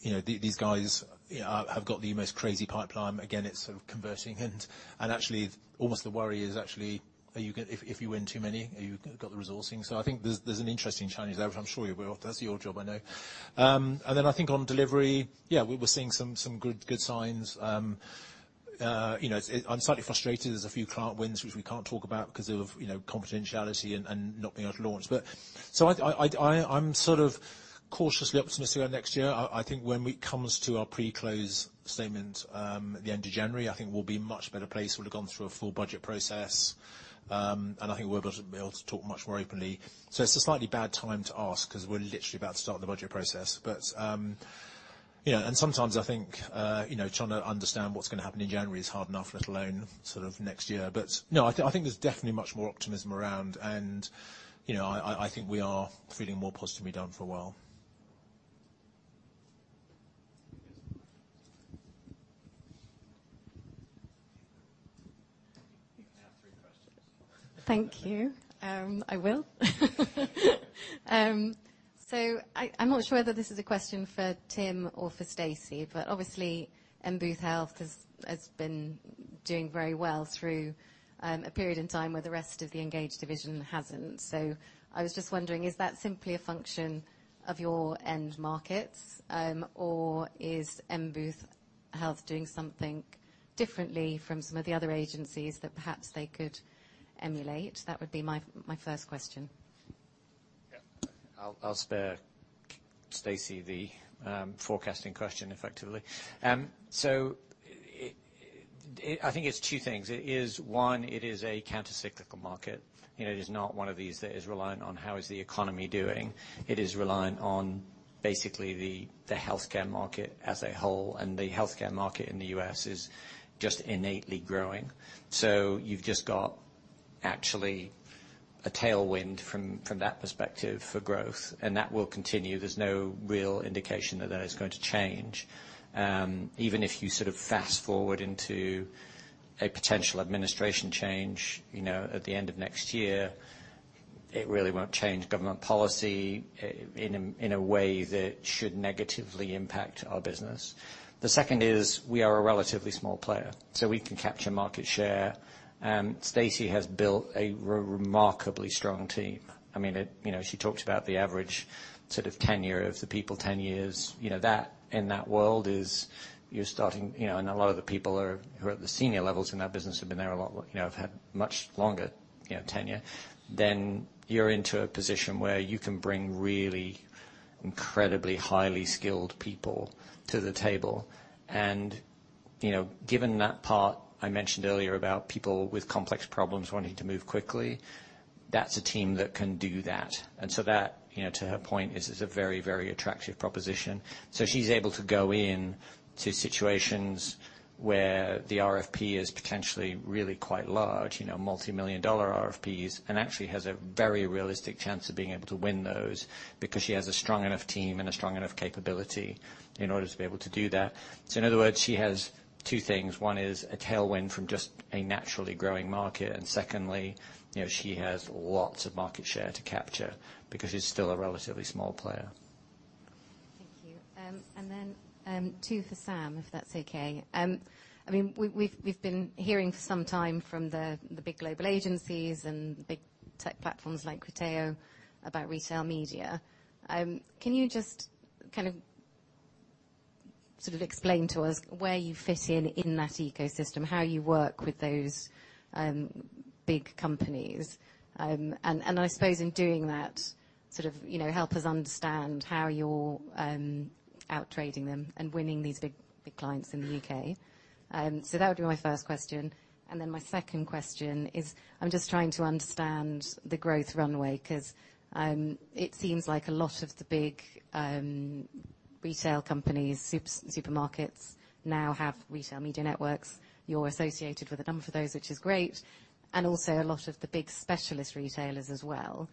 you know, these guys have got the most crazy pipeline. Again, it's sort of converting, and actually, almost the worry is actually, are you gonna, if you win too many, have you got the resourcing? So I think there's an interesting challenge there, which I'm sure you will. That's your job, I know. And then I think on Delivery, yeah, we're seeing some good signs. You know, it, I'm slightly frustrated. There's a few client wins, which we can't talk about because of, you know, confidentiality and not being able to launch. But so I'm sort of cautiously optimistic about next year. I think when it comes to our pre-close statement, at the end of January, I think we'll be in a much better place. We'll have gone through a full budget process, and I think we'll be able to talk much more openly. So it's a slightly bad time to ask 'cause we're literally about to start the budget process. But, you know, and sometimes I think, you know, trying to understand what's gonna happen in January is hard enough, let alone sort of next year. But no, I think there's definitely much more optimism around, and, you know, I think we are feeling more positively down for a while. You can have three questions. Thank you. I will. So I, I'm not sure whether this is a question for Tim or for Stacey, but obviously, M Booth Health has, has been doing very well through a period in time where the rest of the Engage division hasn't. So I was just wondering, is that simply a function of your end markets, or is M Booth Health doing something differently from some of the other agencies that perhaps they could emulate? That would be my, my first question. Yeah. I'll spare Stacey the forecasting question, effectively. So it... I think it's two things. It is, one, it is a countercyclical market. You know, it is not one of these that is reliant on how is the economy doing. It is reliant on basically the healthcare market as a whole, and the healthcare market in the U.S. is just innately growing. So you've just got actually a tailwind from that perspective for growth, and that will continue. There's no real indication that is going to change. Even if you sort of fast-forward into a potential administration change, you know, at the end of next year, it really won't change government policy in a way that should negatively impact our business. The second is, we are a relatively small player, so we can capture market share. Stacey has built a remarkably strong team. I mean, it, you know, she talks about the average sort of tenure of the people, ten years. You know, that, in that world is, you're starting, you know, and a lot of the people are, who are at the senior levels in that business have been there a lot more, you know, have had much longer, you know, tenure. Then you're into a position where you can bring really incredibly highly skilled people to the table. And, you know, given that part I mentioned earlier about people with complex problems wanting to move quickly, that's a team that can do that. And so that, you know, to her point, is a very, very attractive proposition. So she's able to go into situations where the RFP is potentially really quite large, you know, multimillion-dollar RFPs, and actually has a very realistic chance of being able to win those because she has a strong enough team and a strong enough capability in order to be able to do that. So in other words, she has two things. One is a tailwind from just a naturally growing market, and secondly, you know, she has lots of market share to capture because she's still a relatively small player. Thank you. And then two for Sam, if that's okay. I mean, we've been hearing for some time from the big global agencies and big tech platforms like Criteo about retail media. Can you just kind of sort of explain to us where you fit in in that ecosystem, how you work with those big companies? And I suppose in doing that, sort of you know, help us understand how you're out-trading them and winning these big clients in the U.K. So that would be my first question. And then my second question is, I'm just trying to understand the growth runway, 'cause it seems like a lot of the big retail companies, supermarkets now have retail media networks. You're associated with a number of those, which is great, and also a lot of the big specialist retailers as well.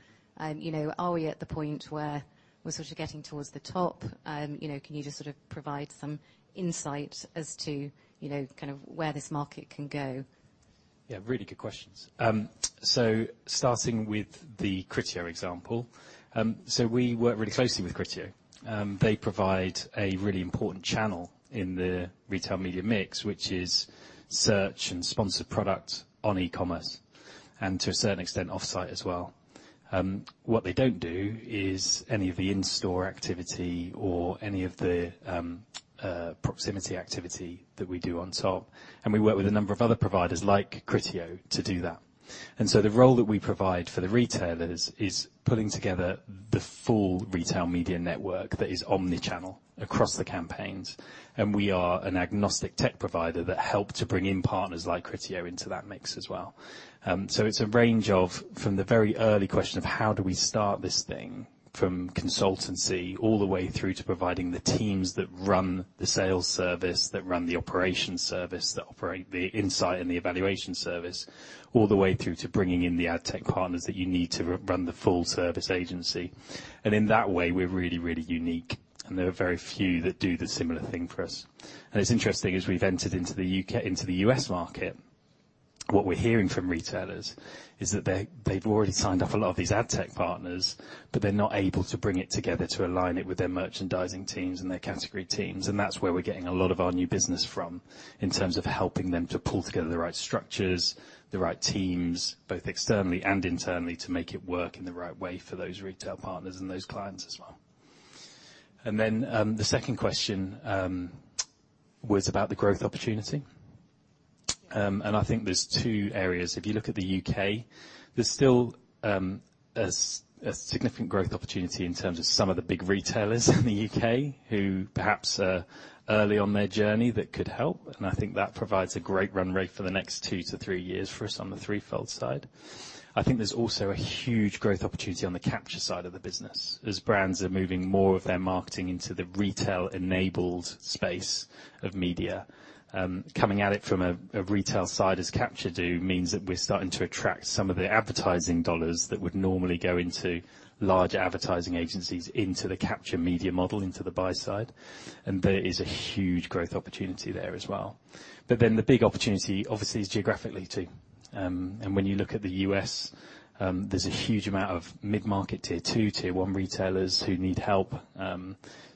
You know, are we at the point where we're sort of getting towards the top? You know, can you just sort of provide some insight as to, you know, kind of where this market can go? Yeah, really good questions. So starting with the Criteo example, so we work really closely with Criteo. They provide a really important channel in the retail media mix, which is search and sponsored product on e-commerce, and to a certain extent, off-site as well. What they don't do is any of the in-store activity or any of the proximity activity that we do on top, and we work with a number of other providers like Criteo to do that. And so the role that we provide for the retailers is putting together the full retail media network that is omni-channel across the campaigns, and we are an agnostic tech provider that help to bring in partners like Criteo into that mix as well. So it's a range of, from the very early question of how do we start this thing, from consultancy all the way through to providing the teams that run the sales service, that run the operations service, that operate the insight and the evaluation service, all the way through to bringing in the ad tech partners that you need to run the full service agency. And in that way, we're really, really unique, and there are very few that do the similar thing for us. And it's interesting, as we've entered into the UK... into the U.S. market, what we're hearing from retailers is that they, they've already signed up a lot of these ad tech partners, but they're not able to bring it together to align it with their merchandising teams and their category teams, and that's where we're getting a lot of our new business from, in terms of helping them to pull together the right structures, the right teams, both externally and internally, to make it work in the right way for those retail partners and those clients as well. And then, the second question was about the growth opportunity. And I think there's two areas. If you look at the UK, there's still a significant growth opportunity in terms of some of the big retailers in the UK, who perhaps are early on their journey that could help, and I think that provides a great run rate for the next two-three years for us on the Threefold side. I think there's also a huge growth opportunity on the Capture side of the business, as brands are moving more of their marketing into the retail-enabled space of media. Coming at it from a retail side, as Capture do, means that we're starting to attract some of the advertising dollars that would normally go into larger advertising agencies into the Capture media model, into the buy side, and there is a huge growth opportunity there as well. But then, the big opportunity, obviously, is geographically, too. When you look at the U.S., there's a huge amount of mid-market Tier Two, Tier One retailers who need help,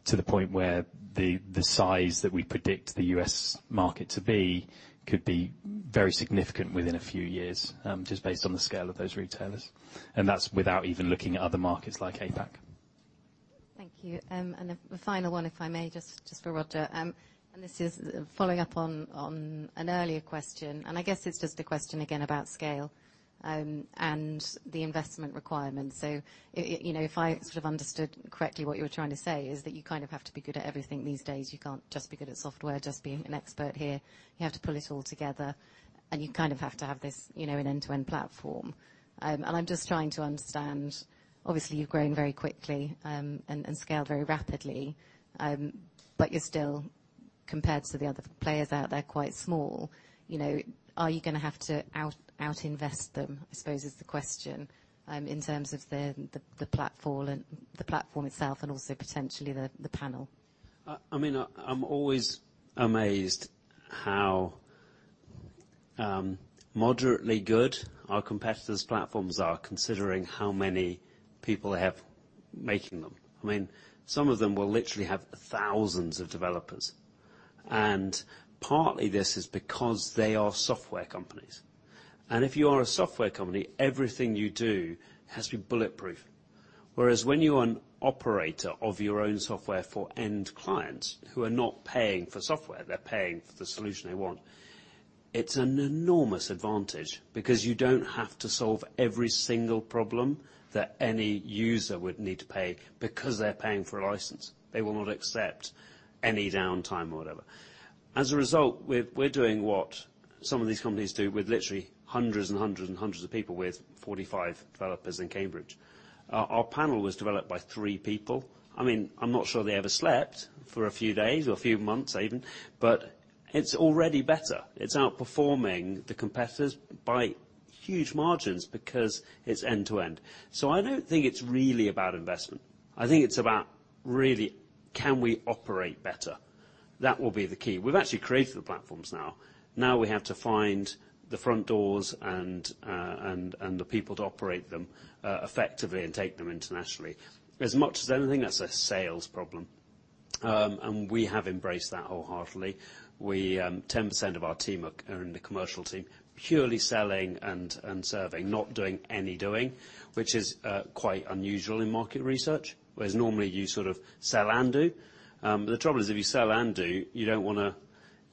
to the point where the size that we predict the U.S. market to be could be very significant within a few years, just based on the scale of those retailers, and that's without even looking at other markets like APAC. Thank you. And a final one, if I may, just for Roger. And this is following up on an earlier question, and I guess it's just a question again about scale and the investment requirements. So you know, if I sort of understood correctly, what you were trying to say is that you kind of have to be good at everything these days. You can't just be good at software, just be an expert here. You have to pull it all together, and you kind of have to have this, you know, an end-to-end platform. And I'm just trying to understand, obviously, you've grown very quickly, and scaled very rapidly, but you're still, compared to the other players out there, quite small. You know, are you gonna have to outinvest them, I suppose, is the question, in terms of the platform and the platform itself, and also potentially the panel? I mean, I'm always amazed how moderately good our competitors' platforms are, considering how many people they have making them. I mean, some of them will literally have thousands of developers, and partly this is because they are software companies. If you are a software company, everything you do has to be bulletproof, whereas when you're an operator of your own software for end clients, who are not paying for software, they're paying for the solution they want, it's an enormous advantage, because you don't have to solve every single problem that any user would need to pay. Because they're paying for a license, they will not accept any downtime or whatever. As a result, we're doing what some of these companies do with literally hundreds and hundreds and hundreds of people, with 45 developers in Cambridge. Our panel was developed by three people. I mean, I'm not sure they ever slept for a few days or a few months even, but it's already better. It's outperforming the competitors by huge margins, because it's end to end. I don't think it's really about investment. I think it's about really, can we operate better? That will be the key. We've actually created the platforms now. Now, we have to find the front doors and the people to operate them effectively, and take them internationally. As much as anything, that's a sales problem, and we have embraced that wholeheartedly. We, 10% of our team are in the commercial team, purely selling and serving, not doing any doing, which is quite unusual in market research. Whereas normally you sort of sell and do. But the trouble is, if you sell and do, you don't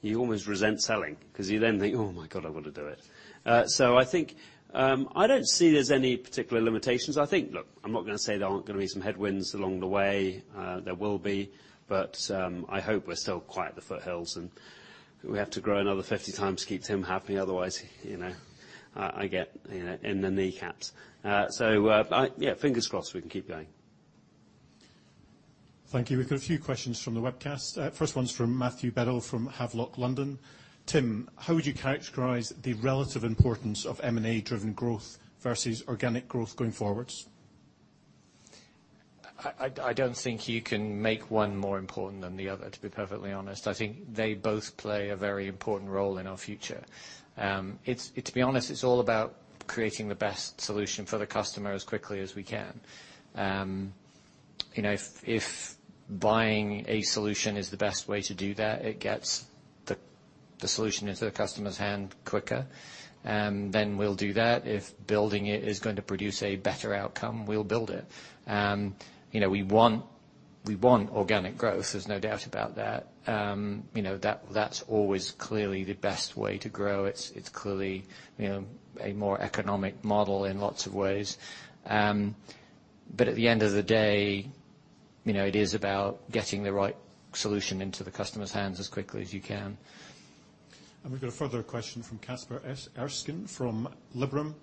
wanna—you almost resent selling, 'cause you then think, "Oh, my God, I've got to do it." So I think, I don't see there's any particular limitations. I think... Look, I'm not gonna say there aren't gonna be some headwinds along the way. There will be, but, I hope we're still quite at the foothills, and we have to grow another 50 times to keep Tim happy, otherwise, you know, I, I get, you know, in the kneecaps. So, yeah, fingers crossed, we can keep going. Thank you. We've got a few questions from the webcast. First one's from Matthew Beddall from Havelock London. Tim, how would you characterize the relative importance of M&A-driven growth versus organic growth going forwards? I don't think you can make one more important than the other, to be perfectly honest. I think they both play a very important role in our future. To be honest, it's all about creating the best solution for the customer as quickly as we can. You know, if buying a solution is the best way to do that, it gets the solution into the customer's hand quicker, then we'll do that. If building it is going to produce a better outcome, we'll build it. You know, we want organic growth, there's no doubt about that. You know, that's always clearly the best way to grow. It's clearly, you know, a more economic model in lots of ways. But at the end of the day, you know, it is about getting the right solution into the customer's hands as quickly as you can. And we've got a further question from Caspar Erskine from Liberum.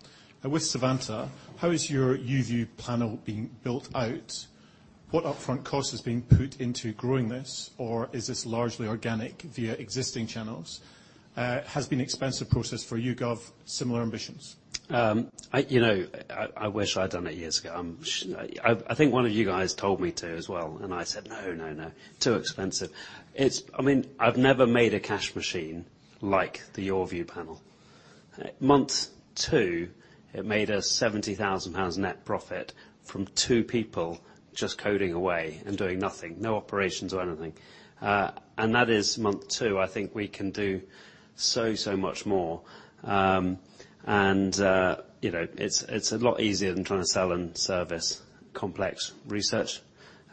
With Savanta, how is your BrandVue panel being built out? What upfront cost is being put into growing this, or is this largely organic via existing channels? Has been an expensive process for YouGov, similar ambitions. You know, I wish I'd done it years ago. I think one of you guys told me to as well, and I said, "No, no, no, too expensive." It's... I mean, I've never made a cash machine like the BrandVue panel. Month two, it made us 70,000 pounds net profit from two people just coding away and doing nothing, no operations or anything. And that is month two. I think we can do so, so much more. And, you know, it's, it's a lot easier than trying to sell and service complex research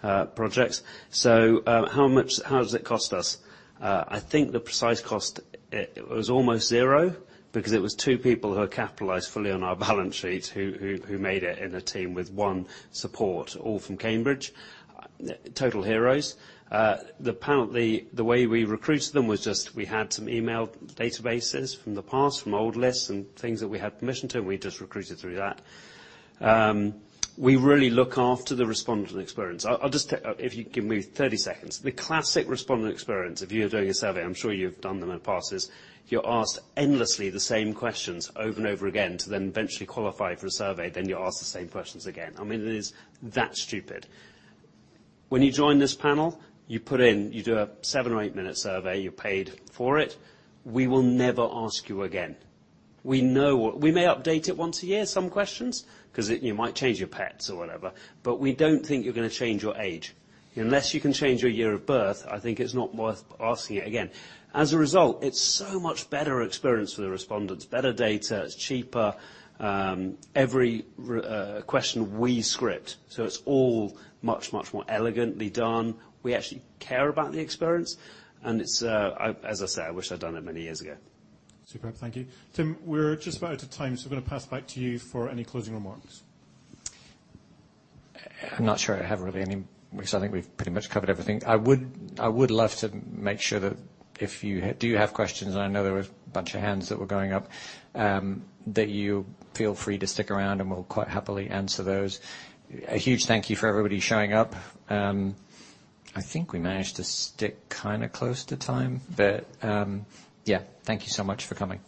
projects. So, how does it cost us? I think the precise cost, it was almost zero, because it was two people who are capitalized fully on our balance sheet, who made it in a team with one support, all from Cambridge. Total heroes. The panel, the way we recruited them was just, we had some email databases from the past, from old lists and things that we had permission to, and we just recruited through that. We really look after the respondent experience. I'll just tell... If you can give me 30 seconds. The classic respondent experience, if you are doing a survey, I'm sure you've done them in the past, is you're asked endlessly the same questions over and over again, to then eventually qualify for a survey, then you're asked the same questions again. I mean, it is that stupid. When you join this panel, you put in, you do a seven- or eight-minute survey, you're paid for it. We will never ask you again. We know what-- We may update it once a year, some questions, 'cause it, you might change your pets or whatever, but we don't think you're gonna change your age. Unless you can change your year of birth, I think it's not worth asking it again. As a result, it's so much better experience for the respondents, better data, it's cheaper. Every question we script, so it's all much, much more elegantly done. We actually care about the experience, and it's, as I said, I wish I'd done it many years ago. Superb. Thank you. Tim, we're just about out of time, so I'm gonna pass it back to you for any closing remarks. I'm not sure I have really any, because I think we've pretty much covered everything. I would, I would love to make sure that if you do have questions, and I know there were a bunch of hands that were going up, that you feel free to stick around, and we'll quite happily answer those. A huge thank you for everybody showing up. I think we managed to stick kind of close to time, but, yeah, thank you so much for coming.